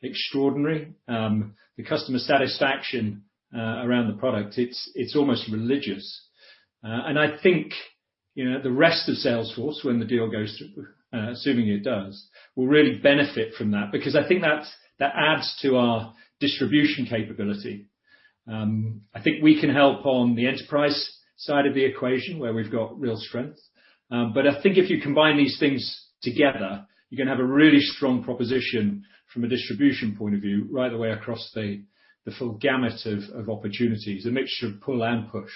extraordinary. The customer satisfaction around the product, it's almost religious. I think, the rest of Salesforce, when the deal goes through, assuming it does, will really benefit from that, because I think that adds to our distribution capability. I think we can help on the enterprise side of the equation, where we've got real strength. I think if you combine these things together, you're going to have a really strong proposition from a distribution point of view, right the way across the full gamut of opportunities, a mixture of pull and push.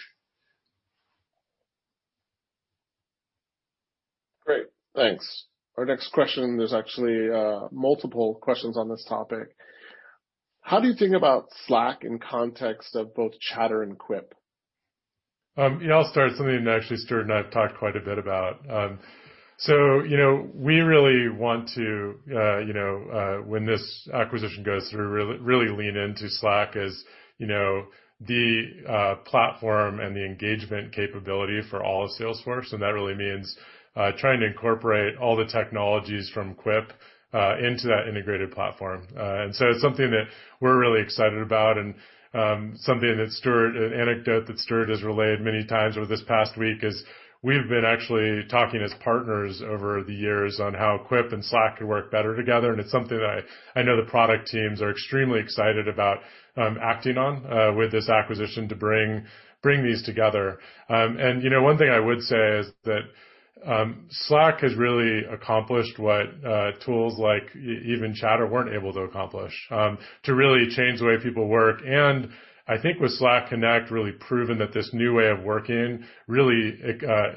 Great, thanks. Our next question, there's actually multiple questions on this topic. How do you think about Slack in context of both Chatter and Quip? I'll start, something that actually Stewart and I have talked quite a bit about. We really want to, when this acquisition goes through, really lean into Slack as the platform and the engagement capability for all of Salesforce. That really means trying to incorporate all the technologies from Quip into that integrated platform. It's something that we're really excited about and something, an anecdote that Stewart has relayed many times over this past week is we've been actually talking as partners over the years on how Quip and Slack could work better together, and it's something that I know the product teams are extremely excited about acting on with this acquisition to bring these together. One thing I would say is that Slack has really accomplished what tools like even Chatter weren't able to accomplish, to really change the way people work. I think with Slack Connect really proven that this new way of working really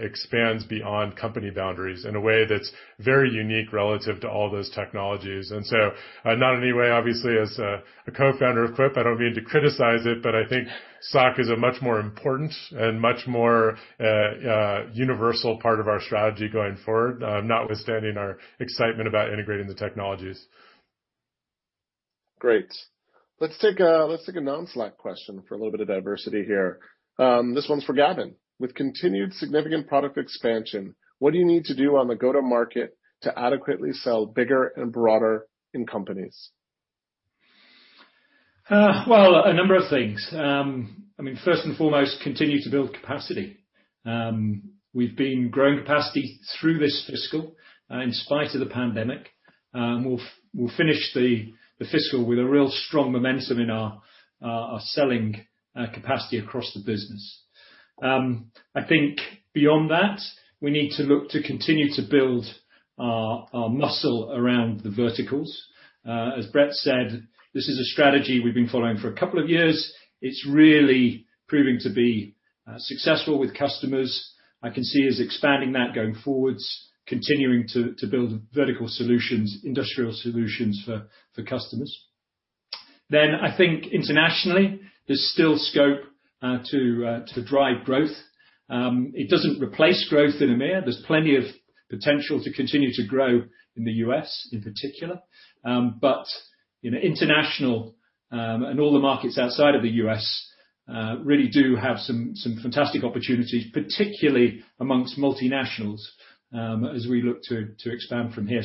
expands beyond company boundaries in a way that's very unique relative to all those technologies. Not in any way, obviously, as a co-founder of Quip, I don't mean to criticize it, but I think Slack is a much more important and much more universal part of our strategy going forward, notwithstanding our excitement about integrating the technologies. Great. Let's take a non-Slack question for a little bit of diversity here. This one's for Gavin. With continued significant product expansion, what do you need to do on the go-to-market to adequately sell bigger and broader in companies? Well, a number of things. First and foremost, continue to build capacity. We've been growing capacity through this fiscal, in spite of the pandemic. We'll finish the fiscal with a real strong momentum in our selling capacity across the business. I think beyond that, we need to look to continue to build our muscle around the verticals. As Bret said, this is a strategy we've been following for a couple of years. It's really proving to be successful with customers. I can see us expanding that going forwards, continuing to build vertical solutions, industrial solutions for customers. I think internationally, there's still scope to drive growth. It doesn't replace growth in EMEA. There's plenty of potential to continue to grow in the U.S. in particular. International, and all the markets outside of the U.S., really do have some fantastic opportunities, particularly amongst multinationals, as we look to expand from here.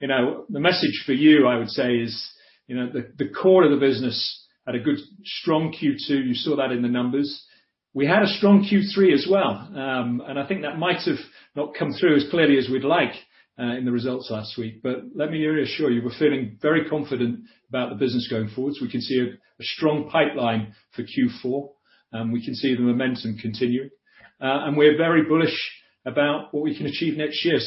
The message for you, I would say, is the core of the business had a good strong Q2. You saw that in the numbers. We had a strong Q3 as well. I think that might have not come through as clearly as we'd like in the results last week. Let me reassure you, we're feeling very confident about the business going forward, so we can see a strong pipeline for Q4. We can see the momentum continuing. We're very bullish about what we can achieve next year.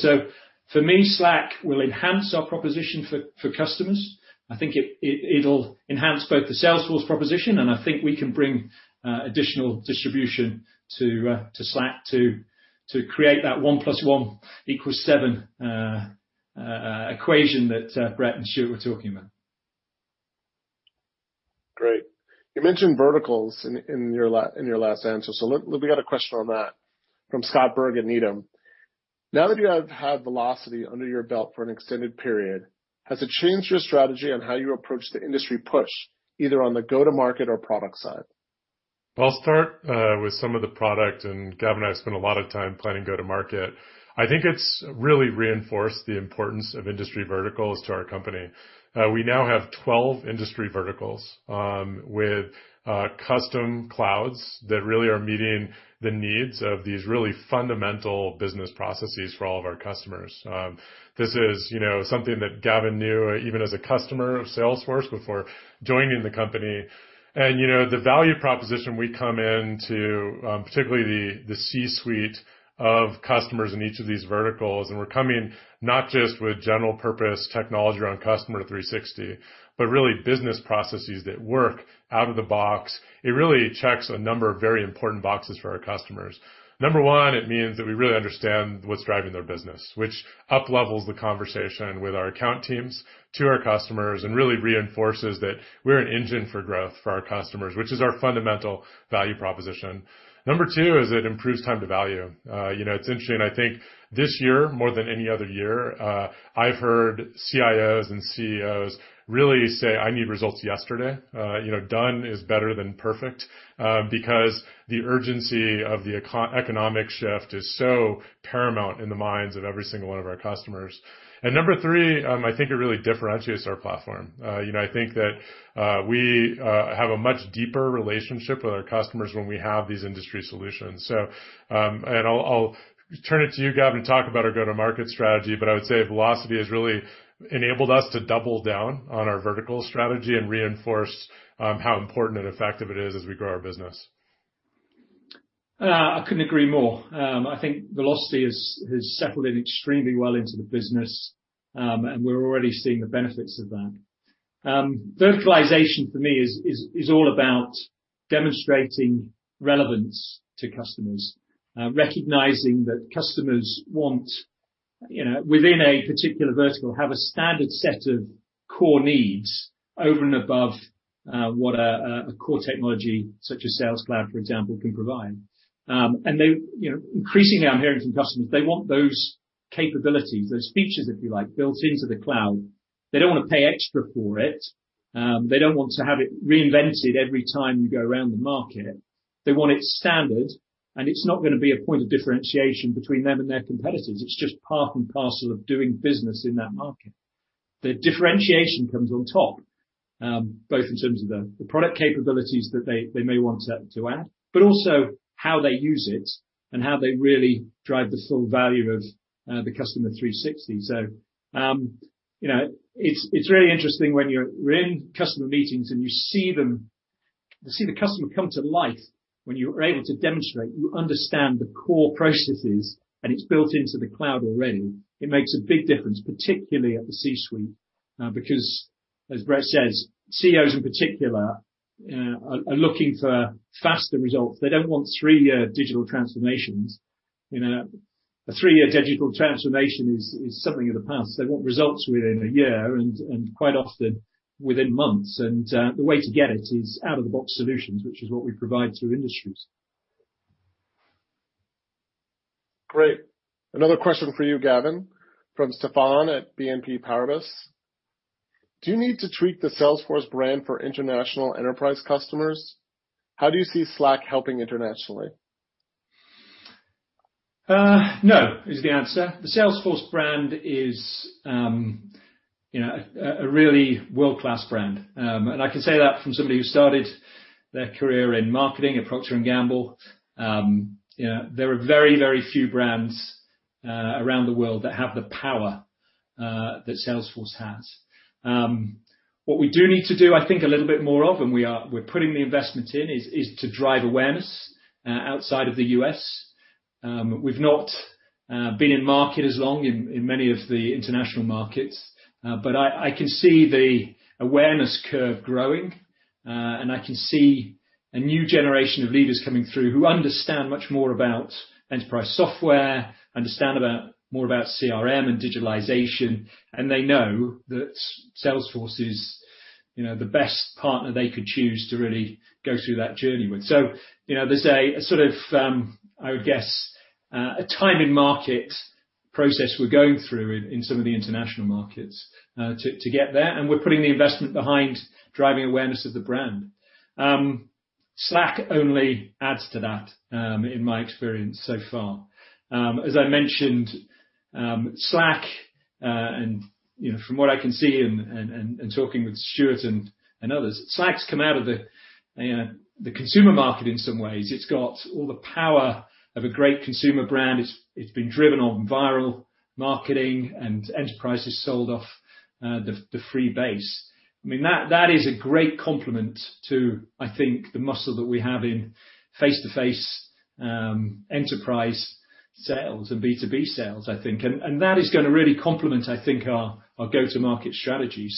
For me, Slack will enhance our proposition for customers. I think it'll enhance both the Salesforce proposition, and I think we can bring additional distribution to Slack to create that one plus one equals seven equation that Bret and Stewart were talking about. Great. You mentioned verticals in your last answer. We got a question on that from Scott Berg at Needham. Now that you have had Vlocity under your belt for an extended period, has it changed your strategy on how you approach the industry push either on the go-to-market or product side? I'll start with some of the product. Gavin and I have spent a lot of time planning go-to-market. I think it's really reinforced the importance of industry verticals to our company. We now have 12 industry verticals with custom clouds that really are meeting the needs of these really fundamental business processes for all of our customers. This is something that Gavin knew even as a customer of Salesforce before joining the company. The value proposition we come in to, particularly the C-suite of customers in each of these verticals, and we're coming not just with general purpose technology around Customer 360, but really business processes that work out of the box. It really checks a number of very important boxes for our customers. Number one, it means that we really understand what's driving their business, which up-levels the conversation with our account teams to our customers and really reinforces that we're an engine for growth for our customers, which is our fundamental value proposition. Number two is it improves time to value. It's interesting, I think this year, more than any other year, I've heard CIOs and CEOs really say, I need results yesterday. Done is better than perfect, because the urgency of the economic shift is so paramount in the minds of every single one of our customers. Number three, I think it really differentiates our platform. I think that we have a much deeper relationship with our customers when we have these industry solutions. I'll turn it to you, Gavin, to talk about our go-to-market strategy, but I would say Vlocity has really enabled us to double down on our vertical strategy and reinforce how important and effective it is as we grow our business. I couldn't agree more. I think Vlocity has settled in extremely well into the business, and we're already seeing the benefits of that. Verticalization, for me, is all about demonstrating relevance to customers, recognizing that customers want, within a particular vertical, have a standard set of core needs over and above what a core technology such as Sales Cloud, for example, can provide. They, increasingly, I'm hearing from customers, they want those capabilities, those features, if you like, built into the cloud. They don't want to pay extra for it. They don't want to have it reinvented every time you go around the market. They want it standard, and it's not going to be a point of differentiation between them and their competitors. It's just part and parcel of doing business in that market. The differentiation comes on top, both in terms of the product capabilities that they may want to add, but also how they use it and how they really drive the full value of the Customer 360. It's really interesting when you're in customer meetings and you see the customer come to life when you are able to demonstrate you understand the core processes, and it's built into the cloud already. It makes a big difference, particularly at the C-suite, because, as Bret says, CEOs in particular are looking for faster results. They don't want three-year digital transformations. A three-year digital transformation is something of the past. They want results within a year, and quite often within months. The way to get it is out-of-the-box solutions, which is what we provide through industries. Great. Another question for you, Gavin, from Stefan at BNP Paribas. Do you need to tweak the Salesforce brand for international enterprise customers? How do you see Slack helping internationally? No is the answer. The Salesforce brand is a really world-class brand. I can say that from somebody who started their career in marketing at Procter & Gamble. There are very few brands around the world that have the power that Salesforce has. What we do need to do, I think a little bit more of, and we're putting the investment in, is to drive awareness outside of the U.S. We've not been in market as long in many of the international markets. I can see the awareness curve growing, and I can see a new generation of leaders coming through who understand much more about enterprise software, understand more about CRM and digitalization, and they know that Salesforce is the best partner they could choose to really go through that journey with. There's a sort of, I would guess, a time in market process we're going through in some of the international markets to get there, and we're putting the investment behind driving awareness of the brand. Slack only adds to that, in my experience so far. As I mentioned, Slack, and from what I can see and talking with Stewart and others, Slack's come out of the consumer market in some ways. It's got all the power of a great consumer brand. It's been driven on viral marketing and enterprises sold off the free base. That is a great complement to, I think, the muscle that we have in face-to-face enterprise sales and B2B sales, I think. That is going to really complement, I think, our go-to-market strategy.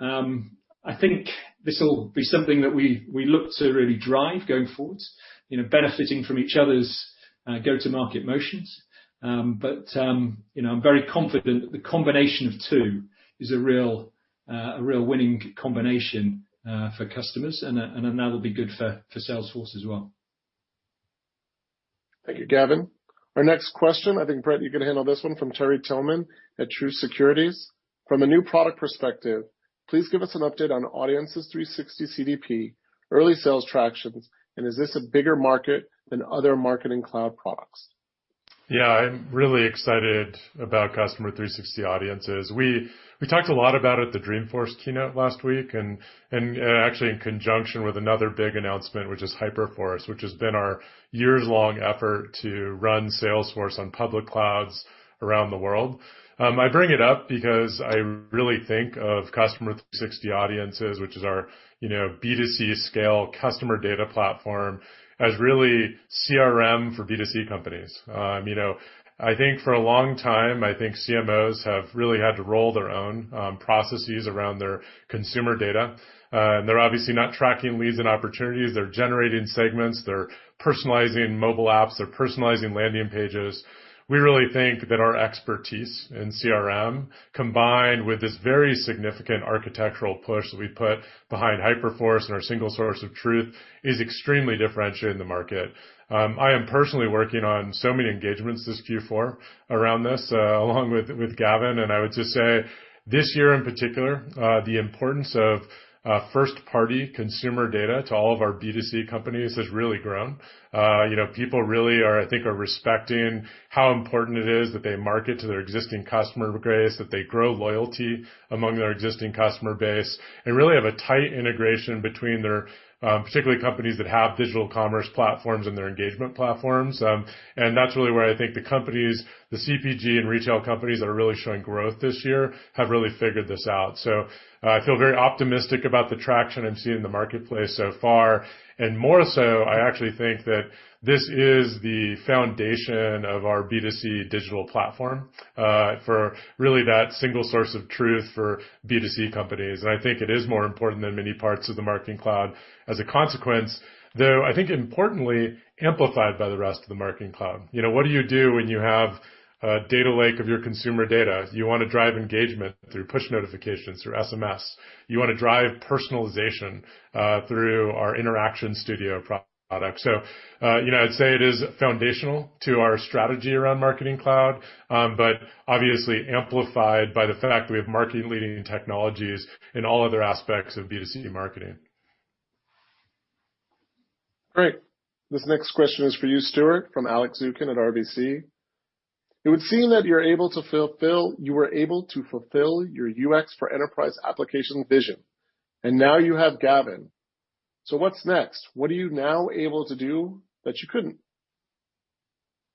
I think this will be something that we look to really drive going forwards, benefiting from each other's go-to-market motions. I'm very confident that the combination of two is a real winning combination for customers, and that will be good for Salesforce as well. Thank you, Gavin. Our next question, I think, Bret, you can handle this one, from Terry Tillman at Truist Securities. From a new product perspective, please give us an update on Customer 360 Audiences CDP, early sales tractions, and is this a bigger market than other Marketing Cloud products? Yeah. I'm really excited about Customer 360 Audiences. We talked a lot about it at the Dreamforce keynote last week, and actually in conjunction with another big announcement, which is Hyperforce, which has been our years-long effort to run Salesforce on public clouds around the world. I bring it up because I really think of Customer 360 Audiences, which is our B2C scale customer data platform, as really CRM for B2C companies. For a long time, I think CMOs have really had to roll their own processes around their consumer data. They're obviously not tracking leads and opportunities. They're generating segments. They're personalizing mobile apps. They're personalizing landing pages. We really think that our expertise in CRM, combined with this very significant architectural push that we put behind Hyperforce and our single source of truth, is extremely differentiating the market. I am personally working on so many engagements this Q4 around this, along with Gavin. I would just say, this year in particular, the importance of first-party consumer data to all of our B2C companies has really grown. People really are, I think, respecting how important it is that they market to their existing customer base, that they grow loyalty among their existing customer base, and really have a tight integration between their, particularly companies that have digital commerce platforms and their engagement platforms. That's really where I think the companies, the CPG and retail companies that are really showing growth this year have really figured this out. I feel very optimistic about the traction I'm seeing in the marketplace so far. More so, I actually think that this is the foundation of our B2C digital platform, for really that single source of truth for B2C companies. I think it is more important than many parts of the Marketing Cloud. As a consequence, though I think importantly amplified by the rest of the Marketing Cloud. What do you do when you have a data lake of your consumer data? You want to drive engagement through push notifications, through SMS. You want to drive personalization through our Interaction Studio product. I'd say it is foundational to our strategy around Marketing Cloud, but obviously amplified by the fact we have market-leading technologies in all other aspects of B2C marketing. Great. This next question is for you, Stewart, from Alex Zukin at RBC. It would seem that you were able to fulfill your UX for enterprise application vision, and now you have Gavin. What's next? What are you now able to do that you couldn't?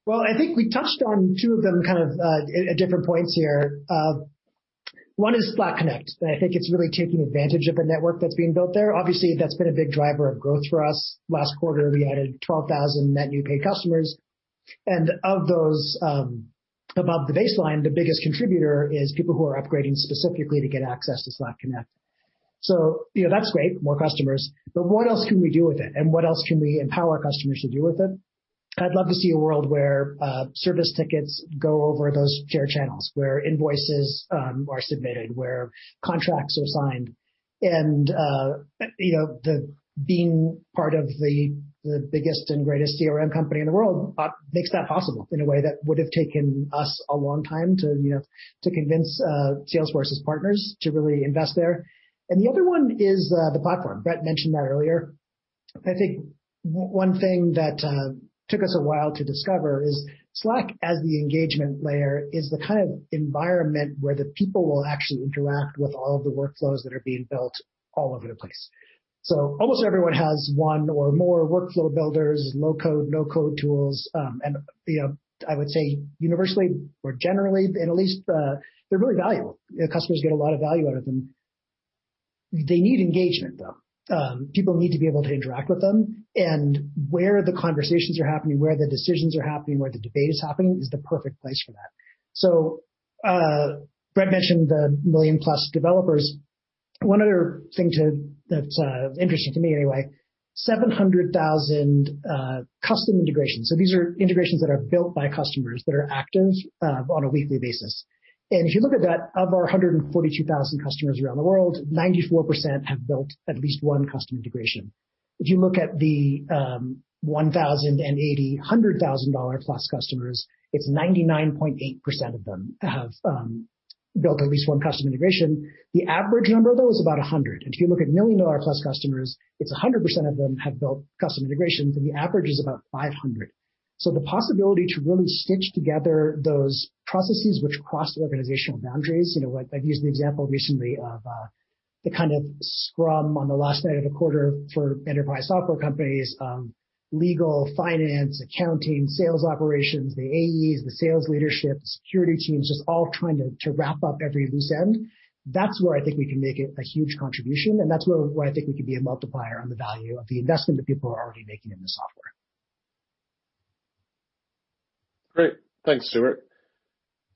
Well, I think we touched on two of them kind of at different points here. One is Slack Connect, I think it's really taking advantage of the network that's being built there. Obviously, that's been a big driver of growth for us. Last quarter, we added 12,000 net new paid customers, of those above the baseline, the biggest contributor is people who are upgrading specifically to get access to Slack Connect. That's great, more customers. What else can we do with it? What else can we empower customers to do with it? I'd love to see a world where service tickets go over those shared channels, where invoices are submitted, where contracts are signed. Being part of the biggest and greatest CRM company in the world makes that possible in a way that would have taken us a long time to convince Salesforce's partners to really invest there. The other one is the platform. Bret mentioned that earlier. I think one thing that took us a while to discover is Slack as the engagement layer is the kind of environment where the people will actually interact with all of the workflows that are being built all over the place. Almost everyone has one or more workflow builders, low-code, no-code tools. I would say universally or generally, in at least, they're very valuable. Customers get a lot of value out of them. They need engagement, though. People need to be able to interact with them, where the conversations are happening, where the decisions are happening, where the debate is happening, is the perfect place for that. Bret mentioned the million-plus developers. One other thing that's interesting to me anyway, 700,000 custom integrations. These are integrations that are built by customers that are active on a weekly basis. If you look at that, of our 142,000 customers around the world, 94% have built at least one custom integration. If you look at the 1,080 hundred thousand dollar-plus customers, it's 99.8% of them have built at least one custom integration. The average number, though, is about 100. If you look at million-dollar-plus customers, it's 100% of them have built custom integrations, and the average is about 500. The possibility to really stitch together those processes which cross the organizational boundaries, I've used the example recently of the kind of scrum on the last night of a quarter for enterprise software companies, legal, finance, accounting, sales operations, the AEs, the sales leadership, the security teams, just all trying to wrap up every loose end. That's where I think we can make a huge contribution, and that's where I think we can be a multiplier on the value of the investment that people are already making in the software. Great. Thanks, Stewart.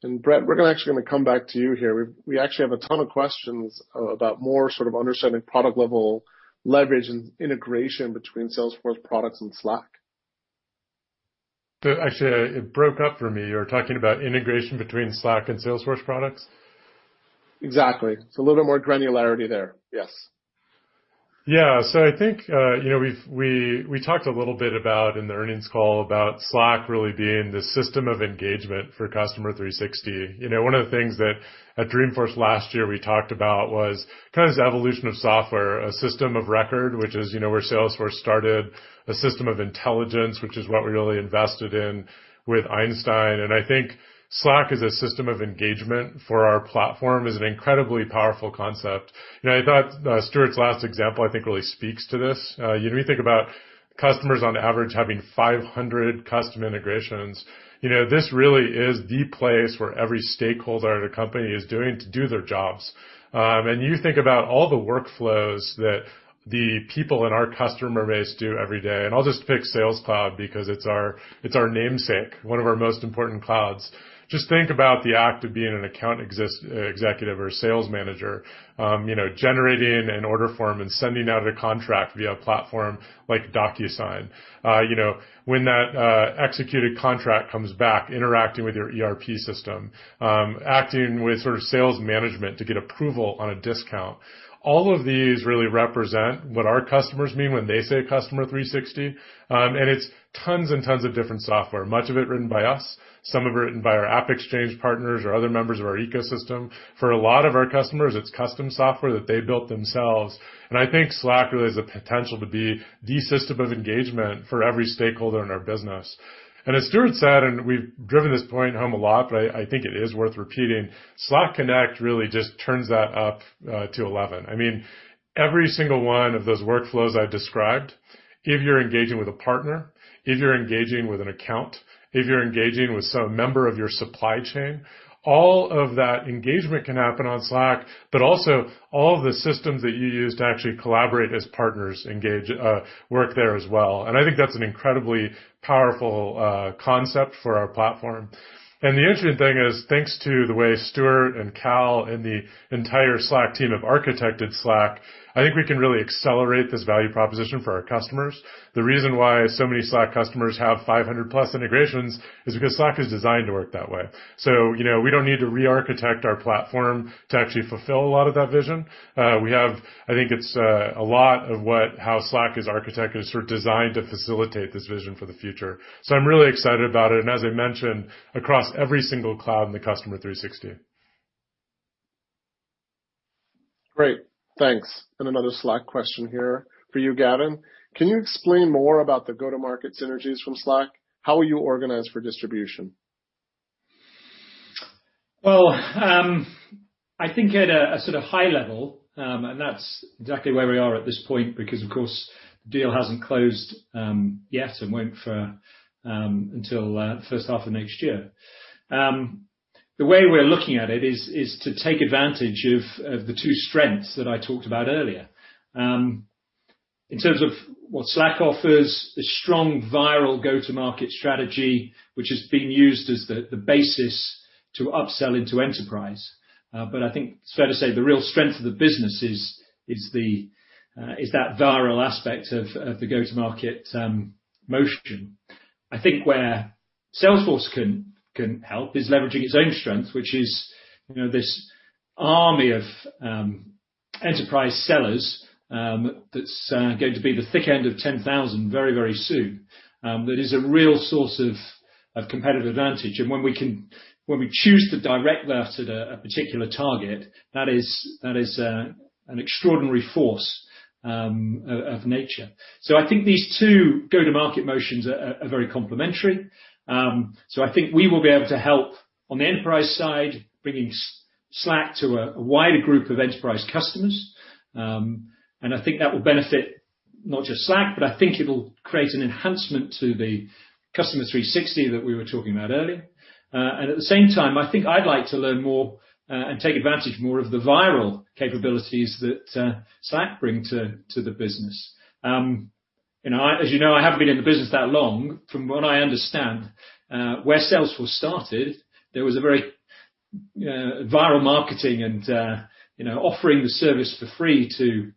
Bret, we're actually going to come back to you here. We actually have a ton of questions about more sort of understanding product-level leverage and integration between Salesforce products and Slack. Actually, it broke up for me. You're talking about integration between Slack and Salesforce products? Exactly. It's a little bit more granularity there. Yes. Yeah. I think, we talked a little bit about, in the earnings call, about Slack really being the system of engagement for Customer 360. One of the things that at Dreamforce last year we talked about was kind of this evolution of software, a system of record, which is where Salesforce started, a system of intelligence, which is what we really invested in with Einstein. I think Slack as a system of engagement for our platform is an incredibly powerful concept. I thought Stewart's last example, I think, really speaks to this. When you think about customers on average having 500 custom integrations, this really is the place where every stakeholder at a company is going to do their jobs. You think about all the workflows that the people in our customer base do every day, and I'll just pick Sales Cloud because it's our namesake, one of our most important clouds. Just think about the act of being an account executive or sales manager, generating an order form and sending out a contract via a platform like DocuSign. When that executed contract comes back, interacting with your ERP system, acting with sort of sales management to get approval on a discount. All of these really represent what our customers mean when they say Customer 360. It's tons and tons of different software, much of it written by us, some of it written by our AppExchange partners or other members of our ecosystem. For a lot of our customers, it's custom software that they built themselves, I think Slack really has the potential to be the system of engagement for every stakeholder in our business. As Stewart said, and we've driven this point home a lot, but I think it is worth repeating, Slack Connect really just turns that up to 11. Every single one of those workflows I described, if you're engaging with a partner, if you're engaging with an account, if you're engaging with some member of your supply chain, all of that engagement can happen on Slack, but also all of the systems that you use to actually collaborate as partners work there as well. I think that's an incredibly powerful concept for our platform. The interesting thing is, thanks to the way Stewart and Cal and the entire Slack team have architected Slack, I think we can really accelerate this value proposition for our customers. The reason why so many Slack customers have 500+ integrations is because Slack is designed to work that way. So, we don't need to re-architect our platform to actually fulfill a lot of that vision. I think it's a lot of how Slack is architected is sort of designed to facilitate this vision for the future. So I'm really excited about it, and as I mentioned, across every single cloud in the Customer 360. Great. Thanks. Another Slack question here for you, Gavin. Can you explain more about the go-to-market synergies from Slack? How will you organize for distribution? Well, I think at a sort of high level, that's exactly where we are at this point because, of course, the deal hasn't closed yet and won't until first half of next year. The way we're looking at it is to take advantage of the two strengths that I talked about earlier. In terms of what Slack offers, the strong viral go-to-market strategy, which has been used as the basis to upsell into enterprise. I think it's fair to say the real strength of the business is that viral aspect of the go-to-market motion. I think where Salesforce can help is leveraging its own strength, which is this army of enterprise sellers that's going to be the thick end of 10,000 very, very soon. That is a real source of competitive advantage, and when we choose to direct that at a particular target, that is an extraordinary force of nature. I think these two go-to-market motions are very complementary. I think we will be able to help on the enterprise side, bringing Slack to a wider group of enterprise customers. I think that will benefit not just Slack, but I think it'll create an enhancement to the Customer 360 that we were talking about earlier. At the same time, I think I'd like to learn more and take advantage more of the viral capabilities that Slack bring to the business. As you know, I haven't been in the business that long. From what I understand, where Salesforce started, there was a very viral marketing and offering the service for free to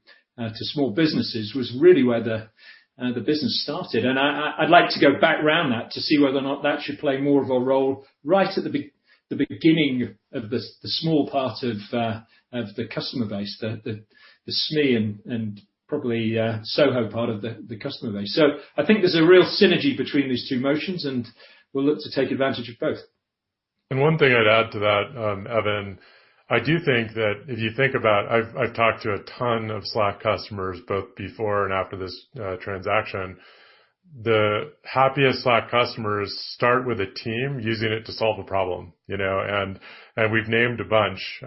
small businesses was really where the business started. I'd like to go back round that to see whether or not that should play more of a role right at the beginning of the small part of the customer base, the SME and probably SOHO part of the customer base. I think there's a real synergy between these two motions, and we'll look to take advantage of both. One thing I'd add to that, Evan, I do think that if you think about, I've talked to a ton of Slack customers both before and after this transaction. The happiest Slack customers start with a team using it to solve a problem. We've named a bunch.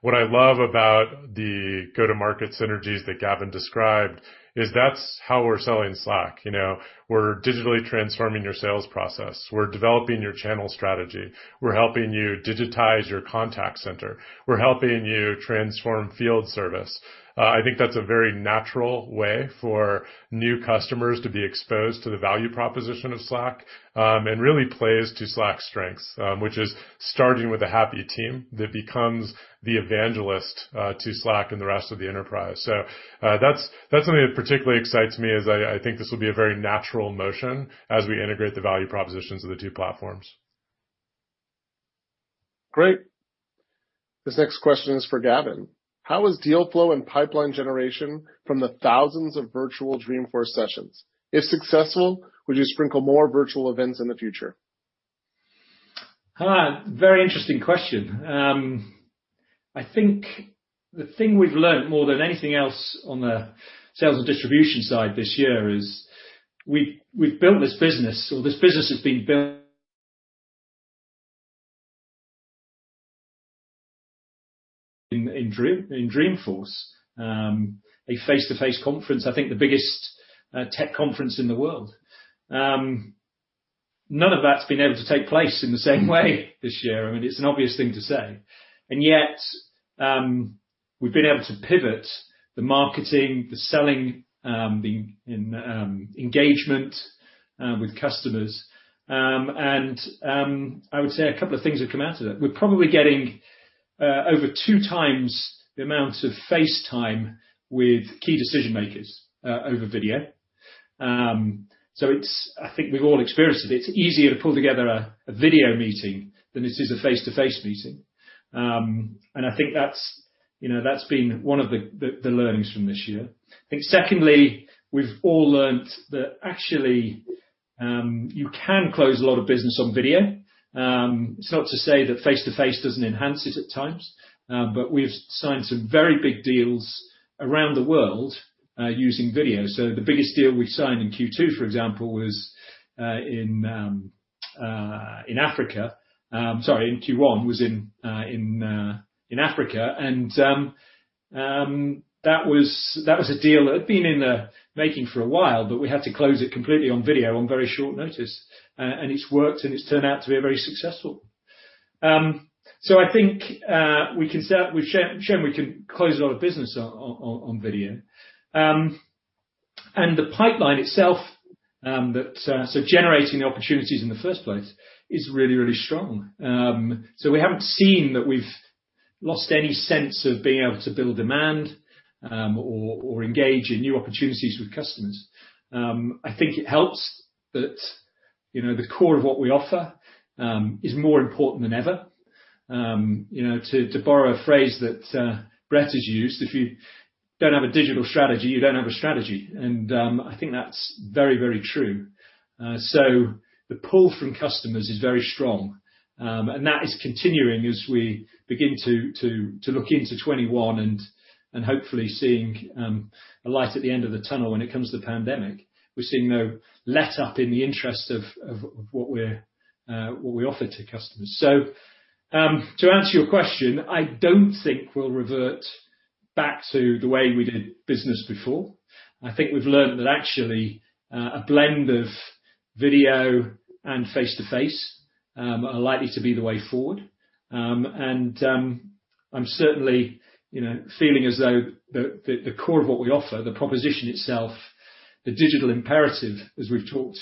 What I love about the go-to-market synergies that Gavin described is that's how we're selling Slack. We're digitally transforming your sales process. We're developing your channel strategy. We're helping you digitize your contact center. We're helping you transform Field Service. I think that's a very natural way for new customers to be exposed to the value proposition of Slack, and really plays to Slack's strengths, which is starting with a happy team that becomes the evangelist to Slack and the rest of the enterprise. That's something that particularly excites me is I think this will be a very natural motion as we integrate the value propositions of the two platforms. Great. This next question is for Gavin. How is deal flow and pipeline generation from the thousands of virtual Dreamforce sessions? If successful, would you sprinkle more virtual events in the future? Very interesting question. I think the thing we've learned more than anything else on the sales and distribution side this year is we've built this business, or this business has been built in Dreamforce, a face-to-face conference, I think the biggest tech conference in the world. None of that's been able to take place in the same way this year. I mean, it's an obvious thing to say. Yet, we've been able to pivot the marketing, the selling, the engagement with customers. I would say a couple of things have come out of that. We're probably getting over two times the amount of face time with key decision-makers over video. I think we've all experienced it. It's easier to pull together a video meeting than it is a face-to-face meeting. I think that's been one of the learnings from this year. I think secondly, we've all learned that actually, you can close a lot of business on video. It's not to say that face-to-face doesn't enhance it at times, we've signed some very big deals around the world using video. The biggest deal we signed in Q2, for example, was in Africa. Sorry, in Q1, was in Africa. That was a deal that had been in the making for a while, we had to close it completely on video on very short notice. It's worked and it's turned out to be very successful. I think we've shown we can close a lot of business on video. The pipeline itself, so generating the opportunities in the first place, is really, really strong. We haven't seen that we've lost any sense of being able to build demand, or engage in new opportunities with customers. I think it helps that the core of what we offer is more important than ever. To borrow a phrase that Bret has used, if you don't have a digital strategy, you don't have a strategy. I think that's very true. The pull from customers is very strong, and that is continuing as we begin to look into 2021 and hopefully seeing a light at the end of the tunnel when it comes to the pandemic. We're seeing no letup in the interest of what we offer to customers. To answer your question, I don't think we'll revert back to the way we did business before. I think we've learned that actually, a blend of video and face-to-face are likely to be the way forward. I'm certainly feeling as though the core of what we offer, the proposition itself, the digital imperative, as we've talked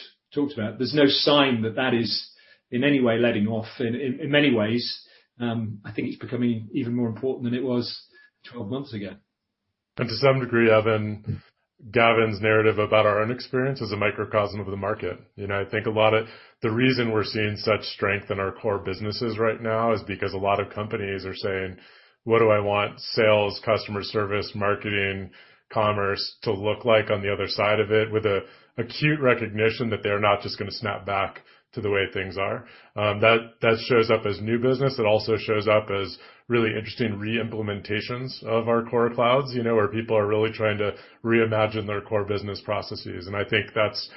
about, there's no sign that that is in any way letting off. In many ways, I think it's becoming even more important than it was 12 months ago. To some degree, Evan, Gavin's narrative about our own experience is a microcosm of the market. I think a lot of the reason we're seeing such strength in our core businesses right now is because a lot of companies are saying, What do I want sales, customer service, marketing, commerce to look like on the other side of it? With an acute recognition that they're not just going to snap back to the way things are. That shows up as new business. It also shows up as really interesting re-implementations of our core clouds, where people are really trying to reimagine their core business processes. I think that's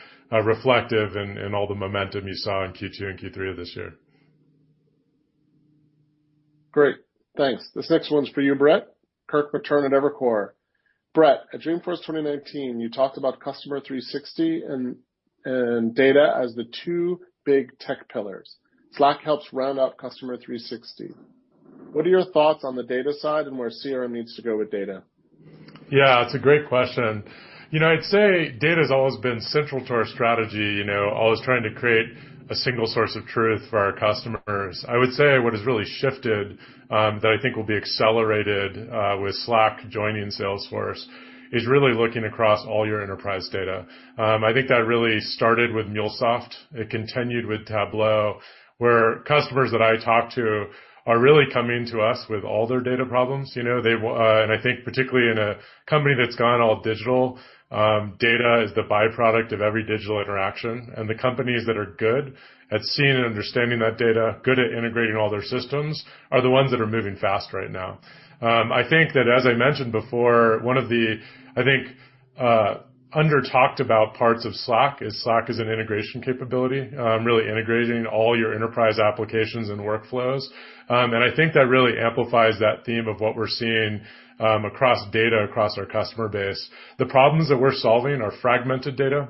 reflective in all the momentum you saw in Q2 and Q3 of this year. Great. Thanks. This next one's for you, Bret. Kirk Materne at Evercore. Bret, at Dreamforce 2019, you talked about Customer 360 and data as the two big tech pillars. Slack helps round out Customer 360. What are your thoughts on the data side and where CRM needs to go with data? Yeah, it's a great question. I'd say data's always been central to our strategy, always trying to create a single source of truth for our customers. I would say what has really shifted, that I think will be accelerated with Slack joining Salesforce, is really looking across all your enterprise data. I think that really started with MuleSoft. It continued with Tableau, where customers that I talk to are really coming to us with all their data problems. I think particularly in a company that's gone all digital, data is the byproduct of every digital interaction. The companies that are good at seeing and understanding that data, good at integrating all their systems, are the ones that are moving fast right now. I think that, as I mentioned before, one of the, I think, under-talked about parts of Slack is Slack is an integration capability, really integrating all your enterprise applications and workflows. I think that really amplifies that theme of what we're seeing across data, across our customer base. The problems that we're solving are fragmented data,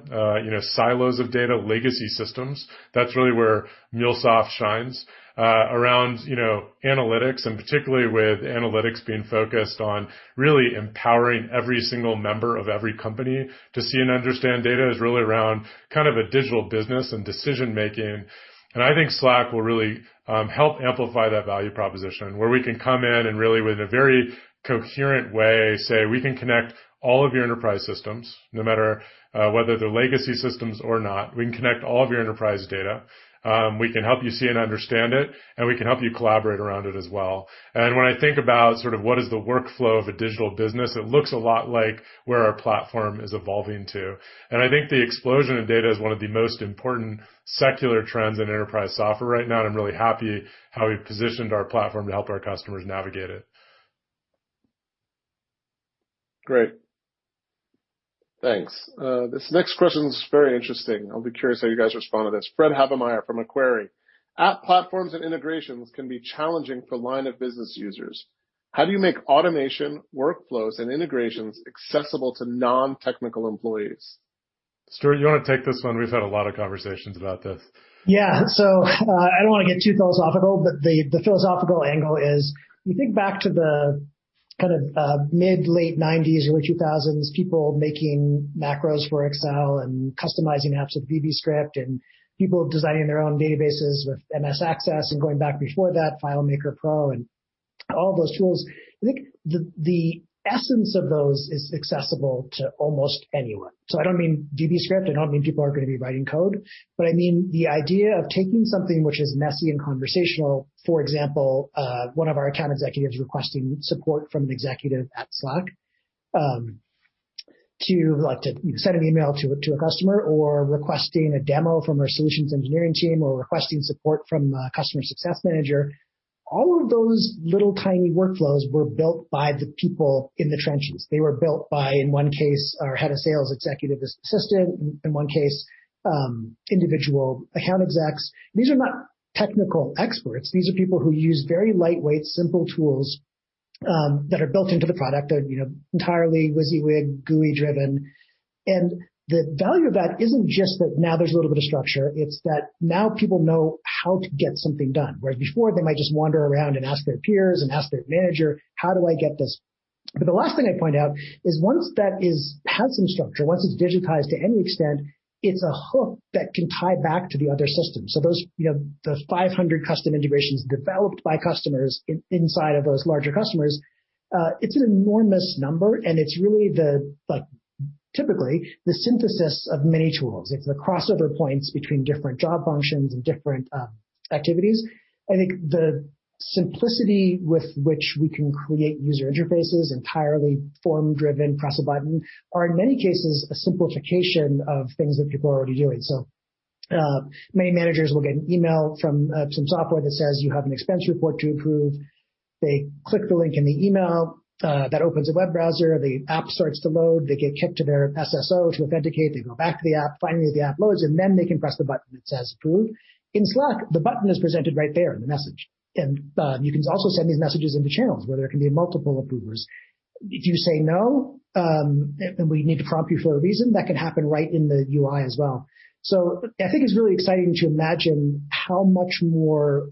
silos of data, legacy systems. That's really where MuleSoft shines around analytics, and particularly with analytics being focused on really empowering every single member of every company to see and understand data is really around kind of a digital business and decision-making. I think Slack will really help amplify that value proposition, where we can come in and really with a very coherent way, say we can connect all of your enterprise systems, no matter whether they're legacy systems or not. We can connect all of your enterprise data. We can help you see and understand it, we can help you collaborate around it as well. When I think about sort of what is the workflow of a digital business, it looks a lot like where our platform is evolving to. I think the explosion in data is one of the most important secular trends in enterprise software right now, I'm really happy how we've positioned our platform to help our customers navigate it. Great. Thanks. This next question is very interesting. I'll be curious how you guys respond to this. Fred Havemeyer from Macquarie. App platforms and integrations can be challenging for line of business users. How do you make automation, workflows, and integrations accessible to non-technical employees? Stewart, you want to take this one? We've had a lot of conversations about this. Yeah. I don't want to get too philosophical, but the philosophical angle is, you think back to the kind of mid, late 1990s, early 2000s, people making macros for Excel and customizing apps with VBScript and people designing their own databases with Microsoft Access and going back before that, FileMaker Pro and all those tools. I think the essence of those is accessible to almost anyone. I don't mean VBScript. I don't mean people are going to be writing code, but I mean the idea of taking something which is messy and conversational. For example, one of our account executives requesting support from an executive at Slack, to like to send an email to a customer or requesting a demo from our solutions engineering team or requesting support from a customer success manager. All of those little tiny workflows were built by the people in the trenches. They were built by, in one case, our head of sales executive assistant, in one case, individual account execs. These are not technical experts. These are people who use very lightweight, simple tools that are built into the product that are entirely WYSIWYG, GUI-driven. The value of that isn't just that now there's a little bit of structure, it's that now people know how to get something done. Whereas before they might just wander around and ask their peers and ask their manager, How do I get this? The last thing I'd point out is once that has some structure, once it's digitized to any extent, it's a hook that can tie back to the other systems. Those 500 custom integrations developed by customers inside of those larger customers, it's an enormous number, and it's really the, typically, the synthesis of many tools. It's the crossover points between different job functions and different activities. I think the simplicity with which we can create user interfaces, entirely form-driven, press a button, are in many cases a simplification of things that people are already doing. Many managers will get an email from some software that says, You have an expense report to approve. They click the link in the email, that opens a web browser. The app starts to load. They get kicked to their SSO to authenticate. They go back to the app. Finally, the app loads, and then they can press the button that says Approve. In Slack, the button is presented right there in the message. You can also send these messages into channels where there can be multiple approvers. If you say no, and we need to prompt you for a reason, that can happen right in the UI as well. I think it's really exciting to imagine how much more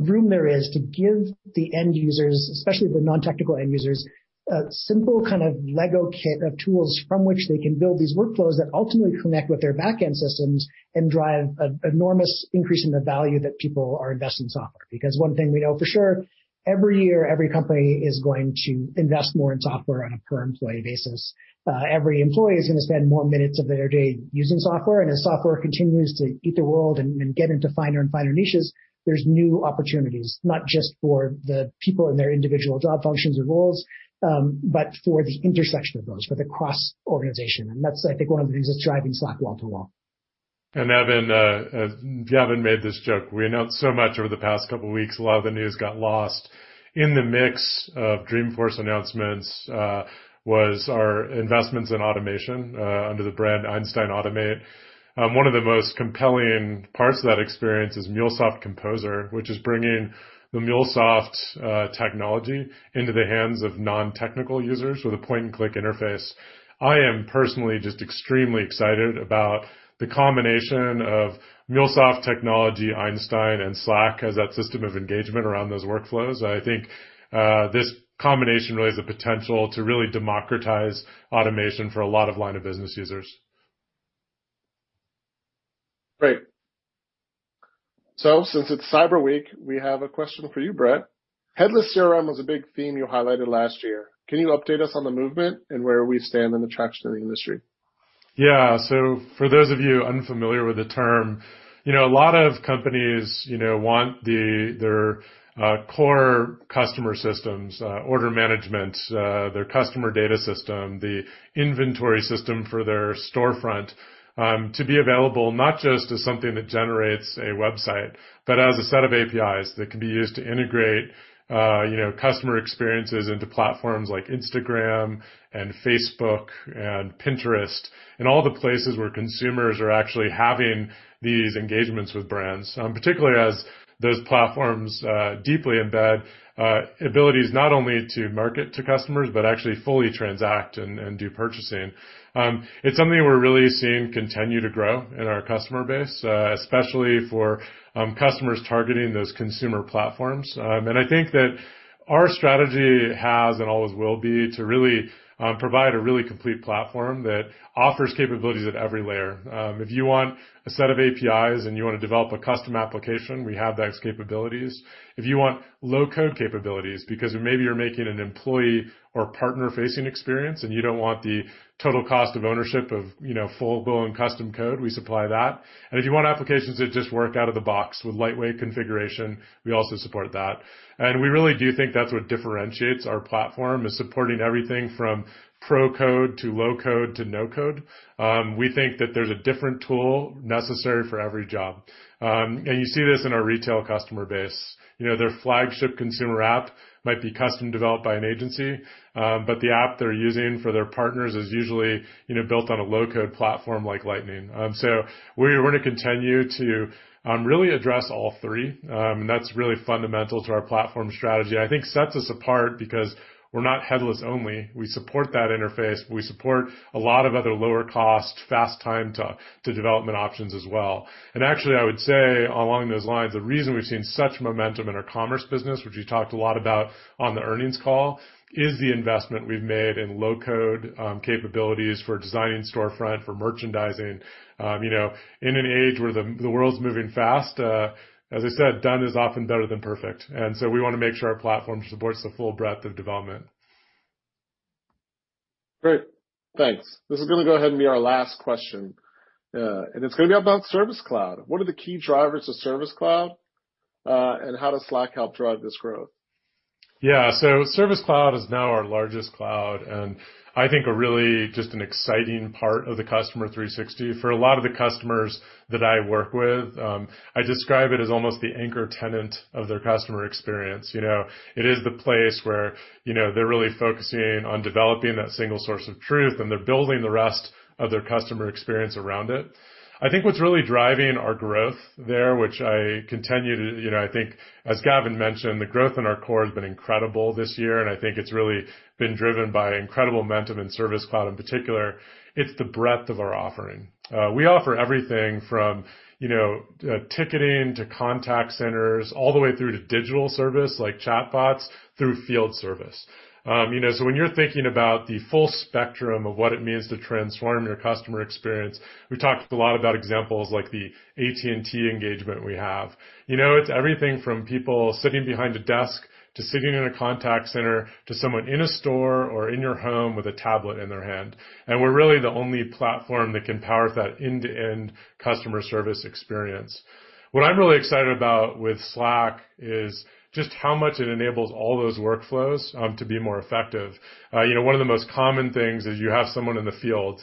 room there is to give the end users, especially the non-technical end users, a simple kind of Lego kit of tools from which they can build these workflows that ultimately connect with their back end systems and drive an enormous increase in the value that people are investing in software. One thing we know for sure, every year, every company is going to invest more in software on a per-employee basis. Every employee is going to spend more minutes of their day using software, and as software continues to eat the world and get into finer and finer niches, there's new opportunities, not just for the people in their individual job functions or roles, but for the intersection of those, for the cross-organization. That's, I think, one of the things that's driving Slack wall to wall. Evan, if you haven't made this joke, we announced so much over the past couple of weeks, a lot of the news got lost. In the mix of Dreamforce announcements was our investments in automation under the brand Einstein Automate. One of the most compelling parts of that experience is MuleSoft Composer, which is bringing the MuleSoft technology into the hands of non-technical users with a point-and-click interface. I am personally just extremely excited about the combination of MuleSoft technology, Einstein, and Slack as that system of engagement around those workflows. I think this combination really has the potential to really democratize automation for a lot of line of business users. Great. Since it's Cyber Week, we have a question for you, Bret. Headless CRM was a big theme you highlighted last year. Can you update us on the movement and where we stand in the traction in the industry? Yeah. For those of you unfamiliar with the term, a lot of companies want their core customer systems, order management, their customer data system, the inventory system for their storefront, to be available not just as something that generates a website, but as a set of APIs that can be used to integrate customer experiences into platforms like Instagram and Facebook and Pinterest, and all the places where consumers are actually having these engagements with brands. Particularly as those platforms deeply embed abilities not only to market to customers but actually fully transact and do purchasing. It's something we're really seeing continue to grow in our customer base, especially for customers targeting those consumer platforms. I think that our strategy has and always will be to really provide a really complete platform that offers capabilities at every layer. If you want a set of APIs and you want to develop a custom application, we have those capabilities. If you want low-code capabilities because maybe you're making an employee or partner-facing experience and you don't want the total cost of ownership of full-blown custom code, we supply that. If you want applications that just work out of the box with lightweight configuration, we also support that. We really do think that's what differentiates our platform, is supporting everything from pro code to low code to no code. We think that there's a different tool necessary for every job. You see this in our retail customer base. Their flagship consumer app might be custom-developed by an agency, but the app they're using for their partners is usually built on a low-code platform like Lightning. We're going to continue to really address all three. That's really fundamental to our platform strategy. I think sets us apart because we're not headless only. We support that interface. We support a lot of other lower-cost, fast time to development options as well. Actually, I would say along those lines, the reason we've seen such momentum in our commerce business, which we talked a lot about on the earnings call, is the investment we've made in low-code capabilities for designing storefront, for merchandising. In an age where the world's moving fast, as I said, done is often better than perfect. We want to make sure our platform supports the full breadth of development. Great. Thanks. This is going to go ahead and be our last question. It's going to be about Service Cloud. What are the key drivers of Service Cloud? How does Slack help drive this growth? Yeah. Service Cloud is now our largest cloud, and I think a really just an exciting part of the Customer 360. For a lot of the customers that I work with, I describe it as almost the anchor tenant of their customer experience. It is the place where they're really focusing on developing that single source of truth, and they're building the rest of their customer experience around it. I think what's really driving our growth there, which I think, as Gavin mentioned, the growth in our core has been incredible this year, and I think it's really been driven by incredible momentum in Service Cloud, in particular, it's the breadth of our offering. We offer everything from ticketing to contact centers, all the way through to digital service like chatbots, through Field Service. When you're thinking about the full spectrum of what it means to transform your customer experience, we've talked a lot about examples like the AT&T engagement we have. It's everything from people sitting behind a desk to sitting in a contact center to someone in a store or in your home with a tablet in their hand. We're really the only platform that can power that end-to-end customer service experience. What I'm really excited about with Slack is just how much it enables all those workflows to be more effective. One of the most common things is you have someone in the field,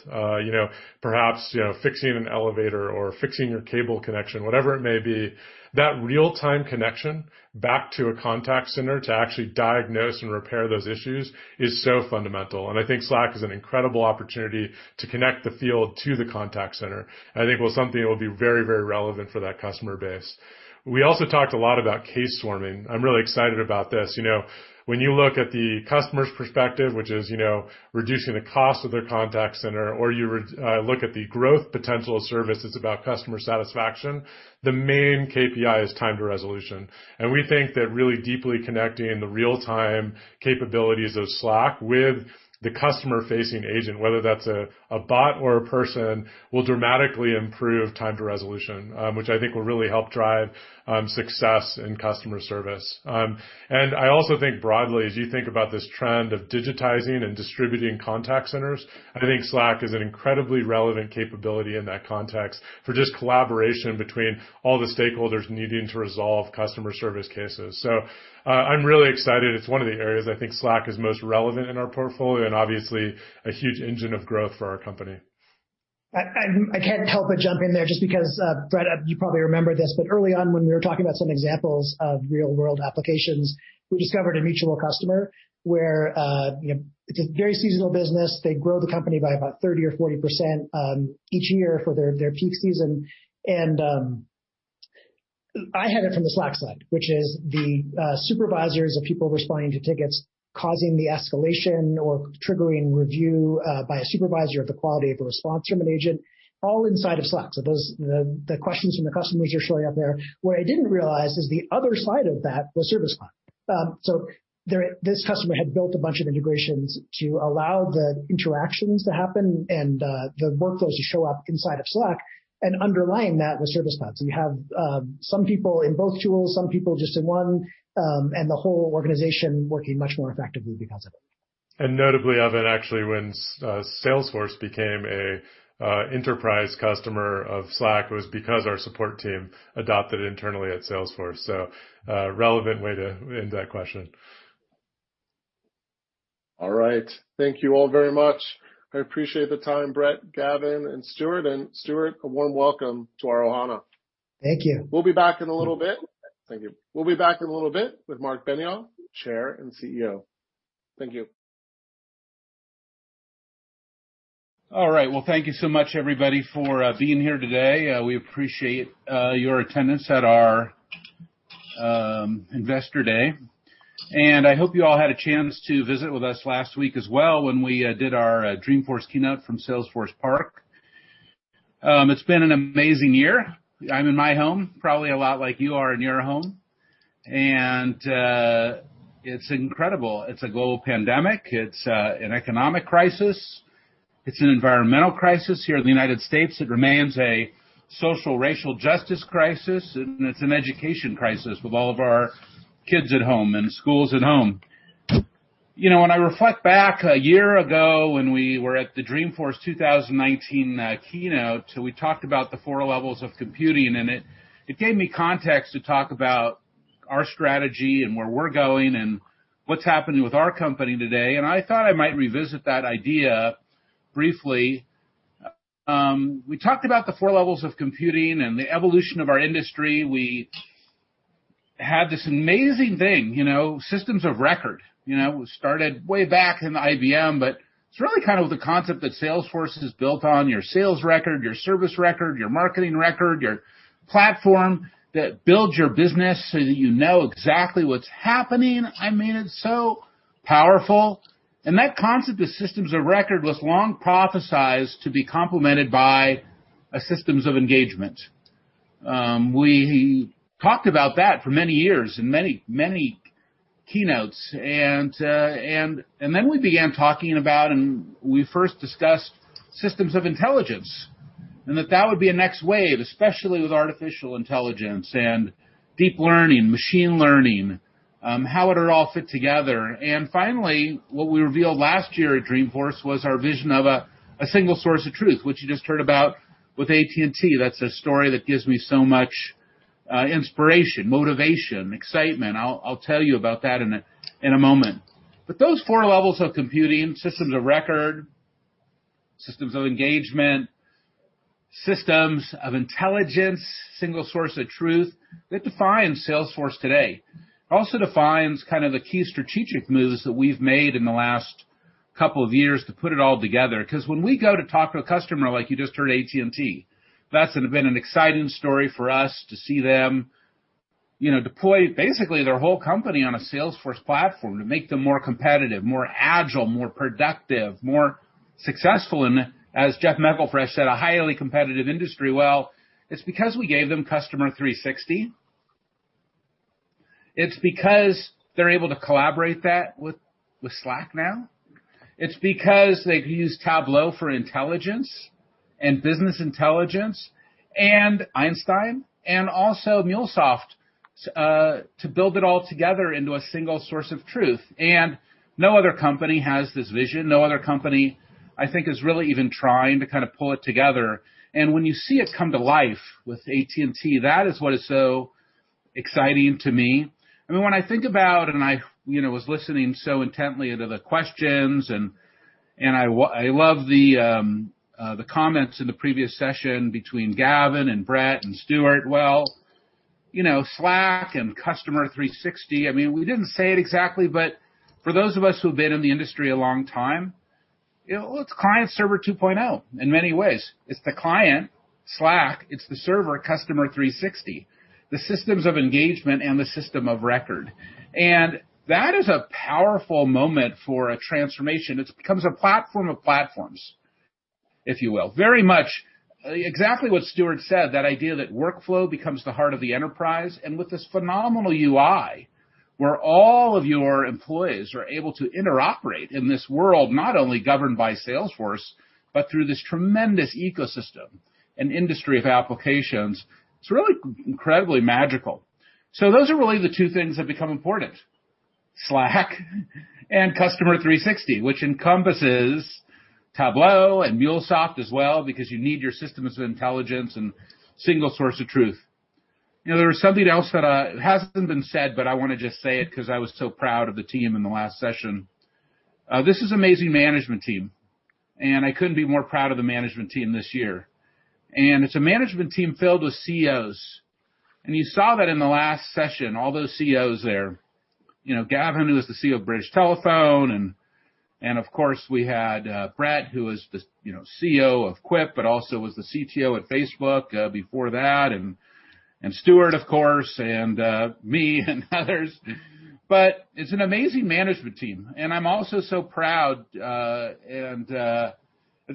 perhaps fixing an elevator or fixing your cable connection, whatever it may be. That real-time connection back to a contact center to actually diagnose and repair those issues is so fundamental. I think Slack is an incredible opportunity to connect the field to the contact center. I think something will be very relevant for that customer base. We also talked a lot about case swarming. I'm really excited about this. When you look at the customer's perspective, which is reducing the cost of their contact center, or you look at the growth potential of service, it's about customer satisfaction, the main KPI is time to resolution. We think that really deeply connecting the real-time capabilities of Slack with the customer-facing agent, whether that's a bot or a person, will dramatically improve time to resolution, which I think will really help drive success in customer service. I also think broadly, as you think about this trend of digitizing and distributing contact centers, I think Slack is an incredibly relevant capability in that context for just collaboration between all the stakeholders needing to resolve customer service cases. I'm really excited. It's one of the areas I think Slack is most relevant in our portfolio and obviously a huge engine of growth for our company. I can't help but jump in there just because, Bret, you probably remember this, but early on when we were talking about some examples of real-world applications, we discovered a mutual customer where it's a very seasonal business. They grow the company by about 30% or 40% each year for their peak season. I had it from the Slack side, which is the supervisors of people responding to tickets causing the escalation or triggering review by a supervisor of the quality of the response from an agent, all inside of Slack. The questions from the customers are showing up there. What I didn't realize is the other side of that was Service Cloud. This customer had built a bunch of integrations to allow the interactions to happen and the workflows to show up inside of Slack, and underlying that was Service Cloud. You have some people in both tools, some people just in one, and the whole organization working much more effectively because of it. Notably of it, actually, when Salesforce became an enterprise customer of Slack, it was because our support team adopted it internally at Salesforce. A relevant way to end that question. All right. Thank you all very much. I appreciate the time, Bret, Gavin, and Stewart. Stewart, a warm welcome to our Ohana. Thank you. Thank you. We'll be back in a little bit with Marc Benioff, Chair and CEO. Thank you. All right. Well, thank you so much, everybody, for being here today. We appreciate your attendance at our Investor Day. I hope you all had a chance to visit with us last week as well when we did our Dreamforce keynote from Salesforce Park. It's been an amazing year. I'm in my home, probably a lot like you are in your home, and it's incredible. It's a global pandemic. It's an economic crisis. It's an environmental crisis here in the United States. It remains a social, racial justice crisis, and it's an education crisis with all of our kids at home and schools at home. When I reflect back a year ago, when we were at the Dreamforce 2019 keynote, we talked about the four levels of computing, and it gave me context to talk about our strategy, and where we're going, and what's happening with our company today, and I thought I might revisit that idea briefly. We talked about the four levels of computing and the evolution of our industry. We had this amazing thing, systems of record. We started way back in IBM, but it's really kind of the concept that Salesforce is built on, your sales record, your service record, your marketing record, your platform that builds your business so that you know exactly what's happening. It's so powerful. That concept of systems of record was long prophesied to be complemented by systems of engagement. We talked about that for many years in many keynotes. Then we began talking about, and we first discussed systems of intelligence, and that that would be a next wave, especially with artificial intelligence and deep learning, machine learning, how would it all fit together. Finally, what we revealed last year at Dreamforce was our vision of a single source of truth, which you just heard about with AT&T. That's a story that gives me so much inspiration, motivation, excitement. I'll tell you about that in a moment. Those four levels of computing, systems of record, systems of engagement, systems of intelligence, single source of truth, they define Salesforce today. It also defines kind of the key strategic moves that we've made in the last couple of years to put it all together. When we go to talk to a customer like you just heard, AT&T, that's been an exciting story for us to see them deploy basically their whole company on a Salesforce platform to make them more competitive, more agile, more productive, more successful in, as Jeff McElfresh said, a highly competitive industry. Well, it's because we gave them Customer 360. It's because they're able to collaborate that with Slack now. It's because they've used Tableau for intelligence and business intelligence, and Einstein, and also MuleSoft to build it all together into a single source of truth. No other company has this vision. No other company, I think, is really even trying to kind of pull it together. When you see it come to life with AT&T, that is what is so exciting to me. When I think about, and I was listening so intently to the questions, and I love the comments in the previous session between Gavin and Bret and Stewart. Slack and Customer 360, we didn't say it exactly, but for those of us who've been in the industry a long time, it's Client-Server 2.0 in many ways. It's the client, Slack. It's the server, Customer 360. The systems of engagement and the system of record. That is a powerful moment for a transformation. It becomes a platform of platforms, if you will. Very much exactly what Stewart said, that idea that workflow becomes the heart of the enterprise. With this phenomenal UI, where all of your employees are able to interoperate in this world, not only governed by Salesforce, but through this tremendous ecosystem and industry of applications, it's really incredibly magical. Those are really the two things that become important, Slack and Customer 360, which encompasses Tableau and MuleSoft as well because you need your systems of intelligence and single source of truth. There was something else that hasn't been said, but I want to just say it because I was so proud of the team in the last session. This is an amazing management team, and I couldn't be more proud of the management team this year. It's a management team filled with CEOs, and you saw that in the last session, all those CEOs there. Gavin, who is the CEO of British Telecom, and of course, we had Bret, who is the CEO of Quip, but also was the CTO at Facebook before that, and Stuart, of course, and me and others. It's an amazing management team, and I'm also so proud, and at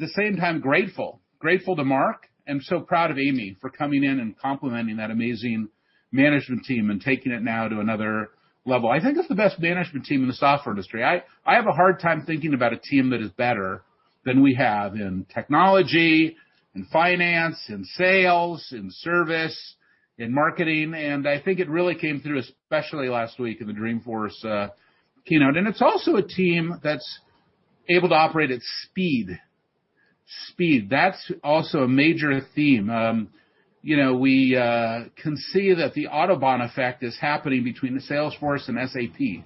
the same time, grateful. Grateful to Mark, and so proud of Amy for coming in and complementing that amazing management team and taking it now to another level. I think it's the best management team in the software industry. I have a hard time thinking about a team that is better than we have in technology, in finance, in sales, in service, in marketing, and I think it really came through, especially last week in the Dreamforce keynote. It's also a team that's able to operate at speed. Speed. That's also a major theme. We can see that the Autobahn effect is happening between Salesforce and SAP.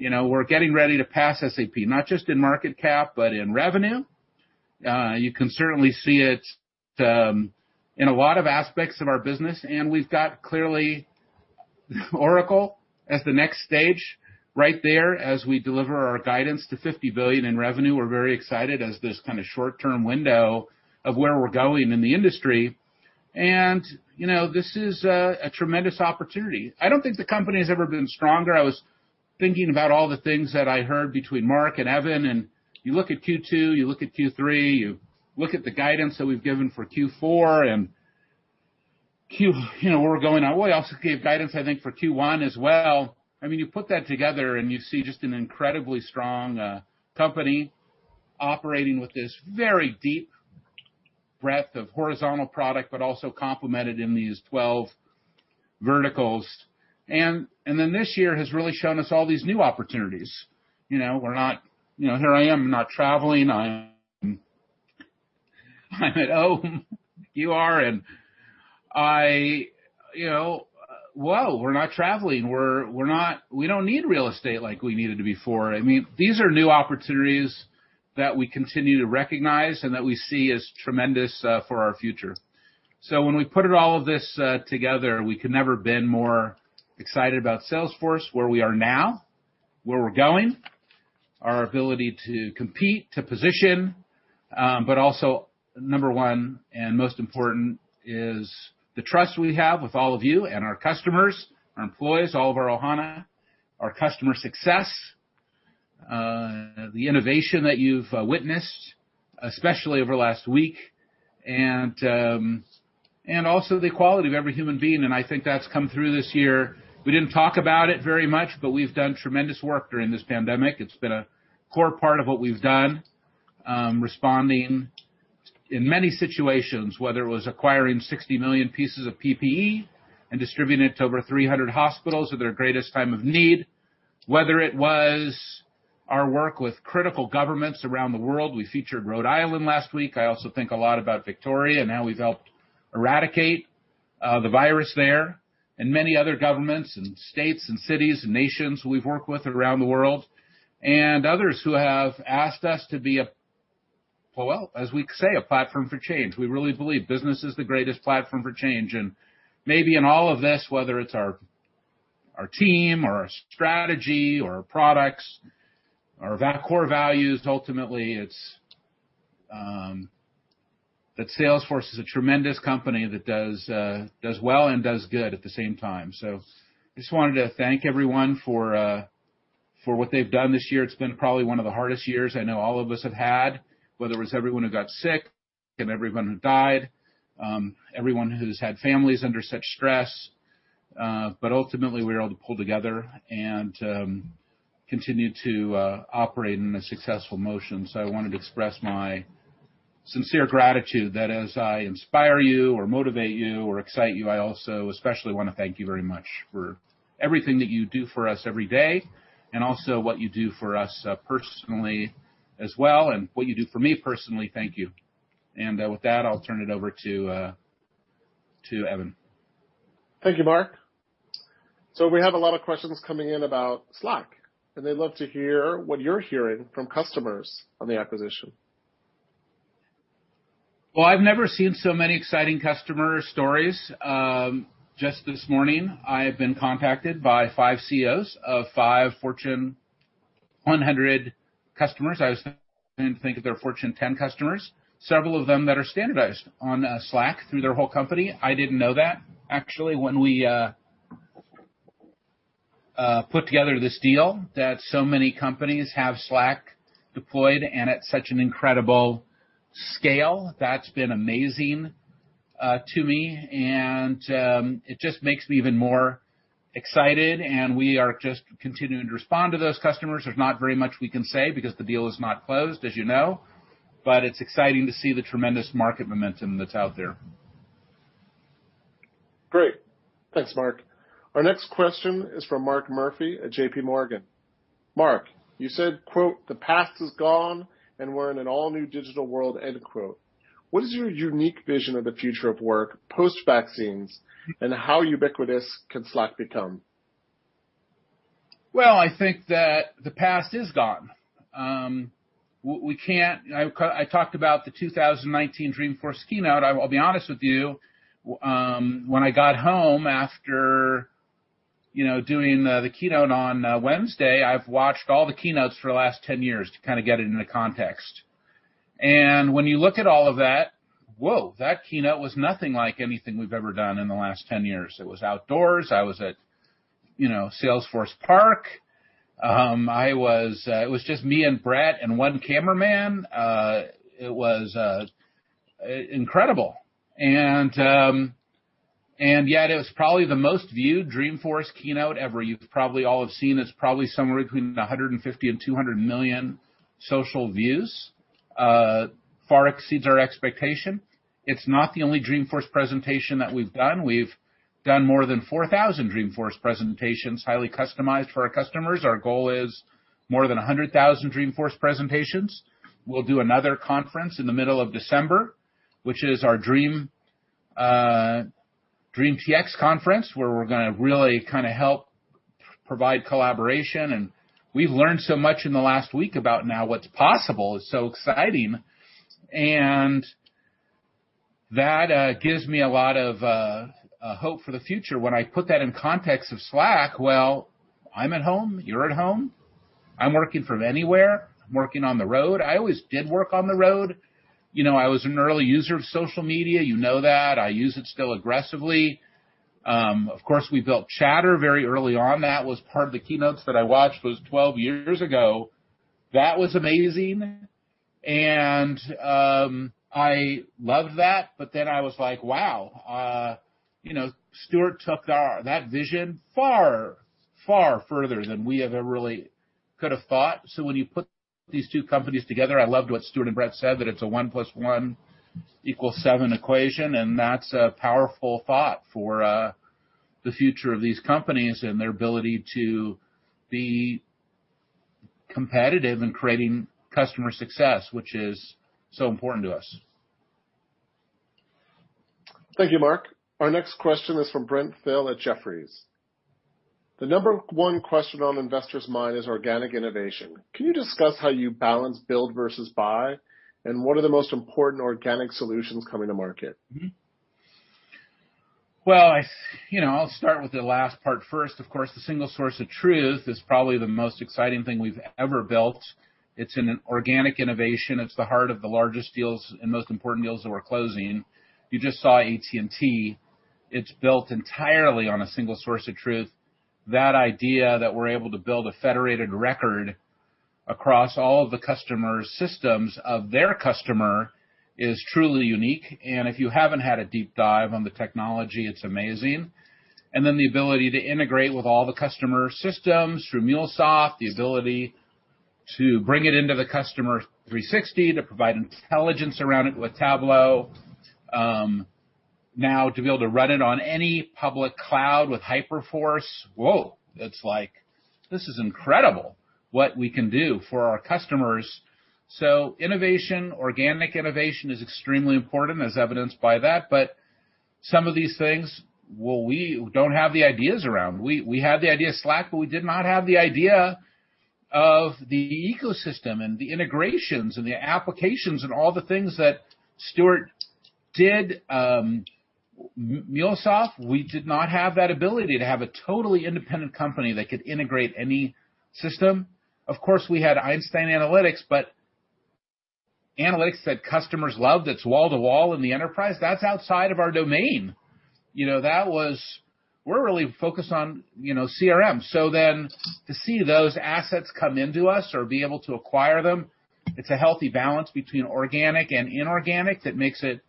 We're getting ready to pass SAP, not just in market cap, but in revenue. You can certainly see it in a lot of aspects of our business, and we've got clearly Oracle as the next stage right there as we deliver our guidance to $50 billion in revenue. We're very excited as this kind of short-term window of where we're going in the industry. This is a tremendous opportunity. I don't think the company's ever been stronger. I was thinking about all the things that I heard between Mark and Evan, and you look at Q2, you look at Q3, you look at the guidance that we've given for Q4, and we also gave guidance, I think, for Q1 as well. You put that together and you see just an incredibly strong company operating with this very deep breadth of horizontal product, but also complemented in these 12 verticals. This year has really shown us all these new opportunities. Here I am, not traveling. I'm at home. Whoa, we're not traveling. We don't need real estate like we needed to before. These are new opportunities that we continue to recognize and that we see as tremendous for our future. When we put all of this together, we could never have been more excited about Salesforce, where we are now, where we're going, our ability to compete, to position. Also, number one and most important is the trust we have with all of you and our customers, our employees, all of our Ohana, our customer success, the innovation that you've witnessed, especially over the last week, and also the quality of every human being, and I think that's come through this year. We didn't talk about it very much, but we've done tremendous work during this pandemic. It's been a core part of what we've done, responding in many situations, whether it was acquiring 60 million pieces of PPE and distributing it to over 300 hospitals at their greatest time of need. Whether it was our work with critical governments around the world. We featured Rhode Island last week. I also think a lot about Victoria and how we've helped eradicate the virus there, and many other governments and states and cities and nations we've worked with around the world, and others who have asked us to be, well, as we say, a platform for change. We really believe business is the greatest platform for change. Maybe in all of this, whether it's our team or our strategy or our products, our core values, ultimately it's that Salesforce is a tremendous company that does well and does good at the same time. Just wanted to thank everyone for what they've done this year. It's been probably one of the hardest years I know all of us have had, whether it was everyone who got sick and everyone who died, everyone who's had families under such stress. Ultimately, we were able to pull together and continue to operate in a successful motion. I wanted to express my sincere gratitude that as I inspire you or motivate you or excite you, I also especially want to thank you very much for everything that you do for us every day, and also what you do for us personally as well, and what you do for me personally. Thank you. With that, I'll turn it over to Evan. Thank you, Marc. We have a lot of questions coming in about Slack, and they'd love to hear what you're hearing from customers on the acquisition. Well, I've never seen so many exciting customer stories. Just this morning, I've been contacted by five CEOs of five Fortune 100 customers. I was starting to think of their Fortune 10 customers, several of them that are standardized on Slack through their whole company. I didn't know that actually, when we put together this deal, that so many companies have Slack deployed and at such an incredible scale. That's been amazing to me, and it just makes me even more excited, and we are just continuing to respond to those customers. There's not very much we can say because the deal is not closed, as you know, but it's exciting to see the tremendous market momentum that's out there. Great. Thanks, Marc. Our next question is from Mark Murphy at JPMorgan. Mark, you said, quote, The past is gone, and we're in an all-new digital world. End of quote. What is your unique vision of the future of work post-vaccines, and how ubiquitous can Slack become? Well, I think that the past is gone. I talked about the 2019 Dreamforce keynote. I'll be honest with you, when I got home after doing the keynote on Wednesday, I've watched all the keynotes for the last 10 years to kind of get it into context. When you look at all of that, whoa, that keynote was nothing like anything we've ever done in the last 10 years. It was outdoors. I was at Salesforce Park. It was just me and Bret and one cameraman. It was incredible. Yet it was probably the most viewed Dreamforce keynote ever. You've probably all have seen it's probably somewhere between 150 and 200 million social views. Far exceeds our expectation. It's not the only Dreamforce presentation that we've done. We've done more than 4,000 Dreamforce presentations, highly customized for our customers. Our goal is more than 100,000 Dreamforce presentations. We'll do another conference in the middle of December, which is our DreamTX conference, where we're going to really help provide collaboration. We've learned so much in the last week about now what's possible. It's so exciting. That gives me a lot of hope for the future. When I put that in context of Slack, well, I'm at home, you're at home. I'm working from anywhere. I'm working on the road. I always did work on the road. I was an early user of social media, you know that. I use it still aggressively. Of course, we built Chatter very early on. That was part of the keynotes that I watched was 12 years ago. That was amazing, and I loved that. I was like, Wow, Stewart took that vision far further than we ever really could have thought. When you put these two companies together, I loved what Stewart and Bret said, that it's a one plus one equals seven equation, and that's a powerful thought for the future of these companies and their ability to be competitive in creating customer success, which is so important to us. Thank you, Marc. Our next question is from Brent Thill at Jefferies. The number one question on investors' mind is organic innovation. Can you discuss how you balance build versus buy? What are the most important organic solutions coming to market? Well, I'll start with the last part first. Of course, the single source of truth is probably the most exciting thing we've ever built. It's an organic innovation. It's the heart of the largest deals and most important deals that we're closing. You just saw AT&T. It's built entirely on a single source of truth. That idea that we're able to build a federated record across all of the customer's systems of their customer is truly unique. If you haven't had a deep dive on the technology, it's amazing. Then the ability to integrate with all the customer systems through MuleSoft, the ability to bring it into the Customer 360, to provide intelligence around it with Tableau. Now to be able to run it on any public cloud with Hyperforce, whoa, it's like, this is incredible what we can do for our customers. Innovation, organic innovation, is extremely important, as evidenced by that. Some of these things, well, we don't have the ideas around. We had the idea of Slack, but we did not have the idea of the ecosystem and the integrations and the applications and all the things that Stewart did. MuleSoft, we did not have that ability to have a totally independent company that could integrate any system. Of course, we had Einstein Analytics, but analytics that customers love that's wall-to-wall in the enterprise, that's outside of our domain. We're really focused on CRM. Then to see those assets come into us or be able to acquire them, it's a healthy balance between organic and inorganic that makes it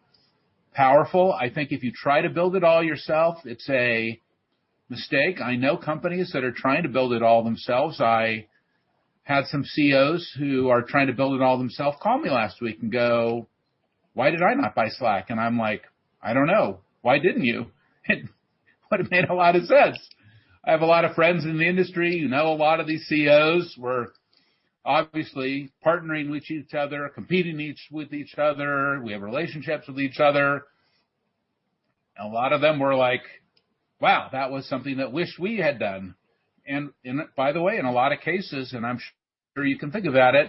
powerful. I think if you try to build it all yourself, it's a mistake. I know companies that are trying to build it all themselves. I had some CEOs who are trying to build it all themselves call me last week and go, Why did I not buy Slack? I'm like, I don't know. Why didn't you? It would've made a lot of sense. I have a lot of friends in the industry. You know a lot of these CEOs. We're obviously partnering with each other, competing with each other. We have relationships with each other. A lot of them were like, Wow, that was something that wish we had done. By the way, in a lot of cases, and I'm sure you can think about it,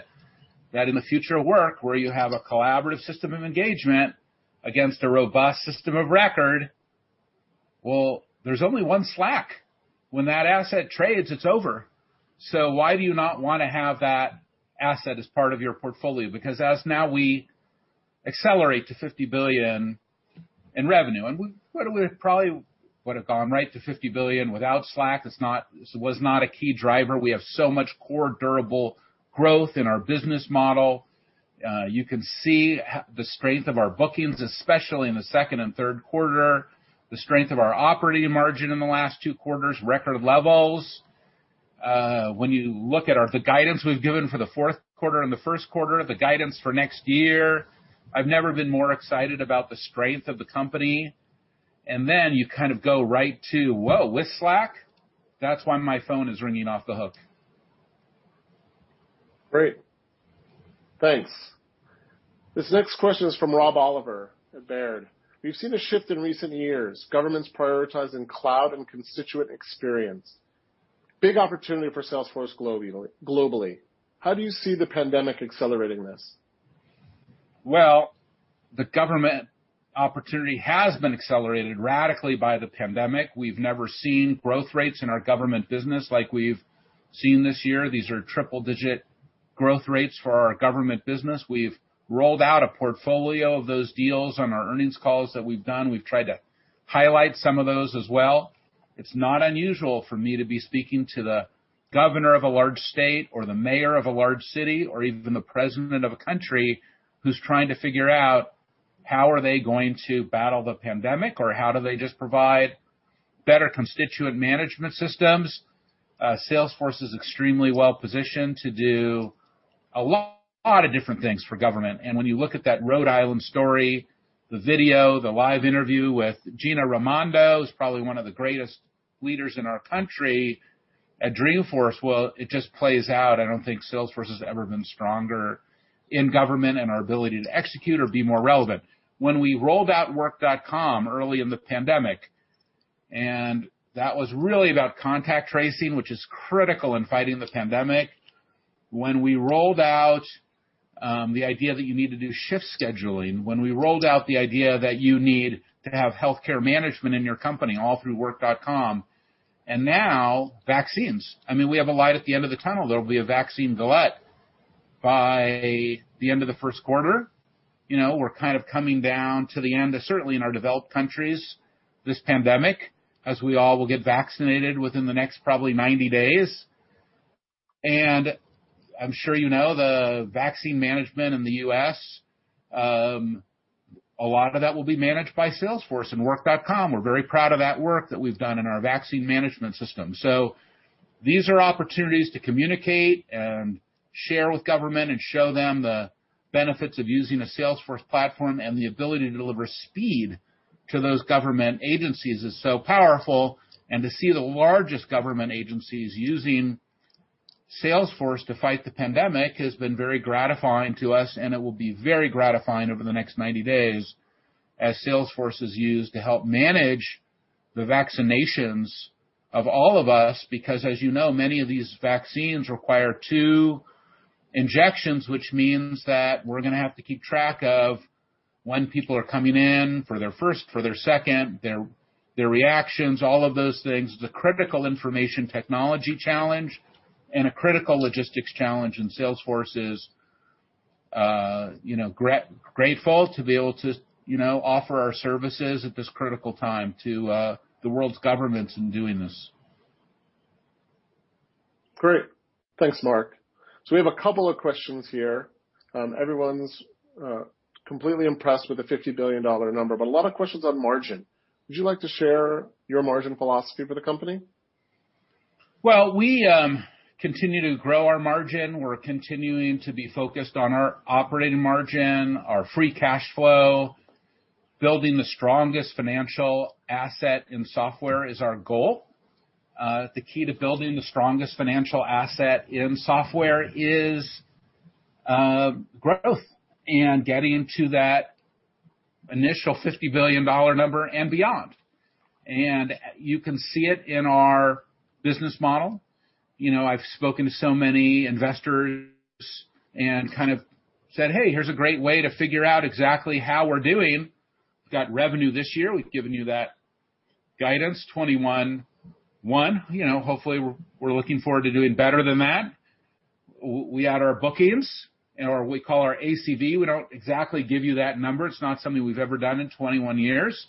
that in the future of work, where you have a collaborative system of engagement against a robust system of record, well, there's only one Slack. When that asset trades, it's over. Why do you not want to have that asset as part of your portfolio? As now we accelerate to $50 billion in revenue, and we probably would've gone right to $50 billion without Slack. It was not a key driver. We have so much core durable growth in our business model. You can see the strength of our bookings, especially in the second and third quarter, the strength of our operating margin in the last two quarters, record levels. When you look at the guidance we've given for the fourth quarter and the first quarter, the guidance for next year, I've never been more excited about the strength of the company. Then you kind of go right to, whoa, with Slack? That's why my phone is ringing off the hook. Great. Thanks. This next question is from Rob Oliver at Baird. We've seen a shift in recent years, governments prioritizing cloud and constituent experience. Big opportunity for Salesforce globally. How do you see the pandemic accelerating this? Well, the government opportunity has been accelerated radically by the pandemic. We've never seen growth rates in our government business like we've seen this year. These are triple-digit growth rates for our government business. We've rolled out a portfolio of those deals on our earnings calls that we've done. We've tried to highlight some of those as well. It's not unusual for me to be speaking to the governor of a large state or the mayor of a large city, or even the president of a country who's trying to figure out how are they going to battle the pandemic, or how do they just provide better constituent management systems. Salesforce is extremely well-positioned to do a lot of different things for government. When you look at that Rhode Island story, the video, the live interview with Gina Raimondo, who's probably one of the greatest leaders in our country, at Dreamforce, well, it just plays out. I don't think Salesforce has ever been stronger in government and our ability to execute or be more relevant. When we rolled out Work.com early in the pandemic, and that was really about contact tracing, which is critical in fighting the pandemic. When we rolled out the idea that you need to do shift scheduling, when we rolled out the idea that you need to have healthcare management in your company all through Work.com, and now vaccines. We have a light at the end of the tunnel. There will be a vaccine valet by the end of the first quarter. We're kind of coming down to the end of, certainly in our developed countries, this pandemic, as we all will get vaccinated within the next probably 90 days. I'm sure you know, the vaccine management in the U.S., a lot of that will be managed by Salesforce and Work.com. We're very proud of that work that we've done in our vaccine management system. These are opportunities to communicate and share with government and show them the benefits of using a Salesforce platform and the ability to deliver speed to those government agencies is so powerful. To see the largest government agencies using Salesforce to fight the pandemic has been very gratifying to us, and it will be very gratifying over the next 90 days as Salesforce is used to help manage the vaccinations of all of us. As you know, many of these vaccines require two injections, which means that we're going to have to keep track of when people are coming in for their first, for their second, their reactions, all of those things. It's a critical information technology challenge and a critical logistics challenge, and Salesforce is grateful to be able to offer our services at this critical time to the world's governments in doing this. Great. Thanks, Marc. We have a couple of questions here. Everyone's completely impressed with the $50 billion number, but a lot of questions on margin. Would you like to share your margin philosophy for the company? Well, we continue to grow our margin. We're continuing to be focused on our operating margin, our free cash flow. Building the strongest financial asset in software is our goal. The key to building the strongest financial asset in software is growth and getting to that initial $50 billion number and beyond. You can see it in our business model. I've spoken to so many investors and kind of said, Hey, here's a great way to figure out exactly how we're doing. We've got revenue this year. We've given you that guidance, FY 2021. Hopefully, we're looking forward to doing better than that. We add our bookings or we call our ACV. We don't exactly give you that number. It's not something we've ever done in 21 years.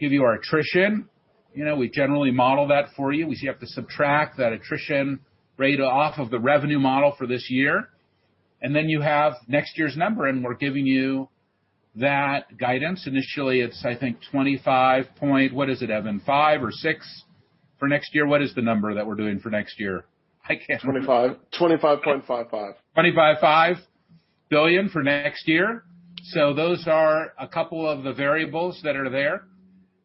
Give you our attrition. We generally model that for you, which you have to subtract that attrition rate off of the revenue model for this year. You have next year's number, and we're giving you that guidance. Initially, it's, I think, 25 point, what is it, Evan, five or six for next year? What is the number that we're doing for next year? 25.55. $25.5 billion for next year. Those are a couple of the variables that are there.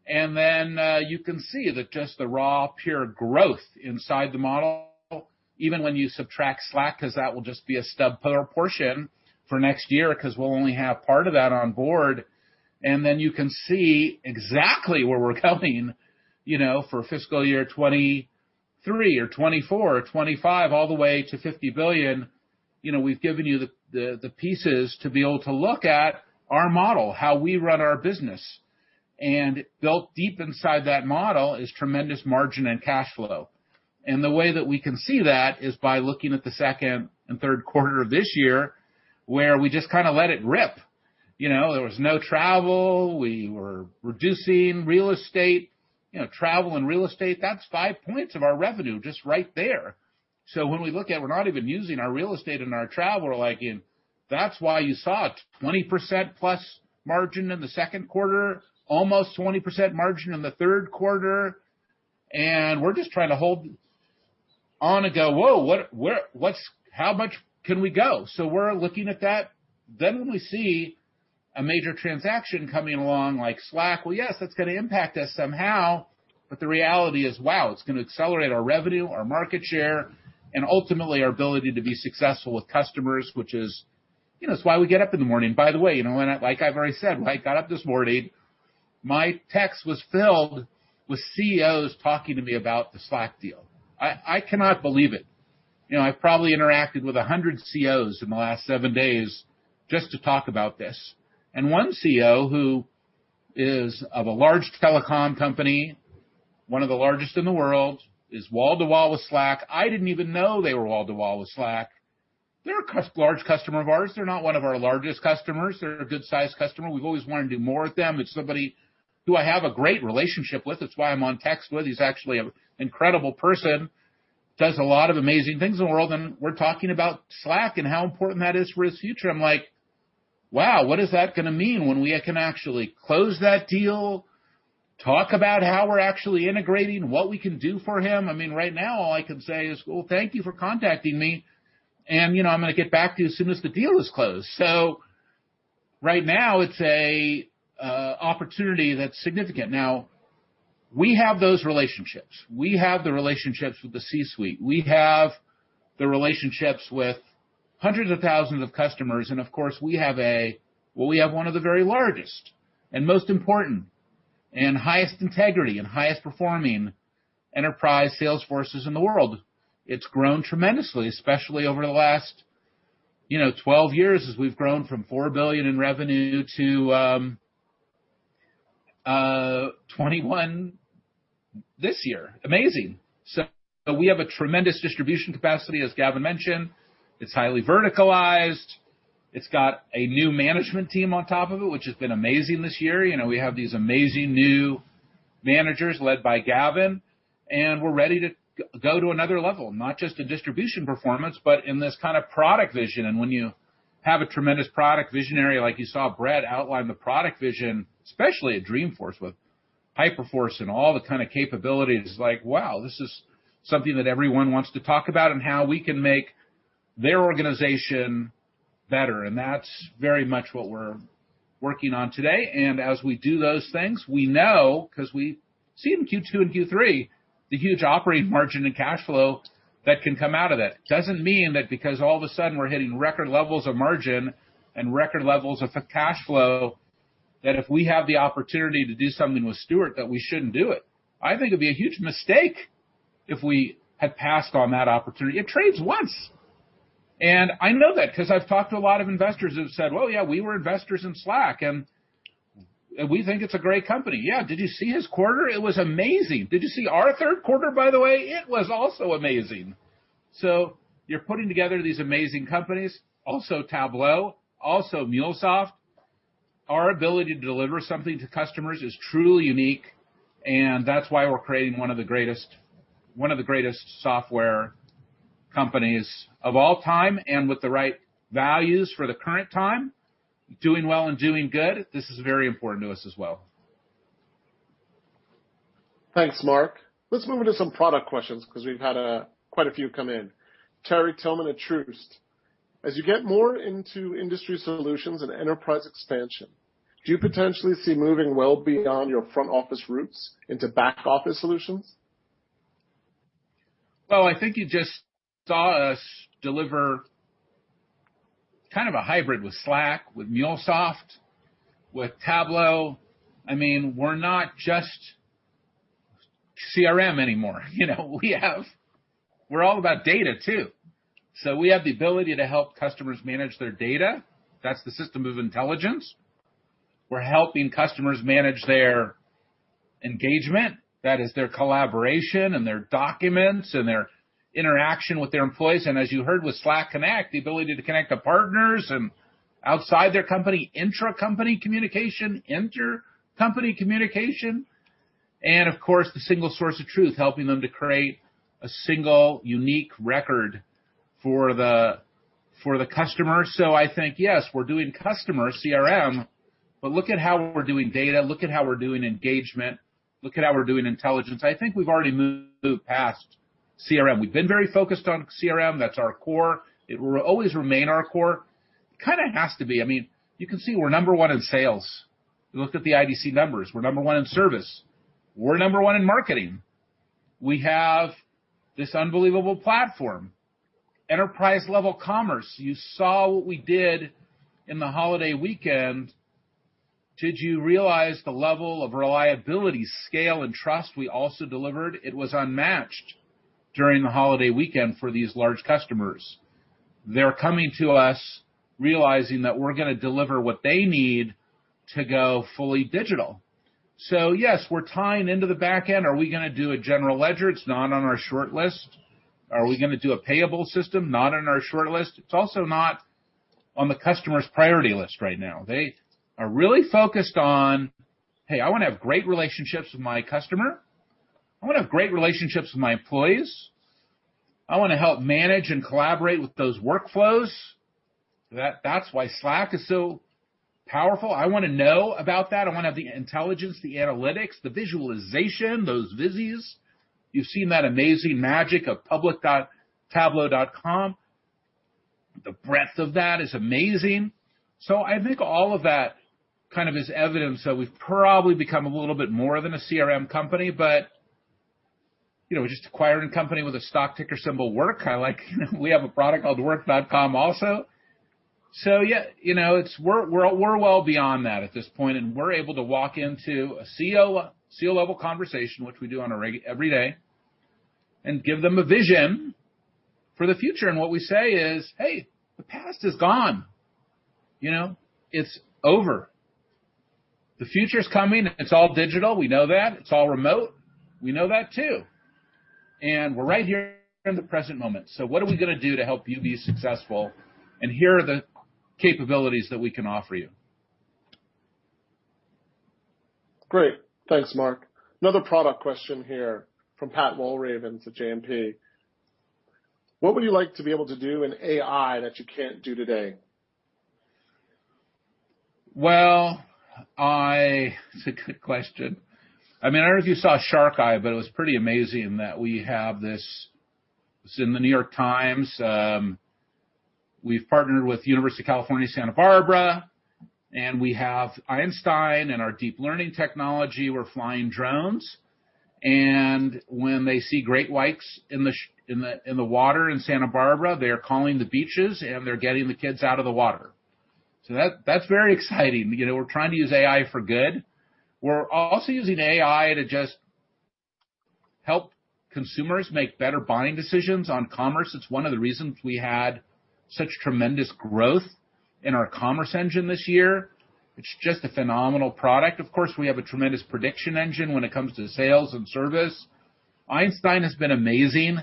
You can see that just the raw, pure growth inside the model, even when you subtract Slack, because that will just be a stub portion for next year, because we'll only have part of that on board. You can see exactly where we're going for fiscal year 2023 or 2024 or 2025, all the way to $50 billion. We've given you the pieces to be able to look at our model, how we run our business. Built deep inside that model is tremendous margin and cash flow. The way that we can see that is by looking at the second and third quarter of this year, where we just kind of let it rip. There was no travel. We were reducing real estate. Travel and real estate, that's five points of our revenue just right there. When we look at we're not even using our real estate and our travel, we're like, that's why you saw a 20%+ margin in the second quarter, almost 20% margin in the third quarter. We're just trying to hold on and go, Whoa, how much can we go? We're looking at that. When we see a major transaction coming along like Slack, well, yes, that's going to impact us somehow, but the reality is, wow, it's going to accelerate our revenue, our market share, and ultimately our ability to be successful with customers, which is why we get up in the morning. By the way, like I've already said, when I got up this morning, my text was filled with CEOs talking to me about the Slack deal. I cannot believe it. I've probably interacted with 100 CEOs in the last seven days just to talk about this. One CEO, who is of a large telecom company, one of the largest in the world, is wall-to-wall with Slack. I didn't even know they were wall-to-wall with Slack. They're a large customer of ours. They're not one of our largest customers. They're a good-sized customer. We've always wanted to do more with them. It's somebody who I have a great relationship with. That's why I'm on text with. He's actually an incredible person, does a lot of amazing things in the world, we're talking about Slack and how important that is for his future. I'm like, wow, what is that going to mean when we can actually close that deal, talk about how we're actually integrating, what we can do for him? Right now, all I can say is, Well, thank you for contacting me, and I'm going to get back to you as soon as the deal is closed. Right now, it's an opportunity that's significant. Now, we have those relationships. We have the relationships with the C-suite. We have the relationships with hundreds of thousands of customers, and of course, we have one of the very largest and most important and highest integrity and highest performing enterprise sales forces in the world. It's grown tremendously, especially over the last 12 years as we've grown from $4 billion in revenue to $21 this year. Amazing. We have a tremendous distribution capacity, as Gavin mentioned. It's highly verticalized. It's got a new management team on top of it, which has been amazing this year. We have these amazing new managers led by Gavin. We're ready to go to another level, not just in distribution performance, but in this kind of product vision. When you have a tremendous product visionary, like you saw Bret outline the product vision, especially at Dreamforce with Hyperforce and all the kind of capabilities, like, wow, this is something that everyone wants to talk about and how we can make their organization better. That's very much what we're working on today. As we do those things, we know, because we see it in Q2 and Q3, the huge operating margin and cash flow that can come out of it. Doesn't mean that because all of a sudden we're hitting record levels of margin and record levels of cash flow, that if we have the opportunity to do something with Stewart, that we shouldn't do it. I think it'd be a huge mistake if we had passed on that opportunity. It trades once. I know that because I've talked to a lot of investors who've said, Well, yeah, we were investors in Slack, and we think it's a great company. Yeah. Did you see his quarter? It was amazing. Did you see our third quarter, by the way? It was also amazing. You're putting together these amazing companies, also Tableau, also MuleSoft. Our ability to deliver something to customers is truly unique, and that's why we're creating one of the greatest software companies of all time, and with the right values for the current time, doing well and doing good. This is very important to us as well. Thanks, Marc. Let's move into some product questions because we've had quite a few come in. Terry Tillman at Truist. As you get more into industry solutions and enterprise expansion, do you potentially see moving well beyond your front office roots into back office solutions? Well, I think you just saw us deliver kind of a hybrid with Slack, with MuleSoft, with Tableau. We're not just CRM anymore. We're all about data too. We have the ability to help customers manage their data. That's the system of intelligence. We're helping customers manage their engagement. That is their collaboration and their documents and their interaction with their employees. As you heard with Slack Connect, the ability to connect to partners and outside their company, intracompany communication, intercompany communication, and of course, the single source of truth, helping them to create a single unique record for the customer. I think, yes, we're doing customer CRM, but look at how we're doing data, look at how we're doing engagement, look at how we're doing intelligence. I think we've already moved past CRM. We've been very focused on CRM. That's our core. It will always remain our core. It kind of has to be. You can see we're number one in sales. You looked at the IDC numbers. We're number one in service. We're number one in marketing. We have this unbelievable platform, enterprise-level commerce. You saw what we did in the holiday weekend. Did you realize the level of reliability, scale, and trust we also delivered? It was unmatched during the holiday weekend for these large customers. They're coming to us realizing that we're going to deliver what they need to go fully digital. Yes, we're tying into the back end. Are we going to do a general ledger? It's not on our short list. Are we going to do a payable system? Not on our short list. It's also not on the customer's priority list right now. They are really focused on, Hey, I want to have great relationships with my customer. I want to have great relationships with my employees. I want to help manage and collaborate with those workflows. That's why Slack is so powerful. I want to know about that. I want to have the intelligence, the analytics, the visualization, those vizies. You've seen that amazing magic of public.tableau.com. The breadth of that is amazing. I think all of that kind of is evidence that we've probably become a little bit more than a CRM company, but we just acquired a company with a stock ticker symbol WORK. We have a product called Work.com also. Yeah, we're well beyond that at this point, and we're able to walk into a CEO-level conversation, which we do every day, and give them a vision for the future. What we say is, Hey, the past is gone. It's over. The future's coming. It's all digital. We know that. It's all remote. We know that too. We're right here in the present moment. What are we going to do to help you be successful? Here are the capabilities that we can offer you. Great. Thanks, Mark. Another product question here from Pat Walravens to JMP. What would you like to be able to do in AI that you can't do today? Well, it's a good question. I don't know if you saw SharkEye, but it was pretty amazing that we have this in The New York Times. We've partnered with University of California, Santa Barbara, and we have Einstein and our deep learning technology. We're flying drones. When they see great whites in the water in Santa Barbara, they are calling the beaches, and they're getting the kids out of the water. That's very exciting. We're trying to use AI for good. We're also using AI to just help consumers make better buying decisions on commerce. It's one of the reasons we had such tremendous growth in our commerce engine this year. It's just a phenomenal product. Of course, we have a tremendous prediction engine when it comes to sales and service. Einstein has been amazing.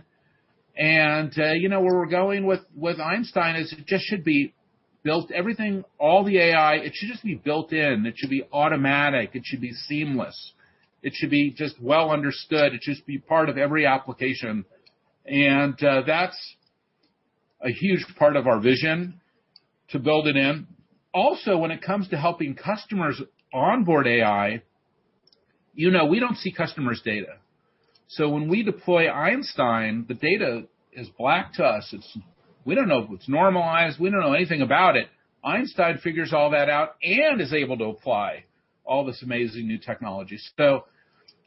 Where we're going with Einstein is it just should be built, everything, all the AI, it should just be built in. It should be automatic. It should be seamless. It should be just well understood. It should just be part of every application. That's a huge part of our vision to build it in. Also, when it comes to helping customers onboard AI, we don't see customers' data. When we deploy Einstein, the data is black to us. We don't know if it's normalized. We don't know anything about it. Einstein figures all that out and is able to apply all this amazing new technology.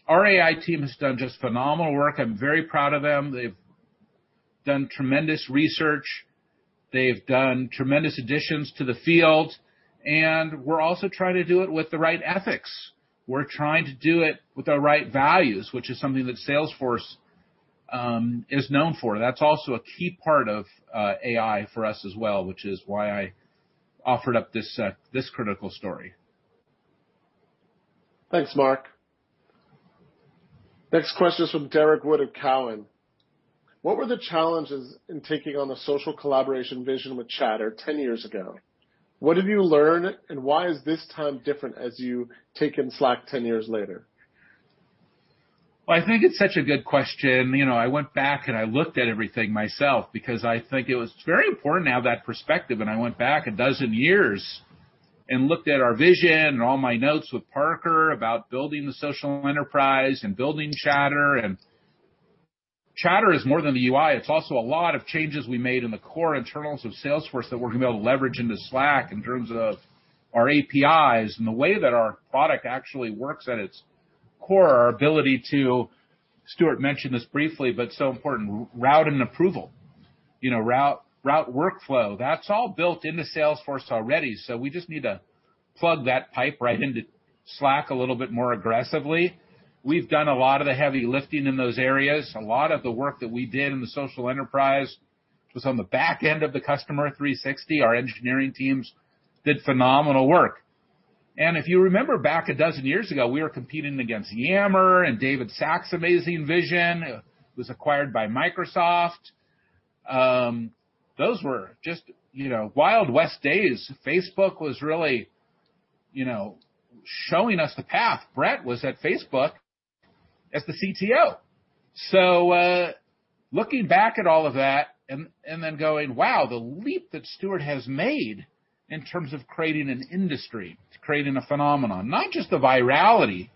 Our AI team has done just phenomenal work. I'm very proud of them. They've done tremendous research. They've done tremendous additions to the field. We're also trying to do it with the right ethics. We're trying to do it with the right values, which is something that Salesforce is known for. That's also a key part of AI for us as well, which is why I offered up this critical story. Thanks, Marc. Next question is from Derrick Wood at Cowen. What were the challenges in taking on the social collaboration vision with Chatter 10 years ago? What have you learned, and why is this time different as you take in Slack 10 years later? I think it's such a good question. I went back, and I looked at everything myself because I think it was very important to have that perspective, and I went back a dozen years and looked at our vision and all my notes with Parker about building the social enterprise and building Chatter. Chatter is more than the UI. It's also a lot of changes we made in the core internals of Salesforce that we're going to be able to leverage into Slack in terms of our APIs and the way that our product actually works at its core, our ability to, Stewart mentioned this briefly, but so important, route an approval. Route workflow. That's all built into Salesforce already. We just need to plug that pipe right into Slack a little bit more aggressively. We've done a lot of the heavy lifting in those areas. A lot of the work that we did in the social enterprise was on the back end of the Customer 360. Our engineering teams did phenomenal work. If you remember back a dozen years ago, we were competing against Yammer and David Sacks' amazing vision. It was acquired by Microsoft. Those were just Wild West days. Facebook was really showing us the path. Bret was at Facebook as the CTO. Looking back at all of that and then going, Wow, the leap that Stuart has made in terms of creating an industry, creating a phenomenon, not just the virality,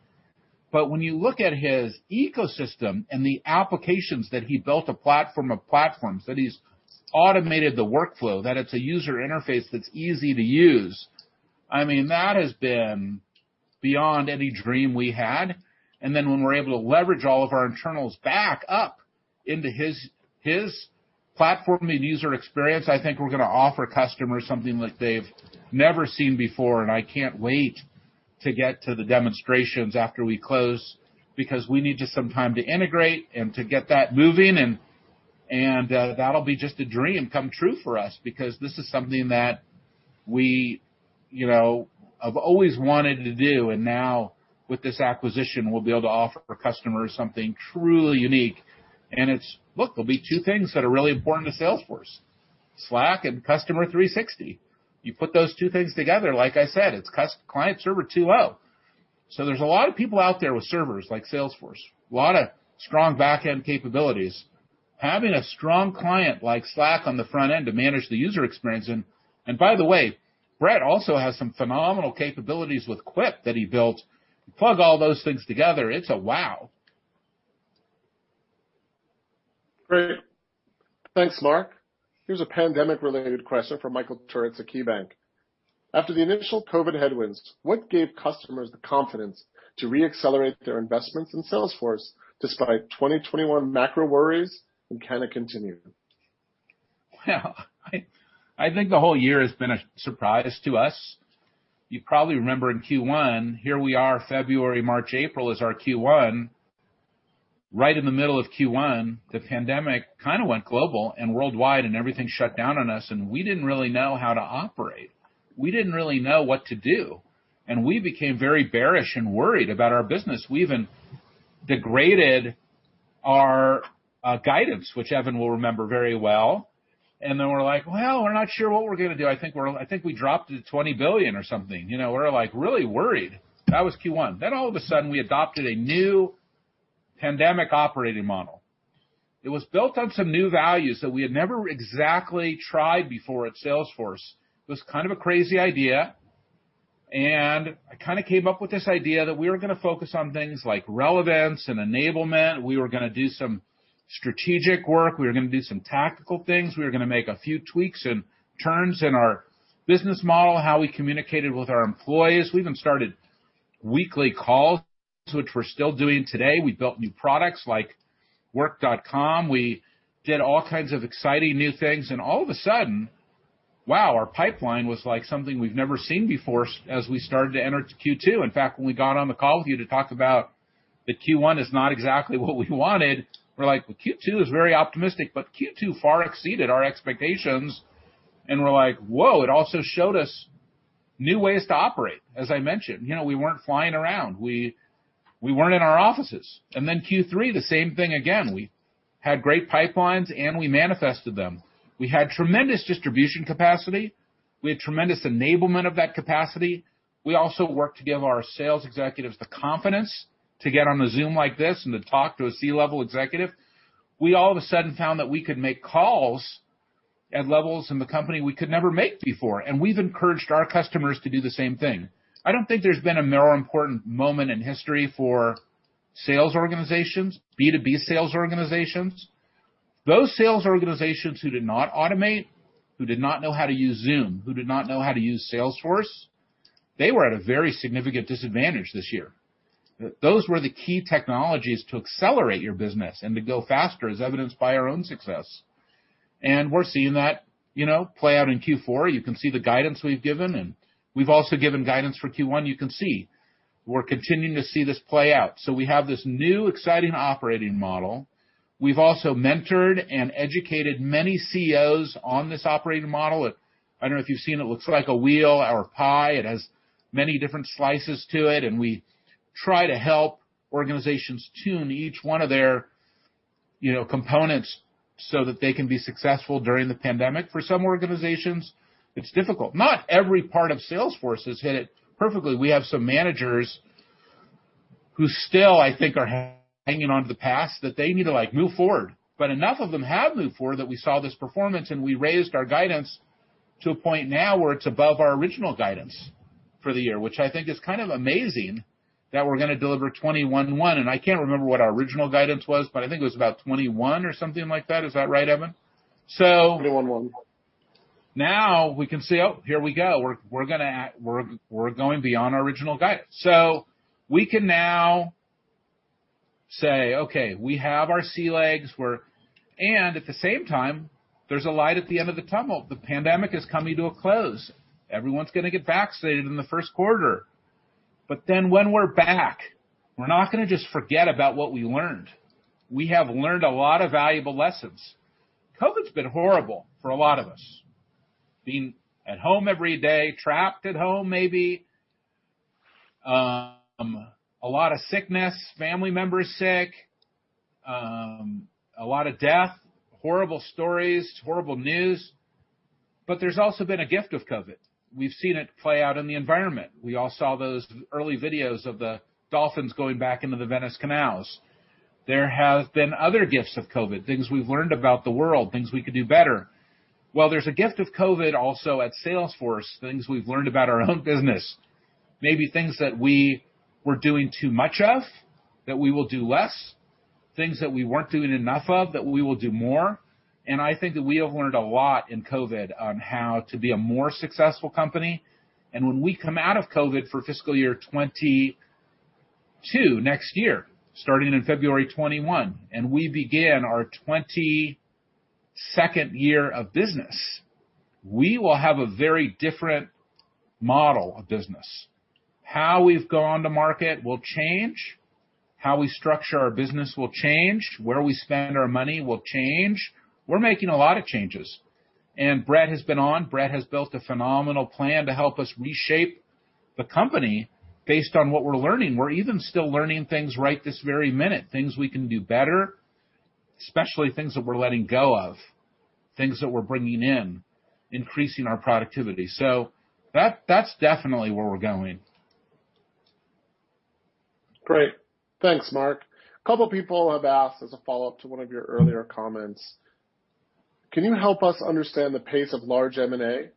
but when you look at his ecosystem and the applications that he built, a platform of platforms, that he's automated the workflow, that it's a user interface that's easy to use. I mean, that has been beyond any dream we had. Then when we're able to leverage all of our internals back up into his platform and user experience, I think we're going to offer customers something that they've never seen before, and I can't wait to get to the demonstrations after we close because we need just some time to integrate and to get that moving, and that'll be just a dream come true for us because this is something that we have always wanted to do, and now with this acquisition, we'll be able to offer customers something truly unique. Look, there'll be two things that are really important to Salesforce, Slack and Customer 360. You put those two things together, like I said, it's client-server 2.0. There's a lot of people out there with servers like Salesforce, a lot of strong back-end capabilities. Having a strong client like Slack on the front end to manage the user experience, and by the way, Bret also has some phenomenal capabilities with Quip that he built. You plug all those things together, it's a wow. Great. Thanks, Marc. Here's a pandemic-related question from Michael Turits at KeyBanc. After the initial COVID headwinds, what gave customers the confidence to re-accelerate their investments in Salesforce despite 2021 macro worries, and can it continue? Well, I think the whole year has been a surprise to us. You probably remember in Q1, here we are February, March, April is our Q1. Right in the middle of Q1, the pandemic kind of went global and worldwide and everything shut down on us, and we didn't really know how to operate. We didn't really know what to do. We became very bearish and worried about our business. We even degraded our guidance, which Evan will remember very well, and then we're like, Well, we're not sure what we're going to do. I think we dropped to $20 billion or something. We were really worried. That was Q1. All of a sudden, we adopted a new pandemic operating model. It was built on some new values that we had never exactly tried before at Salesforce. It was kind of a crazy idea, and I kind of came up with this idea that we were going to focus on things like relevance and enablement. We were going to do some strategic work. We were going to do some tactical things. We were going to make a few tweaks and turns in our business model, how we communicated with our employees. We even started weekly calls, which we're still doing today. We built new products like Work.com. We did all kinds of exciting new things, and all of a sudden, wow, our pipeline was like something we've never seen before as we started to enter Q2. When we got on the call with you to talk about the Q1 is not exactly what we wanted, we're like, Well, Q2 is very optimistic, Q2 far exceeded our expectations, and we're like, Whoa. It also showed us new ways to operate. As I mentioned, we weren't flying around. We weren't in our offices. Q3, the same thing again. We had great pipelines, we manifested them. We had tremendous distribution capacity. We had tremendous enablement of that capacity. We also worked to give our sales executives the confidence to get on a Zoom like this and to talk to a C-level executive. We all of a sudden found that we could make calls at levels in the company we could never make before, we've encouraged our customers to do the same thing. I don't think there's been a more important moment in history for sales organizations, B2B sales organizations. Those sales organizations who did not automate, who did not know how to use Zoom, who did not know how to use Salesforce, they were at a very significant disadvantage this year. Those were the key technologies to accelerate your business and to go faster, as evidenced by our own success. We're seeing that play out in Q4. You can see the guidance we've given, and we've also given guidance for Q1. You can see we're continuing to see this play out. We have this new, exciting operating model. We've also mentored and educated many CEOs on this operating model. I don't know if you've seen it. It looks like a wheel or a pie. It has many different slices to it, and we try to help organizations tune each one of their components so that they can be successful during the pandemic. For some organizations, it's difficult. Not every part of Salesforce has hit it perfectly. We have some managers who still, I think, are hanging on to the past that they need to move forward. Enough of them have moved forward that we saw this performance, and we raised our guidance to a point now where it's above our original guidance for the year, which I think is kind of amazing that we're going to deliver 21.1, and I can't remember what our original guidance was, but I think it was about 21 or something like that. Is that right, Evan? 21.1. Now we can see, here we go. We're going beyond our original guidance. We can now say, Okay, we have our sea legs. At the same time, there's a light at the end of the tunnel. The pandemic is coming to a close. Everyone's going to get vaccinated in the first quarter. When we're back, we're not going to just forget about what we learned. We have learned a lot of valuable lessons. COVID's been horrible for a lot of us. Being at home every day, trapped at home, maybe. A lot of sickness, family members sick, a lot of death, horrible stories, horrible news. There's also been a gift of COVID. We've seen it play out in the environment. We all saw those early videos of the dolphins going back into the Venice canals. There have been other gifts of COVID, things we've learned about the world, things we could do better. Well, there's a gift of COVID also at Salesforce, things we've learned about our own business. Maybe things that we were doing too much of that we will do less, things that we weren't doing enough of that we will do more. I think that we have learned a lot in COVID on how to be a more successful company. When we come out of COVID for fiscal year 2022, next year, starting in February 2021, and we begin our 22nd year of business, we will have a very different model of business. How we've gone to market will change. How we structure our business will change. Where we spend our money will change. We're making a lot of changes, and Bret has been on. Bret has built a phenomenal plan to help us reshape the company based on what we're learning. We're even still learning things right this very minute, things we can do better, especially things that we're letting go of, things that we're bringing in, increasing our productivity. That's definitely where we're going. Great. Thanks, Marc. A couple people have asked as a follow-up to one of your earlier comments, can you help us understand the pace of large M&A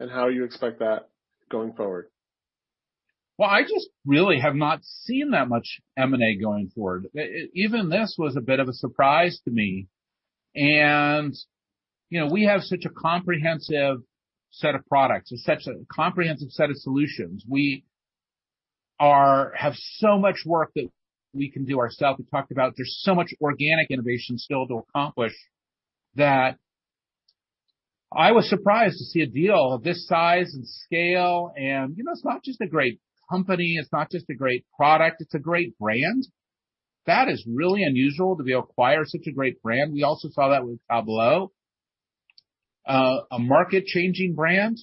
and how you expect that going forward? Well, I just really have not seen that much M&A going forward. Even this was a bit of a surprise to me. We have such a comprehensive set of products and such a comprehensive set of solutions. We have so much work that we can do ourselves. We talked about there's so much organic innovation still to accomplish that I was surprised to see a deal of this size and scale. It's not just a great company, it's not just a great product, it's a great brand. That is really unusual to be able to acquire such a great brand. We also saw that with Tableau. A market-changing brand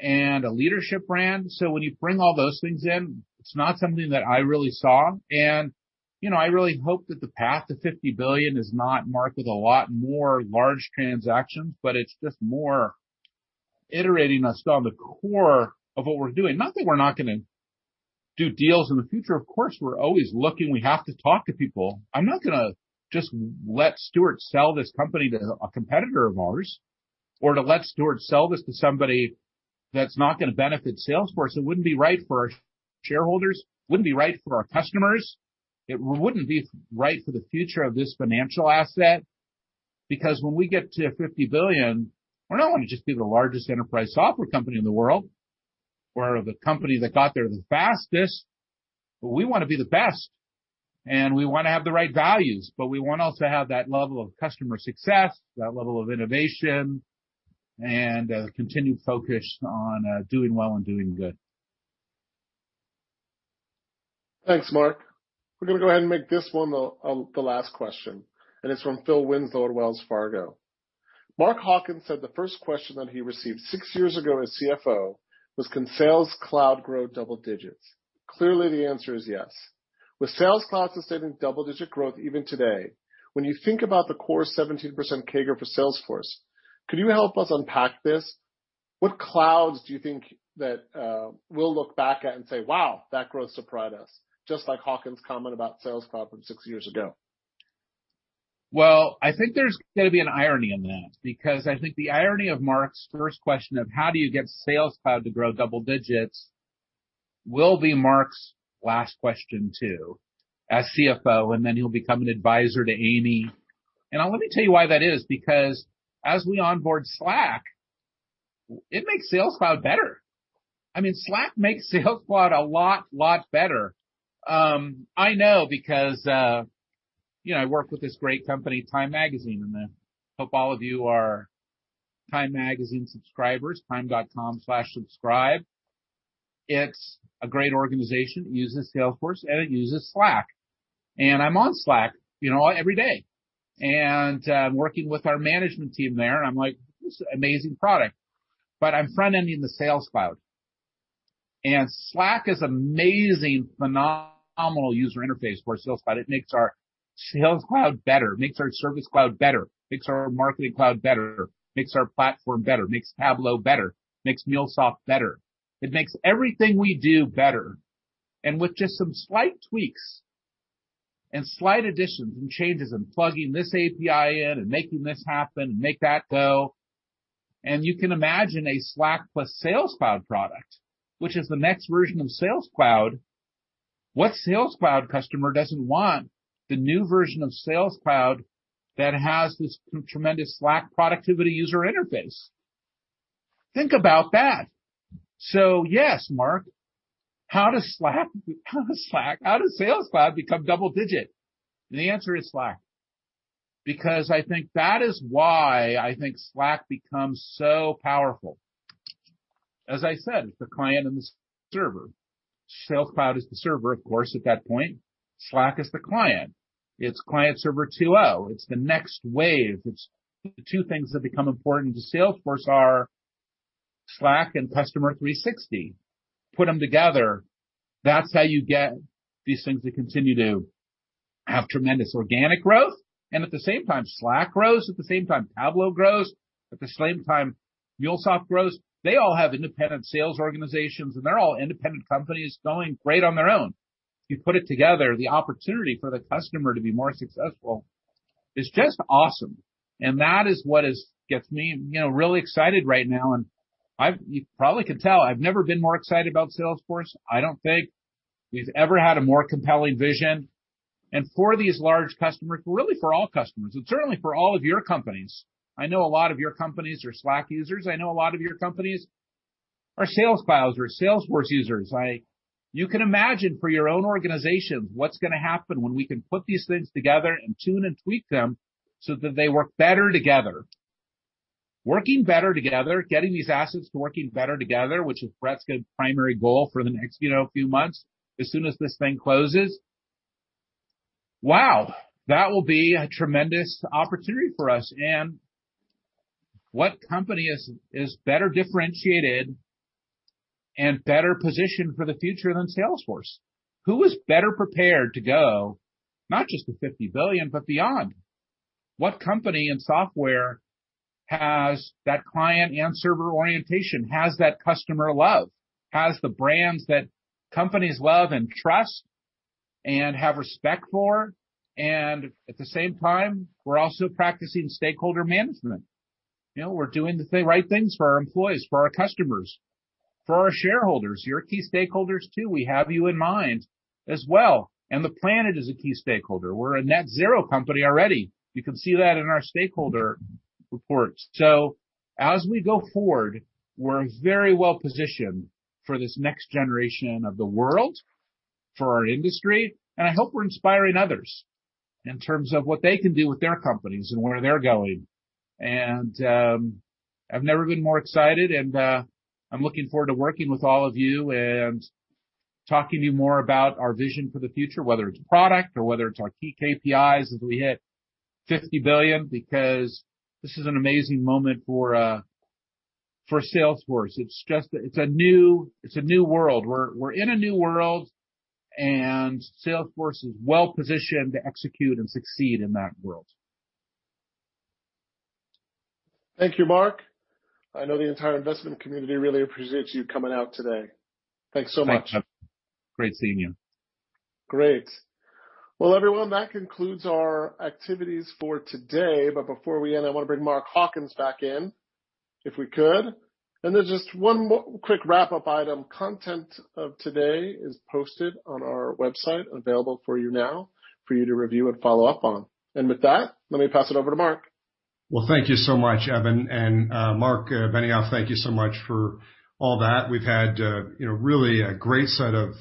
and a leadership brand. When you bring all those things in, it's not something that I really saw, and I really hope that the path to $50 billion is not marked with a lot more large transactions, but it's just more iterating us on the core of what we're doing. Not that we're not going to do deals in the future. Of course, we're always looking. We have to talk to people. I'm not going to just let Stewart sell this company to a competitor of ours or to let Stewart sell this to somebody that's not going to benefit Salesforce. It wouldn't be right for our shareholders, wouldn't be right for our customers. It wouldn't be right for the future of this financial asset, because when we get to $50 billion, we're not wanting to just be the largest enterprise software company in the world or the company that got there the fastest, but we want to be the best, and we want to have the right values. We want also to have that level of customer success, that level of innovation, and a continued focus on doing well and doing good. Thanks, Marc. We're going to go ahead and make this one the last question, and it's from Philip Winslow at Wells Fargo. Mark Hawkins said the first question that he received six years ago as CFO was, can Sales Cloud grow double digits? Clearly, the answer is yes. With Sales Cloud sustaining double-digit growth even today, when you think about the core 17% CAGR for Salesforce, could you help us unpack this? What clouds do you think that we'll look back at and say, Wow, that growth surprised us, just like Hawkins' comment about Sales Cloud from six years ago? Well, I think there's going to be an irony in that, because I think the irony of Mark's first question of how do you get Sales Cloud to grow double digits will be Mark's last question, too, as CFO, and then he'll become an advisor to Amy. Let me tell you why that is, because as we onboard Slack, it makes Sales Cloud better. Slack makes Sales Cloud a lot better. I know because I work with this great company, Time Magazine, and I hope all of you are Time Magazine subscribers, time.com/subscribe. It's a great organization. It uses Salesforce, and it uses Slack. I'm on Slack every day. Working with our management team there, and I'm like, This is an amazing product. I'm front-ending the Sales Cloud. Slack is amazing, phenomenal user interface for Sales Cloud. It makes our Sales Cloud better. It makes our Service Cloud better. It makes our Marketing Cloud better. It makes our platform better. It makes Tableau better. It makes MuleSoft better. It makes everything we do better. With just some slight tweaks and slight additions and changes and plugging this API in and making this happen and make that go, you can imagine a Slack plus Sales Cloud product, which is the next version of Sales Cloud. What Sales Cloud customer doesn't want the new version of Sales Cloud that has this tremendous Slack productivity user interface? Think about that. Yes, Marc, how does Sales Cloud become double digit? The answer is Slack. I think that is why I think Slack becomes so powerful. As I said, it's the client and the server. Sales Cloud is the server, of course, at that point. Slack is the client. It's client server 2.0. It's the next wave. The two things that become important to Salesforce are Slack and Customer 360. Put them together. That's how you get these things to continue to have tremendous organic growth. At the same time, Slack grows. At the same time, Tableau grows. At the same time, MuleSoft grows. They all have independent sales organizations, and they're all independent companies doing great on their own. You put it together, the opportunity for the customer to be more successful is just awesome. That is what gets me really excited right now. You probably can tell, I've never been more excited about Salesforce. I don't think we've ever had a more compelling vision. For these large customers, really for all customers, and certainly for all of your companies, I know a lot of your companies are Slack users. I know a lot of your companies are Sales Cloud or Salesforce users. You can imagine for your own organizations what's going to happen when we can put these things together and tune and tweak them so that they work better together. Working better together, getting these assets to working better together, which is Bret's primary goal for the next few months, as soon as this thing closes. Wow, that will be a tremendous opportunity for us. What company is better differentiated and better positioned for the future than Salesforce? Who is better prepared to go not just to 50 billion, but beyond? What company in software has that client and server orientation, has that customer love, has the brands that companies love and trust and have respect for? At the same time, we're also practicing stakeholder management. We're doing the right things for our employees, for our customers, for our shareholders. You're key stakeholders, too. We have you in mind as well. The planet is a key stakeholder. We're a net zero company already. You can see that in our stakeholder report. As we go forward, we're very well-positioned for this next generation of the world, for our industry, and I hope we're inspiring others in terms of what they can do with their companies and where they're going. I've never been more excited, and I'm looking forward to working with all of you and talking to you more about our vision for the future, whether it's product or whether it's our key KPIs as we hit $50 billion, because this is an amazing moment for Salesforce. It's a new world. We're in a new world, and Salesforce is well-positioned to execute and succeed in that world. Thank you, Marc. I know the entire investment community really appreciates you coming out today. Thanks so much. Thanks, Evan. Great seeing you. Great. Well, everyone, that concludes our activities for today. Before we end, I want to bring Mark Hawkins back in, if we could. There's just one more quick wrap-up item. Content of today is posted on our website, available for you now for you to review and follow up on. With that, let me pass it over to Marc. Well, thank you so much, Evan. Marc Benioff, thank you so much for all that. We've had really a great set of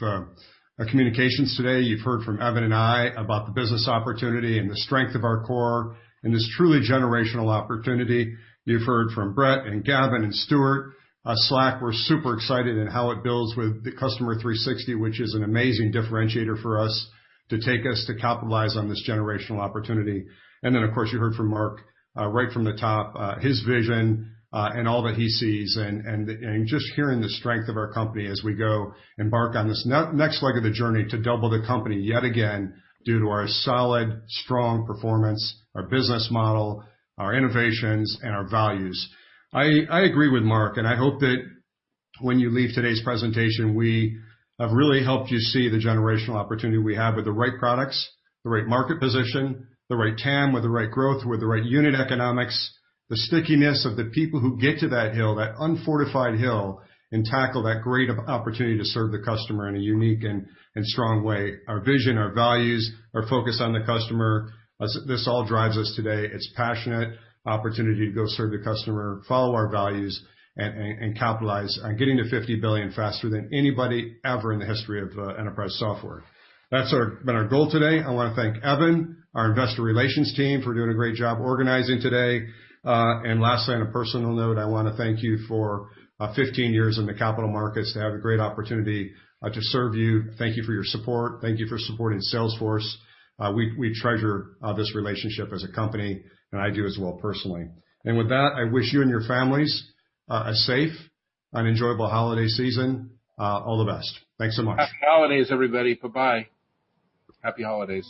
communications today. You've heard from Evan and I about the business opportunity and the strength of our core and this truly generational opportunity. You've heard from Bret and Gavin and Stewart. Slack, we're super excited in how it builds with the Customer 360, which is an amazing differentiator for us to take us to capitalize on this generational opportunity. Then, of course, you heard from Marc right from the top, his vision and all that he sees and just hearing the strength of our company as we go embark on this next leg of the journey to double the company yet again due to our solid, strong performance, our business model, our innovations, and our values. I agree with Marc. I hope that when you leave today's presentation, we have really helped you see the generational opportunity we have with the right products, the right market position, the right TAM, with the right growth, with the right unit economics, the stickiness of the people who get to that hill, that unfortified hill, and tackle that great of opportunity to serve the customer in a unique and strong way. Our vision, our values, our focus on the customer, this all drives us today. It's passionate opportunity to go serve the customer, follow our values, and capitalize on getting to $50 billion faster than anybody ever in the history of enterprise software. That's been our goal today. I want to thank Evan, our investor relations team for doing a great job organizing today. Lastly, on a personal note, I want to thank you for 15 years in the capital markets to have the great opportunity to serve you. Thank you for your support. Thank you for supporting Salesforce. We treasure this relationship as a company, and I do as well personally. With that, I wish you and your families a safe and enjoyable holiday season. All the best. Thanks so much. Happy holidays, everybody. Bye-bye. Happy holidays.